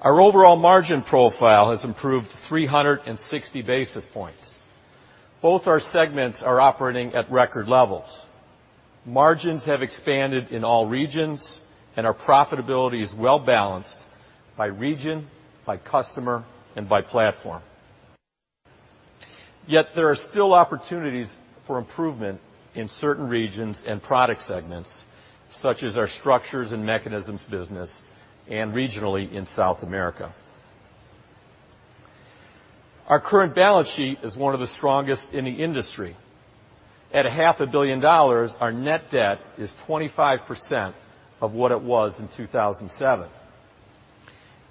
Our overall margin profile has improved 360 basis points. Both our segments are operating at record levels. Margins have expanded in all regions, and our profitability is well-balanced by region, by customer, and by platform. There are still opportunities for improvement in certain regions and product segments, such as our structures and mechanisms business and regionally in South America. Our current balance sheet is one of the strongest in the industry. At a half a billion dollars, our net debt is 25% of what it was in 2007.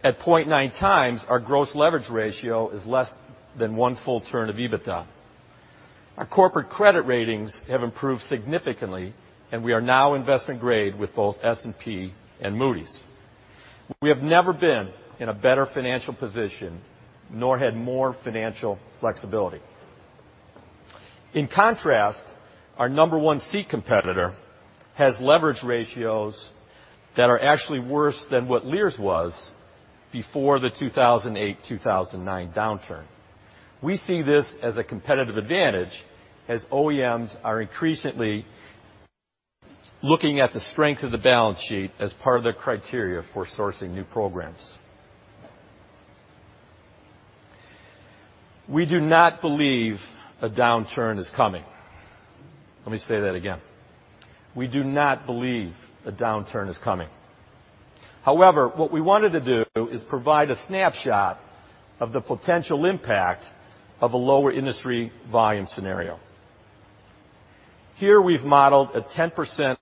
At 0.9 times, our gross leverage ratio is less than one full turn of EBITDA. Our corporate credit ratings have improved significantly, and we are now investment grade with both S&P and Moody's. We have never been in a better financial position, nor had more financial flexibility. In contrast, our number one seat competitor has leverage ratios that are actually worse than what Lear's was before the 2008-2009 downturn. We see this as a competitive advantage, as OEMs are increasingly looking at the strength of the balance sheet as part of their criteria for sourcing new programs. We do not believe a downturn is coming. Let me say that again. We do not believe a downturn is coming. What we wanted to do is provide a snapshot of the potential impact of a lower industry volume scenario. Here we've modeled a 10%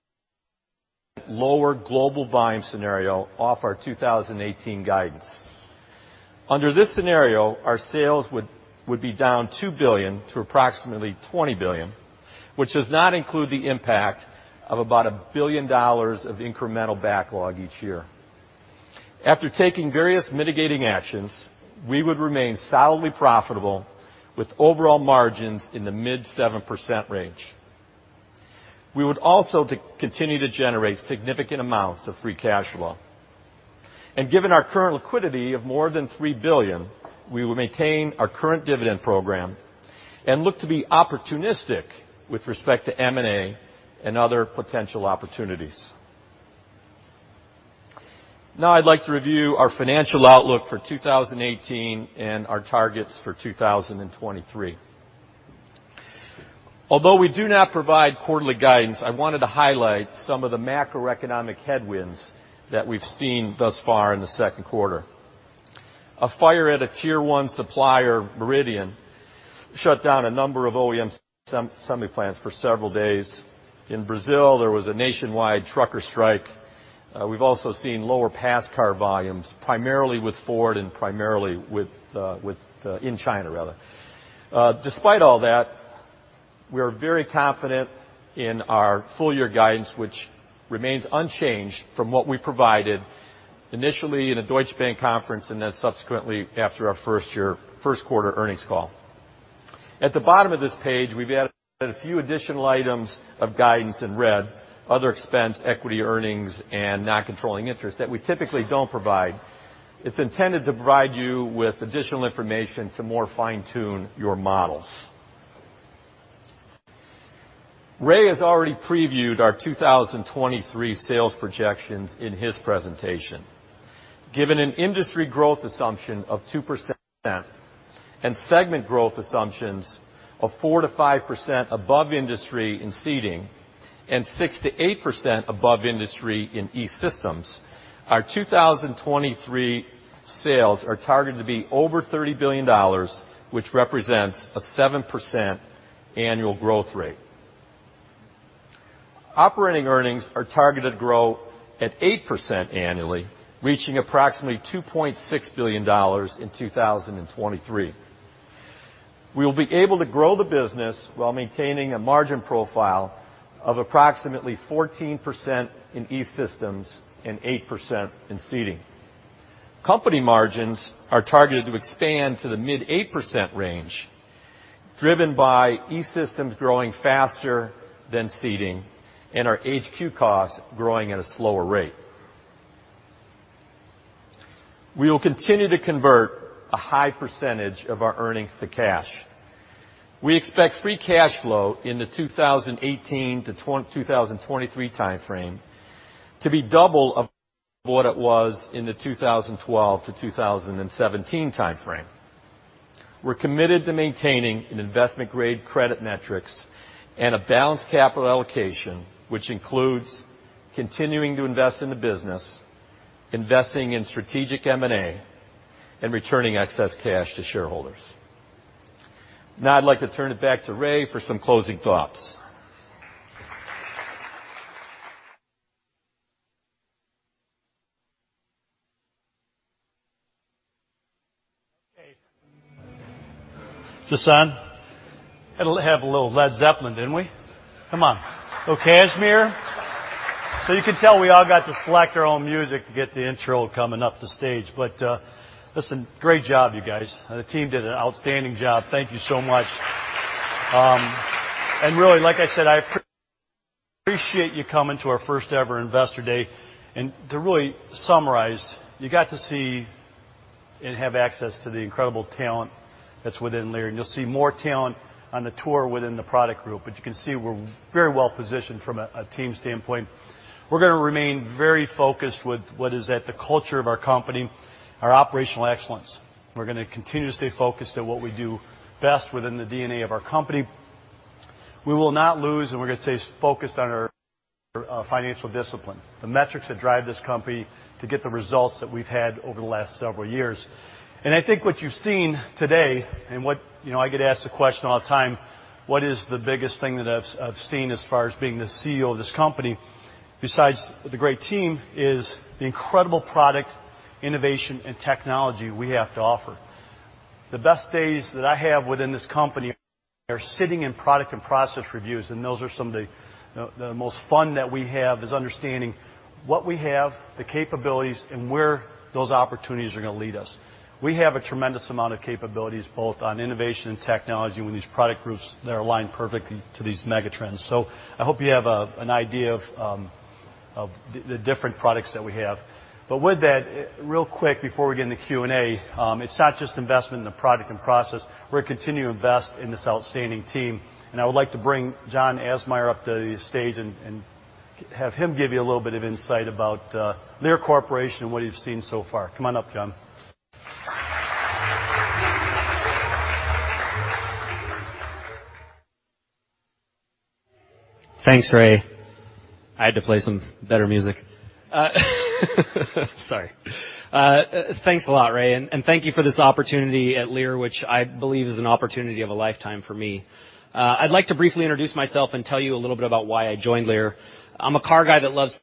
lower global volume scenario off our 2018 guidance. Under this scenario, our sales would be down $2 billion to approximately $20 billion, which does not include the impact of about a billion dollars of incremental backlog each year. After taking various mitigating actions, we would remain solidly profitable with overall margins in the mid 7% range. We would also continue to generate significant amounts of free cash flow. Given our current liquidity of more than $3 billion, we will maintain our current dividend program and look to be opportunistic with respect to M&A and other potential opportunities. Now I'd like to review our financial outlook for 2018 and our targets for 2023. Although we do not provide quarterly guidance, I wanted to highlight some of the macroeconomic headwinds that we've seen thus far in the second quarter. A fire at a Tier 1 supplier, Meridian, shut down a number of OEM assembly plants for several days. In Brazil, there was a nationwide trucker strike. We've also seen lower pass car volumes, primarily with Ford and primarily in China. Despite all that, we are very confident in our full-year guidance, which remains unchanged from what we provided initially in a Deutsche Bank conference and then subsequently after our first-quarter earnings call. At the bottom of this page, we've added a few additional items of guidance in red, other expense, equity earnings, and not controlling interests that we typically don't provide. It's intended to provide you with additional information to more fine-tune your models. Ray has already previewed our 2023 sales projections in his presentation. Given an industry growth assumption of 2% and segment growth assumptions of 4%-5% above industry in Seating and 6%-8% above industry in E-Systems, our 2023 sales are targeted to be over $30 billion, which represents a 7% annual growth rate. Operating earnings are targeted to grow at 8% annually, reaching approximately $2.6 billion in 2023. We will be able to grow the business while maintaining a margin profile of approximately 14% in E-Systems and 8% in Seating. Company margins are targeted to expand to the mid-8% range, driven by E-Systems growing faster than Seating and our HQ costs growing at a slower rate. We will continue to convert a high percentage of our earnings to cash. We expect free cash flow in the 2018-2023 timeframe to be double of what it was in the 2012-2017 timeframe. We're committed to maintaining investment-grade credit metrics and a balanced capital allocation, which includes continuing to invest in the business, investing in strategic M&A, and returning excess cash to shareholders. Now I'd like to turn it back to Ray for some closing thoughts. Okay. Is this on? Had to have a little Led Zeppelin, didn't we? Come on. Okay Kashmir? So you can tell we all got to select our own music to get the intro coming up the stage. Listen, great job, you guys. The team did an outstanding job. Thank you so much. And really, like I said, I appreciate you coming to our first-ever investor day. To really summarize, you got to see and have access to the incredible talent that's within Lear. You'll see more talent on the tour within the product group. But you can see we're very well-positioned from a team standpoint. We're going to remain very focused with what is at the culture of our company, our operational excellence. We're going to continue to stay focused at what we do best within the DNA of our company. We will not lose, and we're going to stay focused on our financial discipline, the metrics that drive this company to get the results that we've had over the last several years. I think what you've seen today and I get asked the question all the time, what is the biggest thing that I've seen as far as being the CEO of this company, besides the great team, is the incredible product, innovation, and technology we have to offer. The best days that I have within this company are sitting in product and process reviews, and those are some of the most fun that we have, is understanding what we have, the capabilities, and where those opportunities are going to lead us. We have a tremendous amount of capabilities, both on innovation and technology with these product groups that are aligned perfectly to these mega trends. I hope you have an idea of the different products that we have. With that, real quick, before we get into Q&A, it's not just investment in the product and process. We're going to continue to invest in this outstanding team, and I would like to bring John Absmeier up to the stage and have him give you a little bit of insight about Lear Corporation and what he's seen so far. Come on up, John. Thanks, Ray. I had to play some better music. Sorry. Thanks a lot, Ray, and thank you for this opportunity at Lear, which I believe is an opportunity of a lifetime for me. I'd like to briefly introduce myself and tell you a little bit about why I joined Lear. I'm a car guy that loves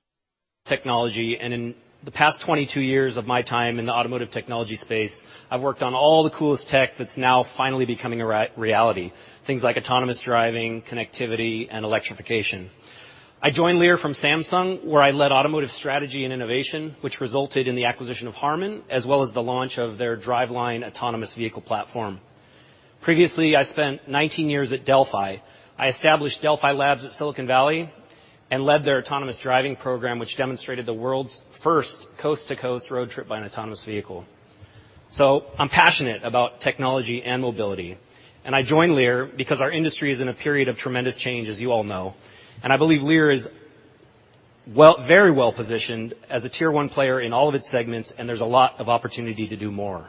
technology, and in the past 22 years of my time in the automotive technology space, I've worked on all the coolest tech that's now finally becoming a reality. Things like autonomous driving, connectivity, and electrification. I joined Lear from Samsung, where I led automotive strategy and innovation, which resulted in the acquisition of Harman, as well as the launch of their DRVLINE autonomous vehicle platform. Previously, I spent 19 years at Delphi. I established Delphi Labs at Silicon Valley and led their autonomous driving program, which demonstrated the world's first coast-to-coast road trip by an autonomous vehicle. I'm passionate about technology and mobility, and I joined Lear because our industry is in a period of tremendous change, as you all know. I believe Lear is very well-positioned as a tier 1 player in all of its segments, and there's a lot of opportunity to do more.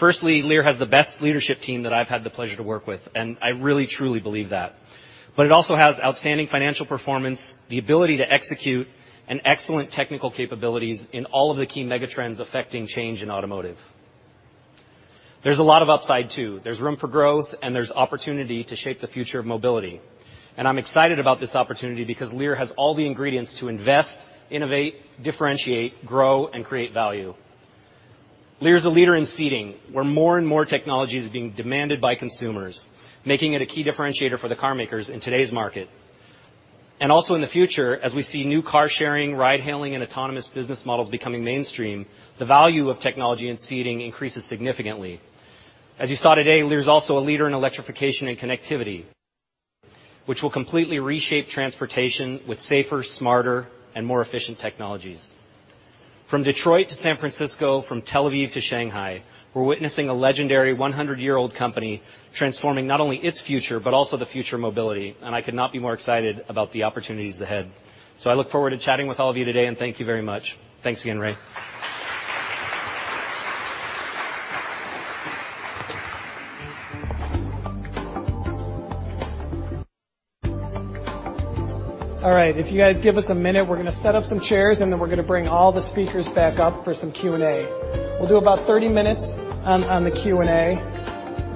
Firstly, Lear has the best leadership team that I've had the pleasure to work with, and I really, truly believe that. It also has outstanding financial performance, the ability to execute, and excellent technical capabilities in all of the key megatrends affecting change in automotive. There's a lot of upside, too. There's room for growth, and there's opportunity to shape the future of mobility. I'm excited about this opportunity because Lear has all the ingredients to invest, innovate, differentiate, grow, and create value. Lear is a leader in seating, where more and more technology is being demanded by consumers, making it a key differentiator for the car makers in today's market. Also in the future, as we see new car-sharing, ride-hailing, and autonomous business models becoming mainstream, the value of technology in seating increases significantly. As you saw today, Lear's also a leader in electrification and connectivity, which will completely reshape transportation with safer, smarter, and more efficient technologies. From Detroit to San Francisco, from Tel Aviv to Shanghai, we're witnessing a legendary 100-year-old company transforming not only its future, but also the future of mobility, I could not be more excited about the opportunities ahead. I look forward to chatting with all of you today. Thank you very much. Thanks again, Ray. All right. If you guys give us a minute, we're going to set up some chairs. Then we're going to bring all the speakers back up for some Q&A. We'll do about 30 minutes on the Q&A.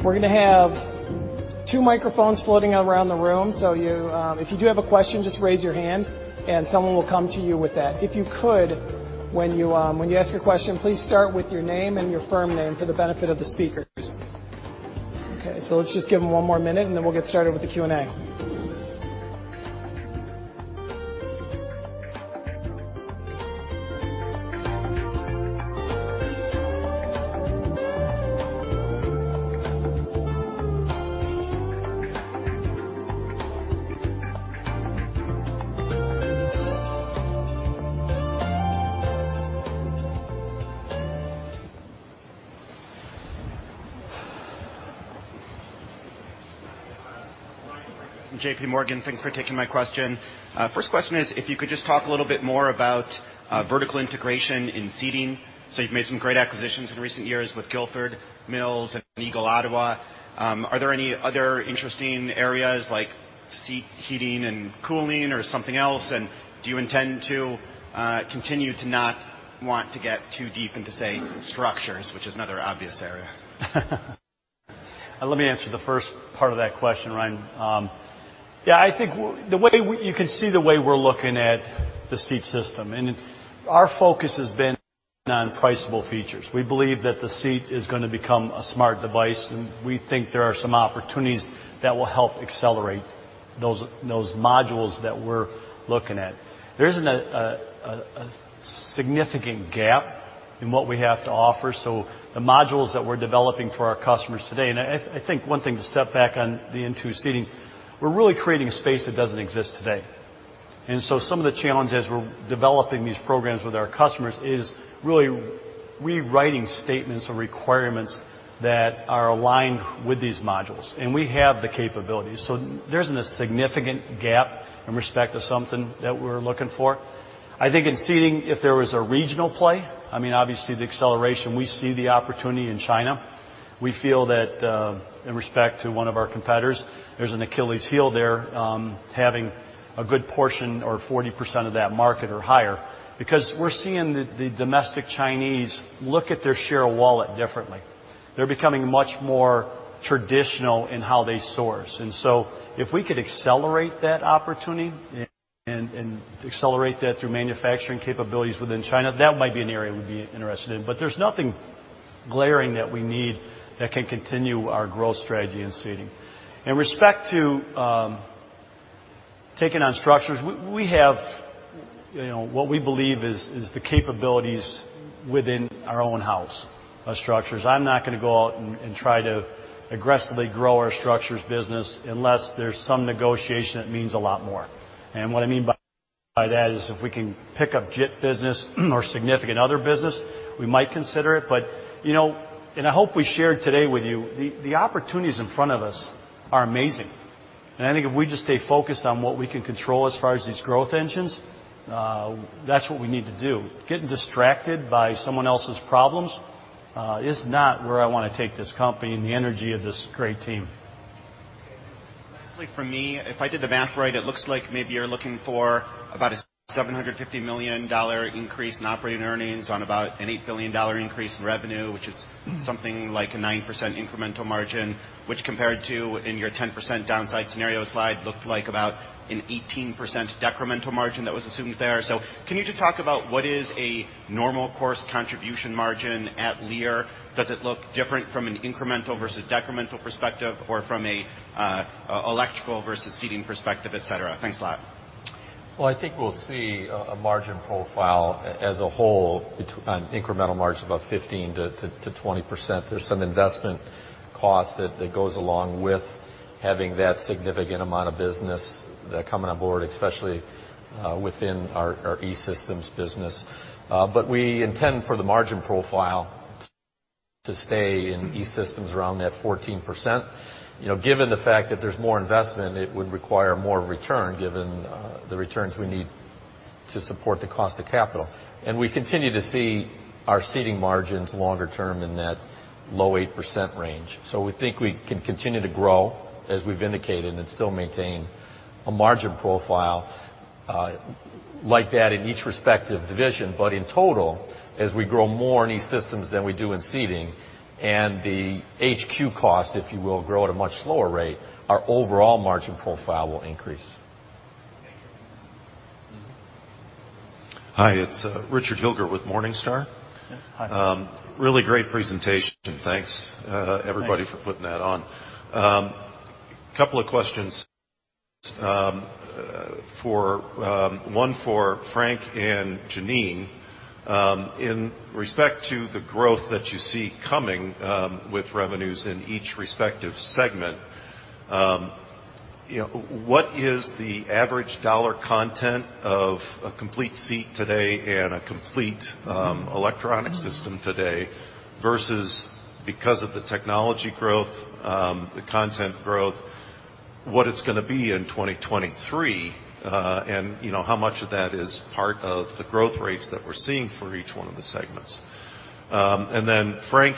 We're going to have two microphones floating around the room. If you do have a question, just raise your hand, and someone will come to you with that. If you could, when you ask your question, please start with your name and your firm name for the benefit of the speakers. Okay, let's just give them one more minute. Then we'll get started with the Q&A. I'm from JP Morgan. Thanks for taking my question. First question is, if you could just talk a little bit more about vertical integration in seating. You've made some great acquisitions in recent years with Guilford Mills and Eagle Ottawa. Are there any other interesting areas like seat heating and cooling or something else? Do you intend to continue to not want to get too deep into, say, structures, which is another obvious area? Let me answer the first part of that question, Ryan. You can see the way we're looking at the seat system. Our focus has been on priceable features. We believe that the seat is going to become a smart device. We think there are some opportunities that will help accelerate those modules that we're looking at. There isn't a significant gap in what we have to offer. The modules that we're developing for our customers today, I think one thing to step back into seating, we're really creating a space that doesn't exist today. Some of the challenges we're developing these programs with our customers is really rewriting statements or requirements that are aligned with these modules. We have the capabilities. There isn't a significant gap in respect to something that we're looking for. I think in seating, if there was a regional play, obviously the acceleration, we see the opportunity in China. We feel that, in respect to one of our competitors, there's an Achilles heel there, having a good portion or 40% of that market or higher, because we're seeing the domestic Chinese look at their share of wallet differently. They're becoming much more traditional in how they source. If we could accelerate that opportunity and accelerate that through manufacturing capabilities within China, that might be an area we'd be interested in. There's nothing glaring that we need that can continue our growth strategy in seating. In respect to taking on structures, we have what we believe is the capabilities within our own house of structures. I'm not going to go out and try to aggressively grow our structures business unless there's some negotiation that means a lot more. What I mean by that is if we can pick up JIT business or significant other business, we might consider it. I hope we shared today with you, the opportunities in front of us are amazing, and I think if we just stay focused on what we can control as far as these growth engines, that's what we need to do. Getting distracted by someone else's problems is not where I want to take this company and the energy of this great team. Okay. For me, if I did the math right, it looks like maybe you're looking for about a $750 million increase in operating earnings on about an $8 billion increase in revenue, which is something like a 9% incremental margin, which compared to in your 10% downside scenario slide looked like about an 18% decremental margin that was assumed there. Can you just talk about what is a normal course contribution margin at Lear? Does it look different from an incremental versus decremental perspective or from an electrical versus seating perspective, et cetera? Thanks a lot. I think we'll see a margin profile as a whole on incremental margin of about 15%-20%. There's some investment cost that goes along with having that significant amount of business coming on board, especially within our E-Systems business. We intend for the margin profile to stay in E-Systems around that 14%. Given the fact that there's more investment, it would require more return given the returns we need to support the cost of capital. We continue to see our seating margins longer term in that low 8% range. We think we can continue to grow, as we've indicated, and still maintain a margin profile like that in each respective division. In total, as we grow more in E-Systems than we do in seating, and the HQ cost, if you will, grow at a much slower rate, our overall margin profile will increase. Thank you. Hi, it's Richard Hilgert with Morningstar. Yeah. Hi. Really great presentation. Thanks, everybody. Thanks For putting that on. Couple of questions. One for Frank and Jeneanne. In respect to the growth that you see coming with revenues in each respective segment, what is the average dollar content of a complete seat today and a complete electronic system today, versus because of the technology growth, the content growth, what it's going to be in 2023, and how much of that is part of the growth rates that we're seeing for each one of the segments? Frank,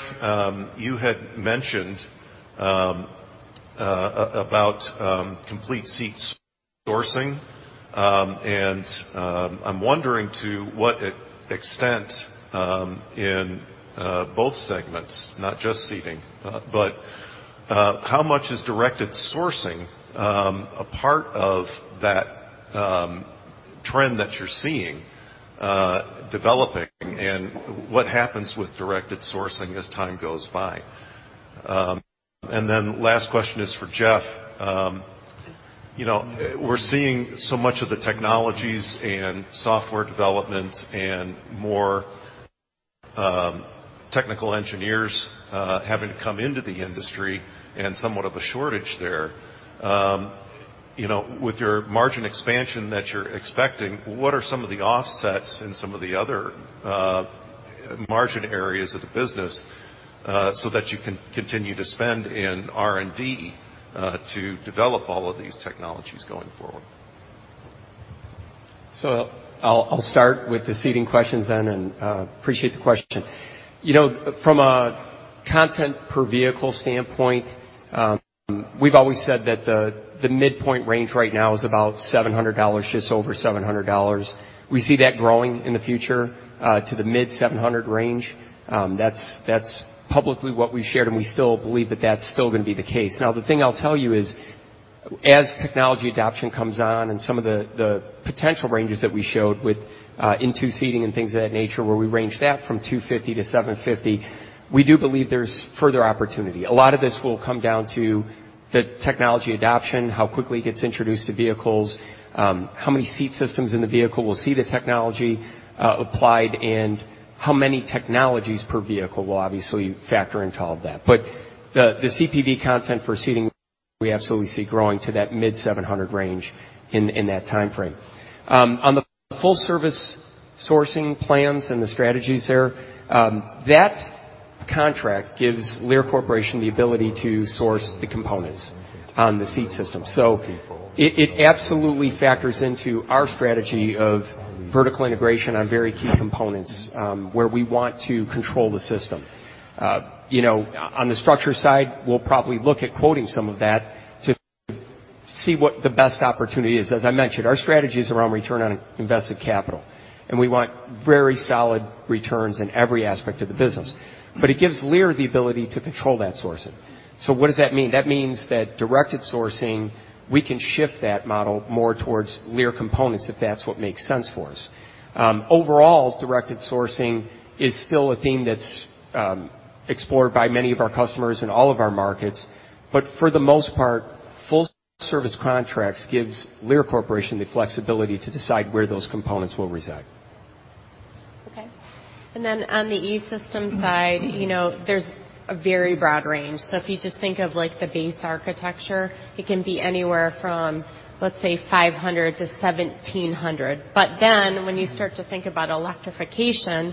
you had mentioned about complete seat sourcing, and I'm wondering to what extent in both segments, not just seating, but how much is directed sourcing a part of that trend that you're seeing developing, and what happens with directed sourcing as time goes by? Last question is for Jeff. We're seeing so much of the technologies and software development and more technical engineers having to come into the industry and somewhat of a shortage there. With your margin expansion that you're expecting, what are some of the offsets in some of the other margin areas of the business, so that you can continue to spend in R&D to develop all of these technologies going forward? I'll start with the seating questions. I appreciate the question. From a content per vehicle standpoint, we've always said that the midpoint range right now is about $700, just over $700. We see that growing in the future to the mid 700 range. That's publicly what we've shared, and we still believe that that's still going to be the case. Now, the thing I'll tell you is, as technology adoption comes on and some of the potential ranges that we showed with INTU Seating and things of that nature where we range that from 250-750, we do believe there's further opportunity. A lot of this will come down to the technology adoption, how quickly it gets introduced to vehicles, how many seat systems in the vehicle will see the technology applied, and how many technologies per vehicle will obviously factor into all of that. The CPV content for seating, we absolutely see growing to that mid 700 range in that time frame. On the full service sourcing plans and the strategies there, that contract gives Lear Corporation the ability to source the components on the seat system. It absolutely factors into our strategy of vertical integration on very key components, where we want to control the system. On the structure side, we'll probably look at quoting some of that to see what the best opportunity is. As I mentioned, our strategy is around return on invested capital, and we want very solid returns in every aspect of the business. It gives Lear the ability to control that sourcing. What does that mean? That means that directed sourcing, we can shift that model more towards Lear components if that's what makes sense for us. Overall, directed sourcing is still a theme that's explored by many of our customers in all of our markets. For the most part, full service contracts gives Lear Corporation the flexibility to decide where those components will reside. Okay. On the E-Systems side, there's a very broad range. If you just think of the base architecture, it can be anywhere from, let's say, $500 to $1,700. When you start to think about electrification,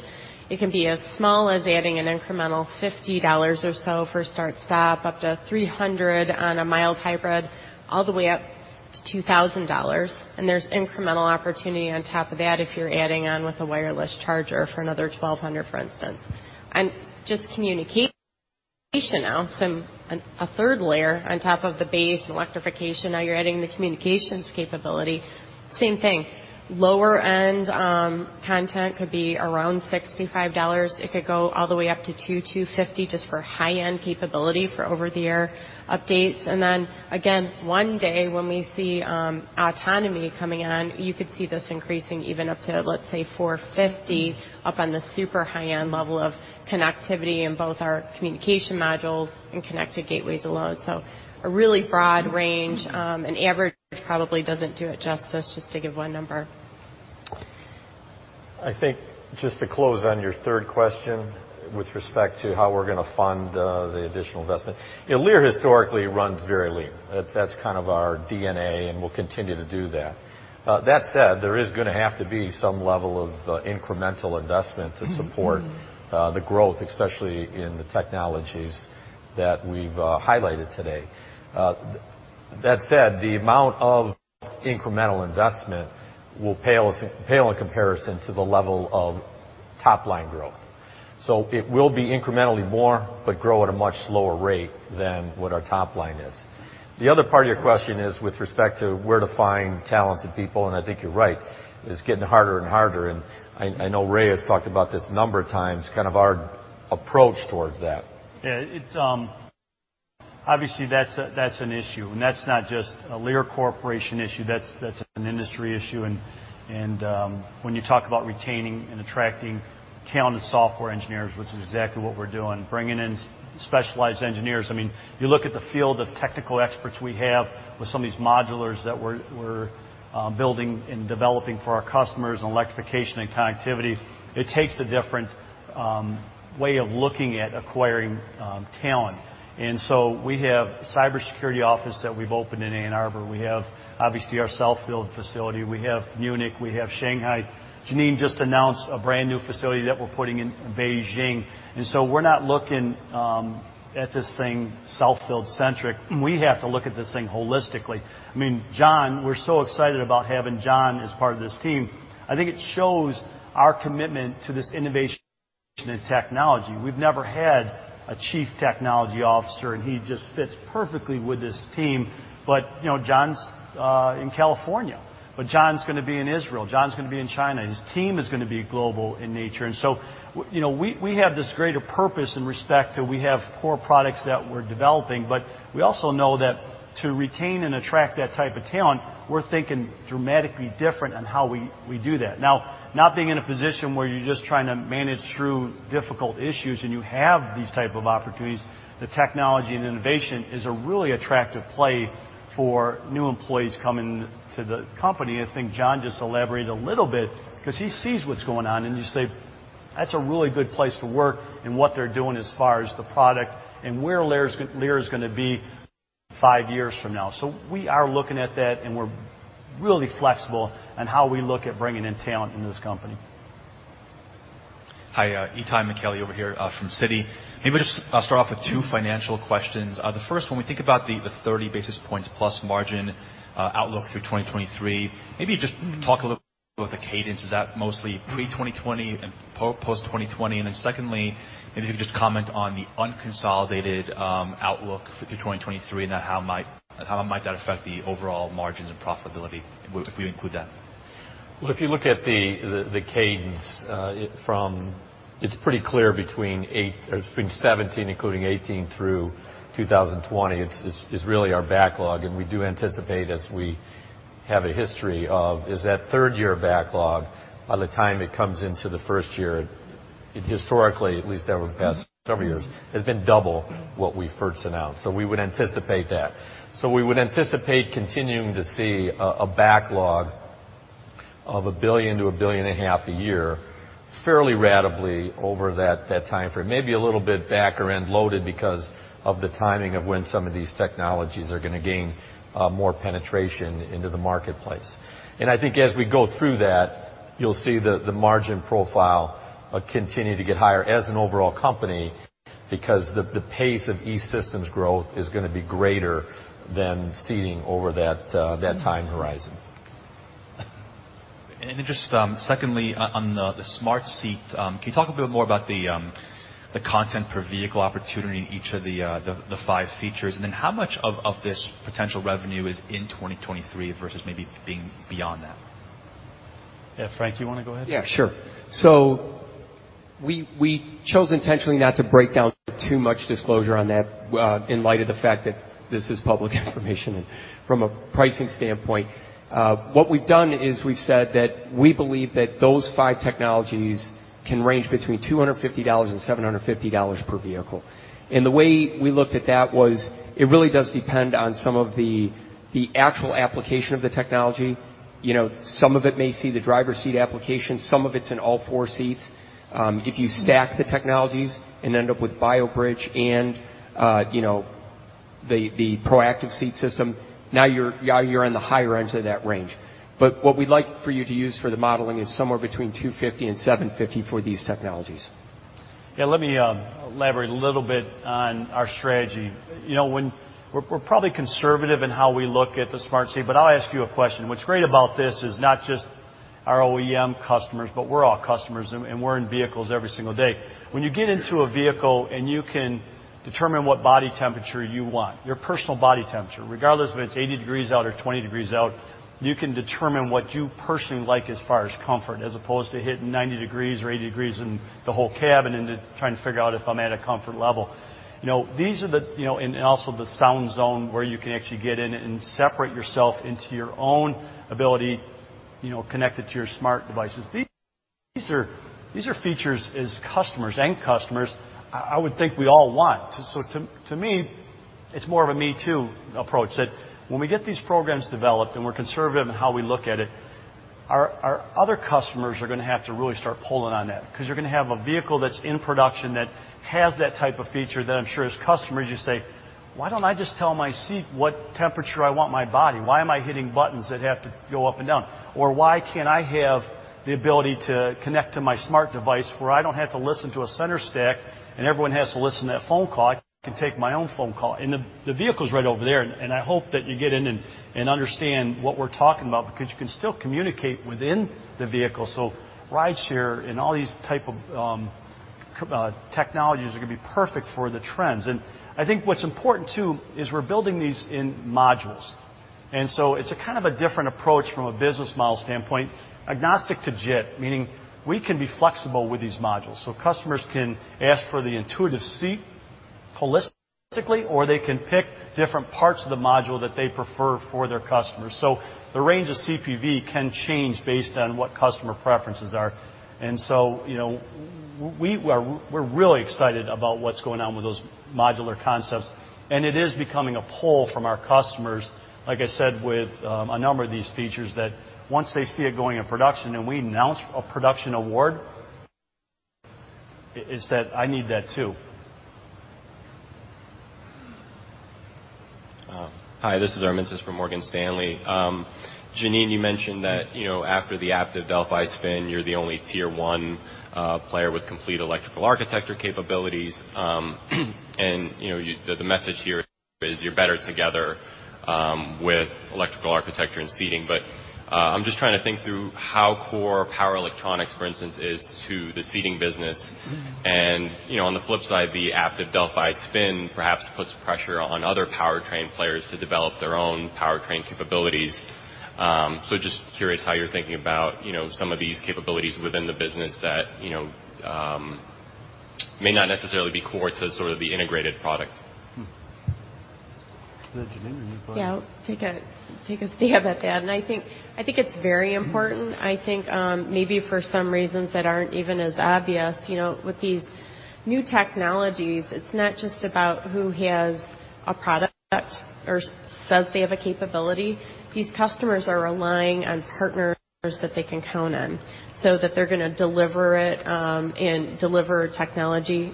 it can be as small as adding an incremental $50 or so for start/stop, up to $300 on a mild hybrid, all the way up to $2,000. There's incremental opportunity on top of that if you're adding on with a wireless charger for another $1,200, for instance. Just communication now, so a third layer on top of the base and electrification, now you're adding the communications capability. Same thing. Lower-end content could be around $65. It could go all the way up to $200, $250 just for high-end capability for over-the-air updates. Again, one day when we see autonomy coming on, you could see this increasing even up to, let's say, $450 up on the super high-end level of connectivity in both our communication modules and connected gateways alone. A really broad range. An average probably doesn't do it justice, just to give one number. I think just to close on your third question with respect to how we're going to fund the additional investment. Lear historically runs very lean. That's kind of our DNA, and we'll continue to do that. That said, there is going to have to be some level of incremental investment to support the growth, especially in the technologies that we've highlighted today. That said, the amount of incremental investment will pale in comparison to the level of top-line growth. It will be incrementally more, grow at a much slower rate than what our top line is. The other part of your question is with respect to where to find talented people, I think you're right, it is getting harder and harder. I know Ray has talked about this a number of times, kind of our approach towards that. Yeah. Obviously, that's an issue. That's not just a Lear Corporation issue. That's an industry issue. When you talk about retaining and attracting talented software engineers, which is exactly what we're doing, bringing in specialized engineers. You look at the field of technical experts we have with some of these modulars that we're building and developing for our customers on electrification and connectivity. It takes a different way of looking at acquiring talent. We have a cybersecurity office that we've opened in Ann Arbor. We have, obviously, our Southfield facility. We have Munich, we have Shanghai. Jeneanne just announced a brand-new facility that we're putting in Beijing. We're not looking at this thing Southfield-centric. We have to look at this thing holistically. John, we're so excited about having John as part of this team. I think it shows our commitment to this innovation and technology. We've never had a chief technology officer. He just fits perfectly with this team. John's in California. John's going to be in Israel. John's going to be in China. His team is going to be global in nature. We have this greater purpose in respect to we have core products that we're developing. We also know that to retain and attract that type of talent, we're thinking dramatically different on how we do that. Now, not being in a position where you're just trying to manage through difficult issues and you have these type of opportunities, the technology and innovation is a really attractive play for new employees coming to the company. I think John just elaborated a little bit because he sees what's going on. You say, "That's a really good place to work and what they're doing as far as the product and where Lear is going to be five years from now." We are looking at that. We're really flexible on how we look at bringing in talent into this company. Hi, Itay Michaeli over here from Citi. Maybe just start off with two financial questions. The first one. We think about the 30 basis points plus margin outlook through 2023. Maybe just talk a little bit about the cadence. Is that mostly pre-2020 and post-2020? Secondly, maybe if you could just comment on the unconsolidated outlook through 2023 and how might that affect the overall margins and profitability if we include that? Well, if you look at the cadence, it's pretty clear between 2017, including 2018, through 2020. It's really our backlog. We do anticipate, as we have a history of, is that third-year backlog, by the time it comes into the first year, historically, at least over the past several years, has been double what we first announced. We would anticipate that. We would anticipate continuing to see a backlog of $1 billion-$1.5 billion a year fairly ratably over that timeframe. Maybe a little bit back- or end-loaded because of the timing of when some of these technologies are going to gain more penetration into the marketplace. I think as we go through that, you'll see the margin profile continue to get higher as an overall company because the pace of E-Systems growth is going to be greater than Seating over that time horizon. Just secondly, on the Smart Seat, can you talk a bit more about the content per vehicle opportunity in each of the five features? How much of this potential revenue is in 2023 versus maybe being beyond that? Yeah, Frank, do you want to go ahead? Yeah, sure. We chose intentionally not to break down too much disclosure on that in light of the fact that this is public information from a pricing standpoint. What we've done is we've said that we believe that those five technologies can range between $250 and $750 per vehicle. And the way we looked at that was it really does depend on some of the actual application of the technology. Some of it may see the driver's seat application. Some of it's in all four seats. If you stack the technologies and end up with BioBridge and the proactive seat system, now you're in the higher ends of that range. What we'd like for you to use for the modeling is somewhere between $250 and $750 for these technologies. Let me elaborate a little bit on our strategy. We're probably conservative in how we look at the Smart Seat, but I'll ask you a question. What's great about this is not just our OEM customers, but we're all customers, and we're in vehicles every single day. When you get into a vehicle and you can determine what body temperature you want, your personal body temperature, regardless if it's 80 degrees out or 20 degrees out, you can determine what you personally like as far as comfort, as opposed to hitting 90 degrees or 80 degrees in the whole cabin and trying to figure out if I'm at a comfort level. Also the SoundZone, where you can actually get in and separate yourself into your own ability, connected to your smart devices. These are features as customers, end customers, I would think we all want. To me, it's more of a me too approach, that when we get these programs developed and we're conservative in how we look at it, our other customers are going to have to really start pulling on that because you're going to have a vehicle that's in production that has that type of feature that I'm sure as customers, you say, "Why don't I just tell my seat what temperature I want my body? Why am I hitting buttons that have to go up and down?" Why can't I have the ability to connect to my smart device where I don't have to listen to a center stack and everyone has to listen to that phone call? I can take my own phone call. The vehicle's right over there, and I hope that you get in and understand what we're talking about because you can still communicate within the vehicle. Rideshare and all these type of technologies are going to be perfect for the trends. I think what's important, too, is we're building these in modules. It's a different approach from a business model standpoint, agnostic to JIT, meaning we can be flexible with these modules. Customers can ask for the intuitive seat holistically, or they can pick different parts of the module that they prefer for their customers. The range of CPV can change based on what customer preferences are. We're really excited about what's going on with those modular concepts, and it is becoming a pull from our customers, like I said, with a number of these features, that once they see it going in production and we announce a production award, it's that, "I need that, too. Hi, this is Armintas from Morgan Stanley. Jeneanne, you mentioned that after the Aptiv-Delphi spin, you're the only tier 1 player with complete electrical architecture capabilities and the message here is you're better together with electrical architecture and seating. I'm just trying to think through how core power electronics, for instance, is to the seating business. On the flip side, the Aptiv-Delphi spin perhaps puts pressure on other powertrain players to develop their own powertrain capabilities. Just curious how you're thinking about some of these capabilities within the business that may not necessarily be core to sort of the integrated product. Jeneanne, you want to? Yeah. I'll take a stab at that. I think it's very important, I think, maybe for some reasons that aren't even as obvious. With these new technologies, it's not just about who has a product or says they have a capability. These customers are relying on partners that they can count on so that they're going to deliver it, and deliver technology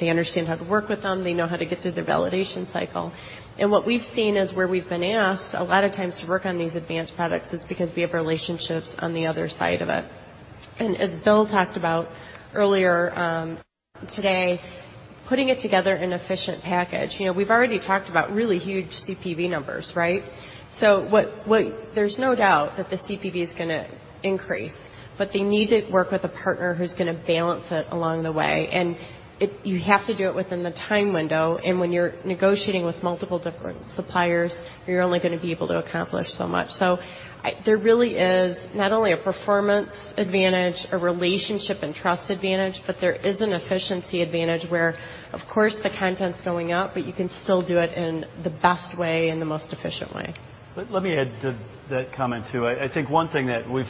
they understand how to work with them, they know how to get through their validation cycle. What we've seen is where we've been asked a lot of times to work on these advanced products is because we have relationships on the other side of it. As Bill talked about earlier today, putting it together in an efficient package. We've already talked about really huge CPV numbers, right? There's no doubt that the CPV is going to increase, but they need to work with a partner who's going to balance it along the way. You have to do it within the time window, and when you're negotiating with multiple different suppliers, you're only going to be able to accomplish so much. There really is not only a performance advantage, a relationship and trust advantage, but there is an efficiency advantage where, of course, the content's going up, but you can still do it in the best way and the most efficient way. Let me add to that comment, too. I think one thing that we've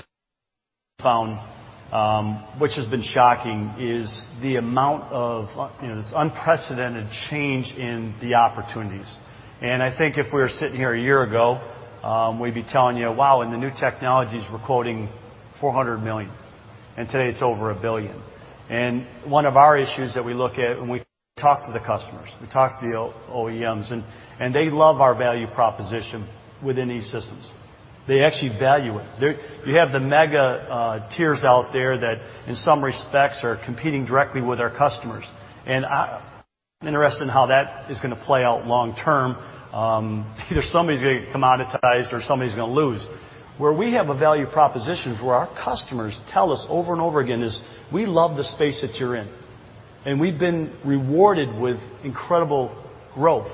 found, which has been shocking, is the amount of this unprecedented change in the opportunities. I think if we were sitting here a year ago, we'd be telling you, wow, in the new technologies, we're quoting $400 million, and today it's over $1 billion. One of our issues that we look at when we talk to the customers, we talk to the OEMs, and they love our value proposition within E-Systems. They actually value it. You have the mega tiers out there that, in some respects, are competing directly with our customers. I'm interested in how that is going to play out long term. Either somebody's going to get commoditized or somebody's going to lose. Where we have a value proposition is where our customers tell us over and over again is, "We love the space that you're in." We've been rewarded with incredible growth.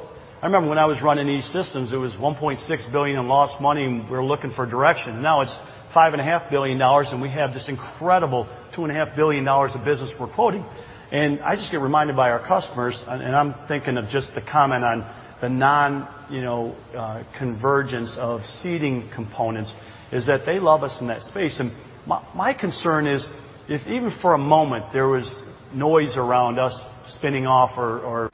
I remember when I was running E-Systems, it was $1.6 billion in lost money, and we were looking for direction. Now it's $5.5 billion, and we have this incredible $2.5 billion of business we're quoting. I just get reminded by our customers, and I'm thinking of just the comment on the non-convergence of seating components, is that they love us in that space. My concern is if even for a moment, there was noise around us spinning off or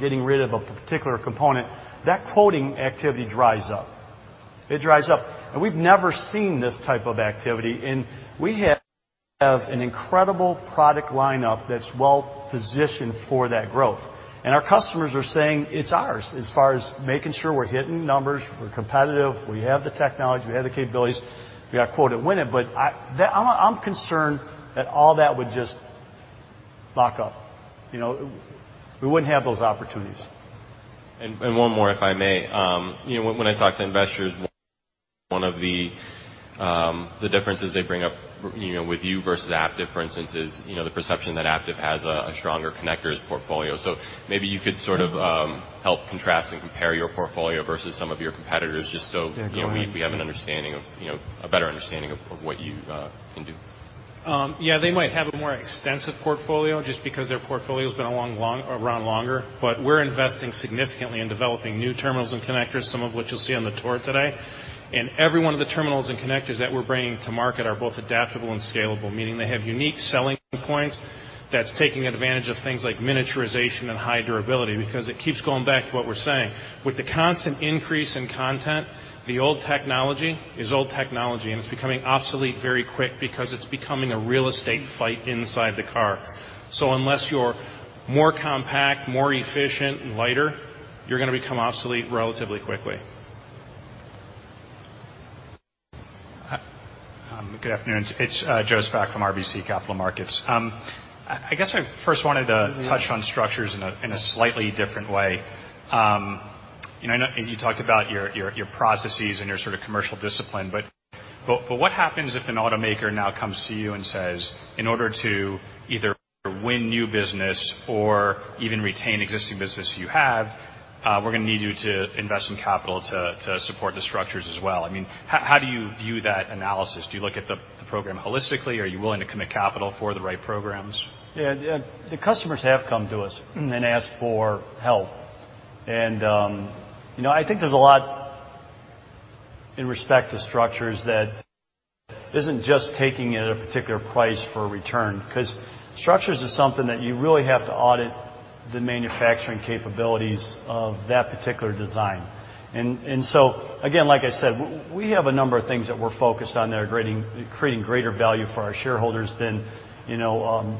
getting rid of a particular component, that quoting activity dries up. It dries up. We've never seen this type of activity, and we have an incredible product lineup that's well-positioned for that growth. Our customers are saying it's ours as far as making sure we're hitting numbers, we're competitive, we have the technology, we have the capabilities, we got quote and win it. I'm concerned that all that would just lock up. We wouldn't have those opportunities. One more, if I may. When I talk to investors, one of the differences they bring up with you versus Aptiv, for instance, is the perception that Aptiv has a stronger connectors portfolio. Maybe you could sort of help contrast and compare your portfolio versus some of your competitors, just so- Yeah, go ahead We have a better understanding of what you can do. They might have a more extensive portfolio just because their portfolio's been around longer. We're investing significantly in developing new terminals and connectors, some of which you'll see on the tour today. Every one of the terminals and connectors that we're bringing to market are both adaptable and scalable, meaning they have unique selling points that's taking advantage of things like miniaturization and high durability, because it keeps going back to what we're saying. With the constant increase in content, the old technology is old technology, and it's becoming obsolete very quick because it's becoming a real estate fight inside the car. Unless you're more compact, more efficient, and lighter, you're going to become obsolete relatively quickly. Good afternoon. It's Joseph Spak from RBC Capital Markets. I guess I first wanted to touch on structures in a slightly different way. I know you talked about your processes and your sort of commercial discipline. What happens if an automaker now comes to you and says, "In order to either win new business or even retain existing business you have, we're going to need you to invest some capital to support the structures as well"? How do you view that analysis? Do you look at the program holistically? Are you willing to commit capital for the right programs? Yeah. The customers have come to us and asked for help. I think there's a lot in respect to structures that isn't just taking at a particular price for a return, because structures is something that you really have to audit the manufacturing capabilities of that particular design. Again, like I said, we have a number of things that we're focused on that are creating greater value for our shareholders than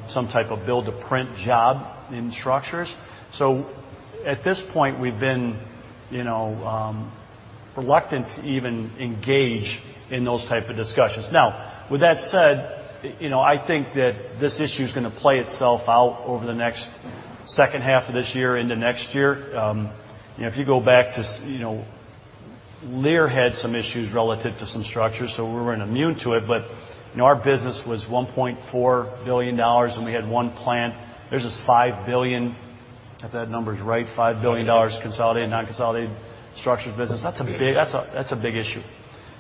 some type of build-to-print job in structures. At this point, we've been reluctant to even engage in those type of discussions. Now, with that said, I think that this issue's going to play itself out over the next second half of this year into next year. Lear had some issues relative to some structures, so we weren't immune to it. Our business was $1.4 billion, and we had one plant. Theirs is $5 billion, if that number's right, $5 billion consolidated, non-consolidated structures business. That's a big issue.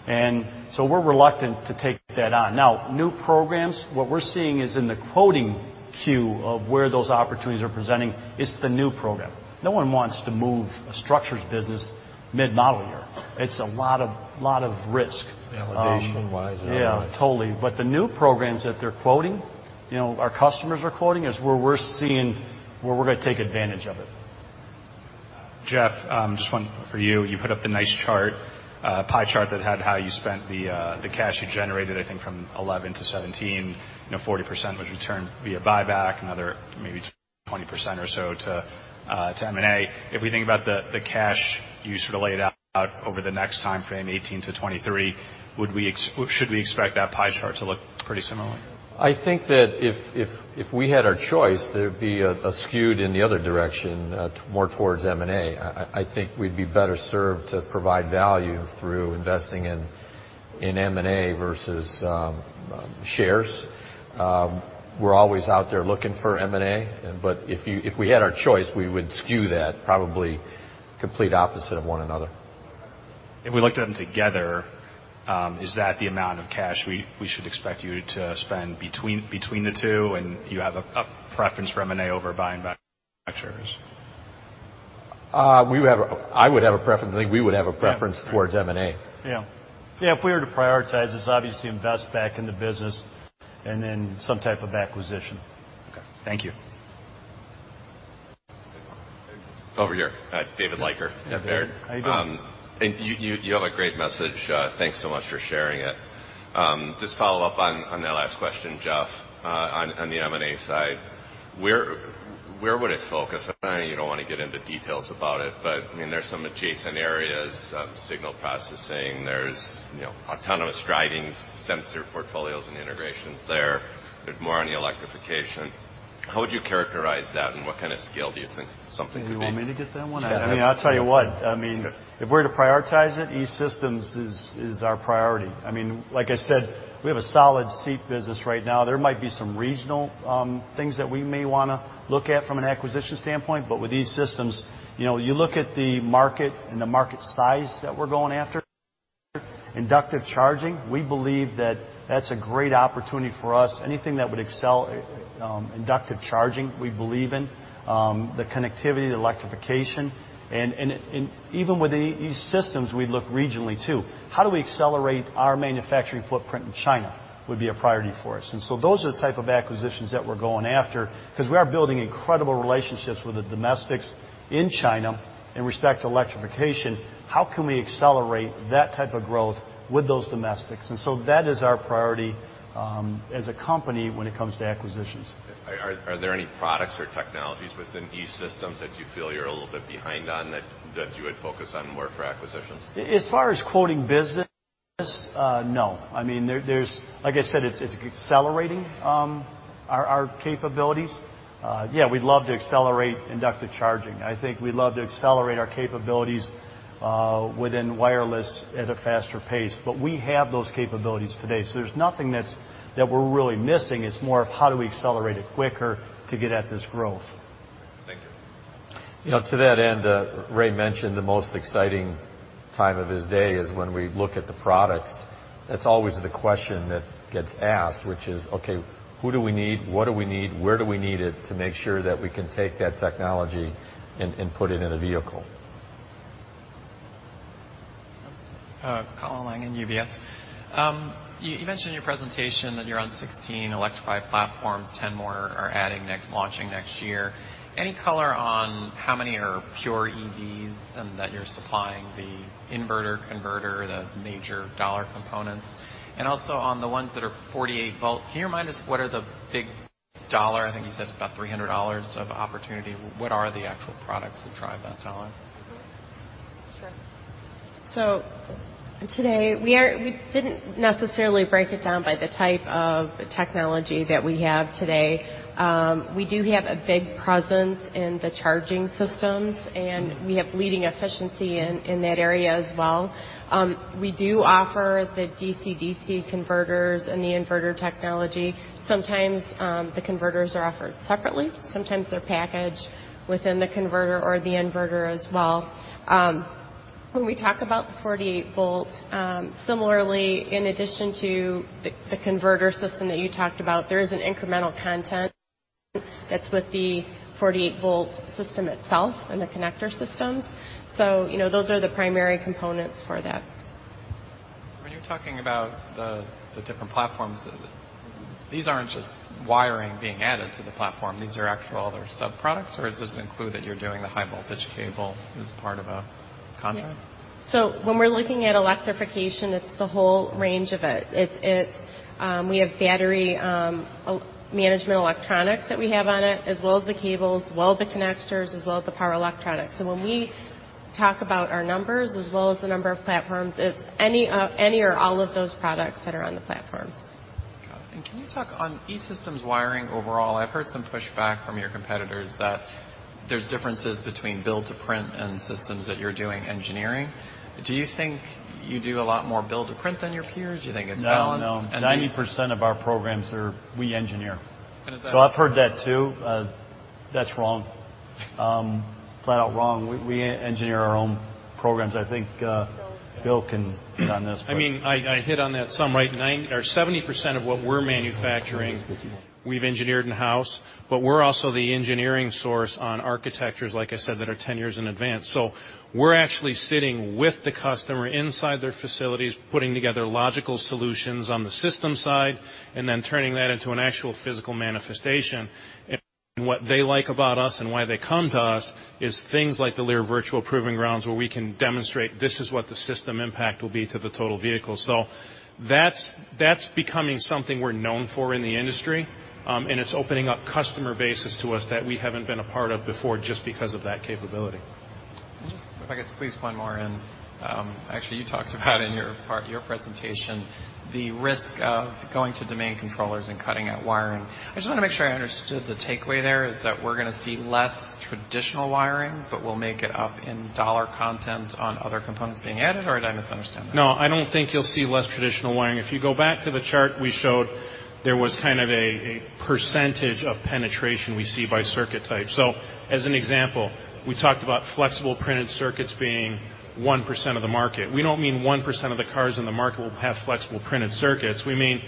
We're reluctant to take that on. Now, new programs, what we're seeing is in the quoting queue of where those opportunities are presenting, it's the new program. No one wants to move a structures business mid-model year. It's a lot of risk. Validation-wise and otherwise. Yeah, totally. The new programs that they're quoting, our customers are quoting, is where we're seeing where we're going to take advantage of it. Jeff, just one for you. You put up the nice chart, pie chart that had how you spent the cash you generated, I think from 2011 to 2017, 40% was returned via buyback, another maybe 20% or so to M&A. If we think about the cash you sort of laid out over the next timeframe, 2018 to 2023, should we expect that pie chart to look pretty similar? I think that if we had our choice, there'd be a skewed in the other direction, more towards M&A. I think we'd be better served to provide value through investing in M&A versus shares. We're always out there looking for M&A. If we had our choice, we would skew that probably complete opposite of one another. If we looked at them together, is that the amount of cash we should expect you to spend between the two, you have a preference for M&A over buying back shares? I would have a preference, I think we would have a preference towards M&A. Yeah. If we were to prioritize, it's obviously invest back in the business and then some type of acquisition. Okay. Thank you. Over here. David Leiker. How you doing? You have a great message. Thanks so much for sharing it. Just follow up on that last question, Jeff, on the M&A side. Where would it focus? I know you don't want to get into details about it, but there's some adjacent areas, signal processing. There's autonomous driving sensor portfolios and integrations there. There's more on the electrification. How would you characterize that, and what kind of scale do you think something could be? Do you want me to get that one? Yeah. I'll tell you what. If we're to prioritize it, E-Systems is our priority. Like I said, we have a solid seat business right now. There might be some regional things that we may want to look at from an acquisition standpoint, but with E-Systems, you look at the market and the market size that we're going after, inductive charging, we believe that that's a great opportunity for us. Anything that would excel inductive charging, we believe in, the connectivity, the electrification. Even with E-Systems, we look regionally, too. How do we accelerate our manufacturing footprint in China, would be a priority for us. Those are the type of acquisitions that we're going after because we are building incredible relationships with the domestics in China in respect to electrification. How can we accelerate that type of growth with those domestics? That is our priority as a company when it comes to acquisitions. Are there any products or technologies within E-Systems that you feel you're a little bit behind on that you would focus on more for acquisitions? As far as quoting business, no. Like I said, it's accelerating our capabilities. Yeah, we'd love to accelerate inductive charging. I think we'd love to accelerate our capabilities within wireless at a faster pace, but we have those capabilities today. There's nothing that we're really missing. It's more of how do we accelerate it quicker to get at this growth. To that end, Ray mentioned the most exciting time of his day is when we look at the products. That's always the question that gets asked, which is, okay, who do we need? What do we need? Where do we need it to make sure that we can take that technology and put it in a vehicle? Colin Langan at UBS. You mentioned in your presentation that you're on 16 electrified platforms, 10 more are launching next year. Any color on how many are pure EVs and that you're supplying the inverter, converter, the major dollar components? Also on the ones that are 48 volt, can you remind us what are the big dollar, I think you said it's about $300 of opportunity. What are the actual products that drive that dollar? Sure. Today, we didn't necessarily break it down by the type of technology that we have today. We do have a big presence in the charging systems, and we have leading efficiency in that area as well. We do offer the DC-DC converters and the inverter technology. Sometimes, the converters are offered separately, sometimes they're packaged within the converter or the inverter as well. When we talk about the 48 volt, similarly, in addition to the converter system that you talked about, there is an incremental content that's with the 48-volt system itself and the connector systems. Those are the primary components for that. When you're talking about the different platforms, these aren't just wiring being added to the platform. These are actual other sub-products, or is this included you're doing the high voltage cable as part of a contract? When we're looking at electrification, it's the whole range of it. We have battery management electronics that we have on it, as well as the cables, as well as the connectors, as well as the power electronics. When we talk about our numbers as well as the number of platforms, it's any or all of those products that are on the platforms. Got it. Can you talk on E-Systems wiring overall? I've heard some pushback from your competitors that there's differences between build to print and systems that you're doing engineering. Do you think you do a lot more build to print than your peers? Do you think it's balanced? No, 90% of our programs we engineer. Is that? I've heard that, too. That's wrong. Flat out wrong. We engineer our own programs. I think Bill can hit on this. I hit on that some, right? 70% of what we're manufacturing, we've engineered in-house, but we're also the engineering source on architectures, like I said, that are 10 years in advance. We're actually sitting with the customer inside their facilities, putting together logical solutions on the system side and then turning that into an actual physical manifestation. What they like about us and why they come to us is things like the Lear Virtual Proving Grounds, where we can demonstrate this is what the system impact will be to the total vehicle. That's becoming something we're known for in the industry, and it's opening up customer bases to us that we haven't been a part of before just because of that capability. Just, if I could squeeze one more in. Actually, you talked about in your presentation the risk of going to domain controllers and cutting out wiring. I just want to make sure I understood the takeaway there is that we're going to see less traditional wiring, but we'll make it up in dollar content on other components being added, or did I misunderstand that? No, I don't think you'll see less traditional wiring. If you go back to the chart we showed, there was a percentage of penetration we see by circuit type. As an example, we talked about flexible printed circuits being 1% of the market. We don't mean 1% of the cars in the market will have flexible printed circuits. We mean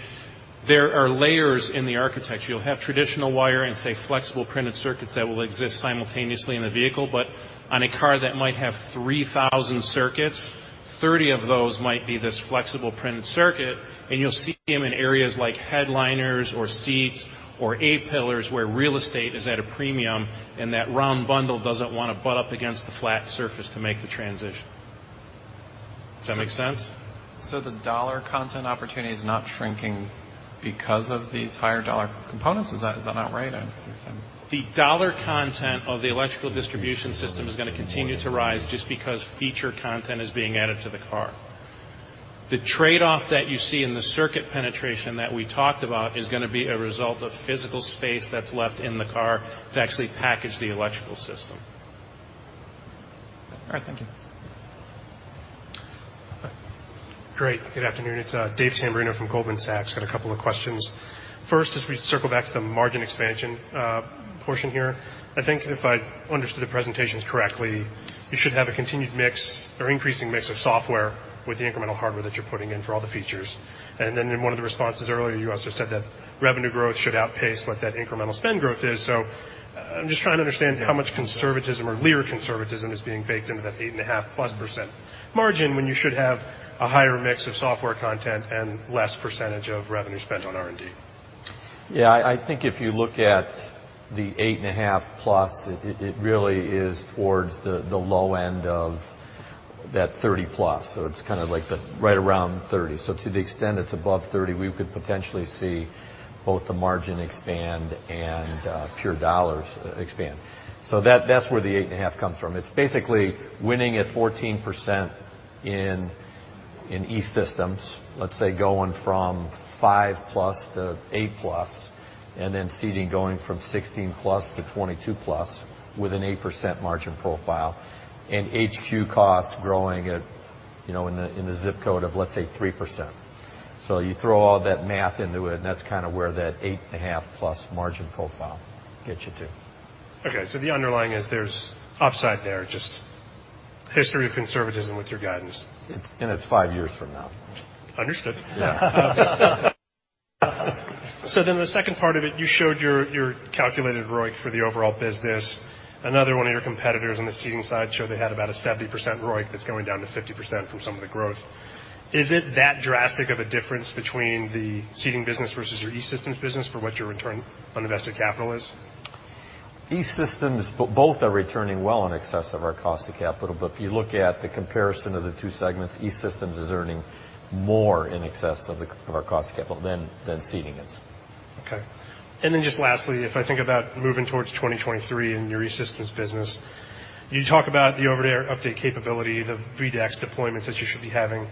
there are layers in the architecture. You'll have traditional wire and, say, flexible printed circuits that will exist simultaneously in the vehicle, but on a car that might have 3,000 circuits, 30 of those might be this flexible printed circuit, and you'll see them in areas like headliners or seats or A-pillars where real estate is at a premium and that round bundle doesn't want to butt up against the flat surface to make the transition. Does that make sense? The dollar content opportunity is not shrinking because of these higher dollar components. Is that not right, I guess? The dollar content of the electrical distribution system is going to continue to rise just because feature content is being added to the car. The trade-off that you see in the circuit penetration that we talked about is going to be a result of physical space that's left in the car to actually package the electrical system. All right, thank you. Great. Good afternoon. It's David Tamburrino from Goldman Sachs. Got a couple of questions. First, as we circle back to the margin expansion portion here, I think if I understood the presentations correctly, you should have a continued mix or increasing mix of software with the incremental hardware that you're putting in for all the features. Then in one of the responses earlier, you also said that revenue growth should outpace what that incremental spend growth is. I'm just trying to understand how much conservatism or Lear conservatism is being baked into that 8.5%+ margin when you should have a higher mix of software content and less % of revenue spent on R&D. I think if you look at the 8.5+, it really is towards the low end of that 30+. It's right around 30. To the extent it's above 30, we could potentially see both the margin expand and pure dollars expand. That's where the 8.5 comes from. It's basically winning at 14% in E-Systems, let's say going from 5+ to 8+, and then seating going from 16+ to 22+ with an 8% margin profile and HQ costs growing in the ZIP code of, let's say, 3%. You throw all that math into it, and that's kind of where that 8.5+ margin profile gets you to. Okay. The underlying is there's upside there, just history of conservatism with your guidance. It's five years from now. Understood. Yeah. The second part of it, you showed your calculated ROIC for the overall business. Another one of your competitors on the seating side showed they had about a 70% ROIC that's going down to 50% from some of the growth. Is it that drastic of a difference between the seating business versus your E-Systems business for what your return on invested capital is? E-Systems, both are returning well in excess of our cost of capital. If you look at the comparison of the two segments, E-Systems is earning more in excess of our cost of capital than Seating is. Okay. Just lastly, if I think about moving towards 2023 in your E-Systems business, you talk about the over-the-air update capability, the V2X deployments that you should be having.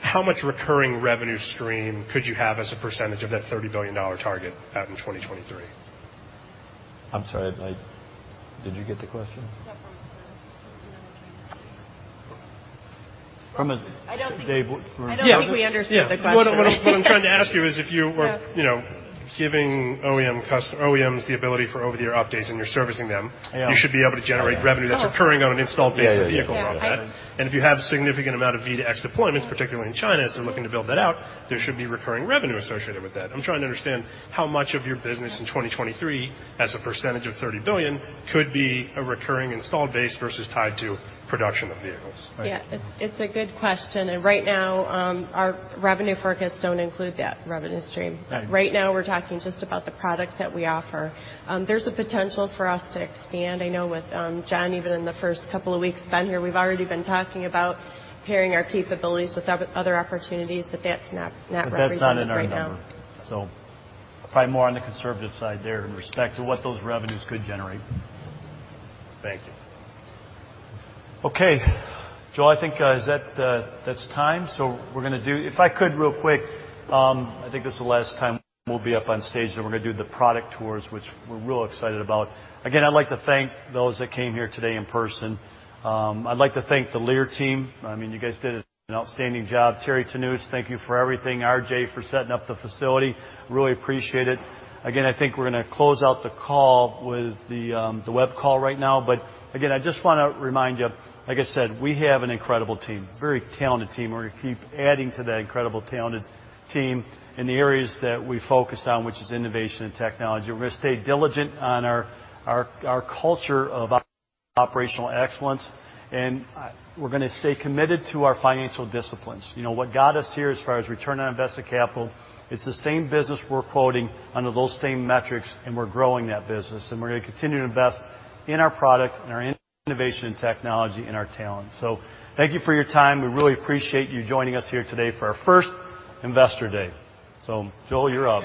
How much recurring revenue stream could you have as a percentage of that $30 billion target out in 2023? I'm sorry, did you get the question? Yeah. From his, you know. From his- I don't think we understood the question. Yeah. What I'm trying to ask you is if you are giving OEMs the ability for over-the-air updates and you're servicing them- Yeah you should be able to generate revenue that's recurring on an installed base of vehicles, right? Yeah. Yeah. If you have a significant amount of V2X deployments, particularly in China, as they're looking to build that out, there should be recurring revenue associated with that. I'm trying to understand how much of your business in 2023, as a percentage of $30 billion, could be a recurring installed base versus tied to production of vehicles. Yeah. It's a good question, and right now, our revenue forecasts don't include that revenue stream. Got it. Right now, we're talking just about the products that we offer. There's a potential for us to expand. I know with, John, even in the first couple of weeks he's been here, we've already been talking about pairing our capabilities with other opportunities, but that's not represented right now. That's not in our number. Probably more on the conservative side there in respect to what those revenues could generate. Thank you. Okay. Joel, I think that's time. We're going to do If I could real quick, I think this is the last time we'll be up on stage, then we're going to do the product tours, which we're real excited about. Again, I'd like to thank those that came here today in person. I'd like to thank the Lear team. You guys did an outstanding job. Terry Tanous, thank you for everything. RJ for setting up the facility, really appreciate it. Again, I think we're going to close out the call with the web call right now. Again, I just want to remind you, like I said, we have an incredible team, very talented team. We're going to keep adding to that incredible, talented team in the areas that we focus on, which is innovation and technology. We're going to stay diligent on our culture of operational excellence, and we're going to stay committed to our financial disciplines. What got us here as far as return on invested capital, it's the same business we're quoting under those same metrics, and we're growing that business, and we're going to continue to invest in our product and our innovation and technology and our talent. Thank you for your time. We really appreciate you joining us here today for our first Investor Day. Joel, you're up.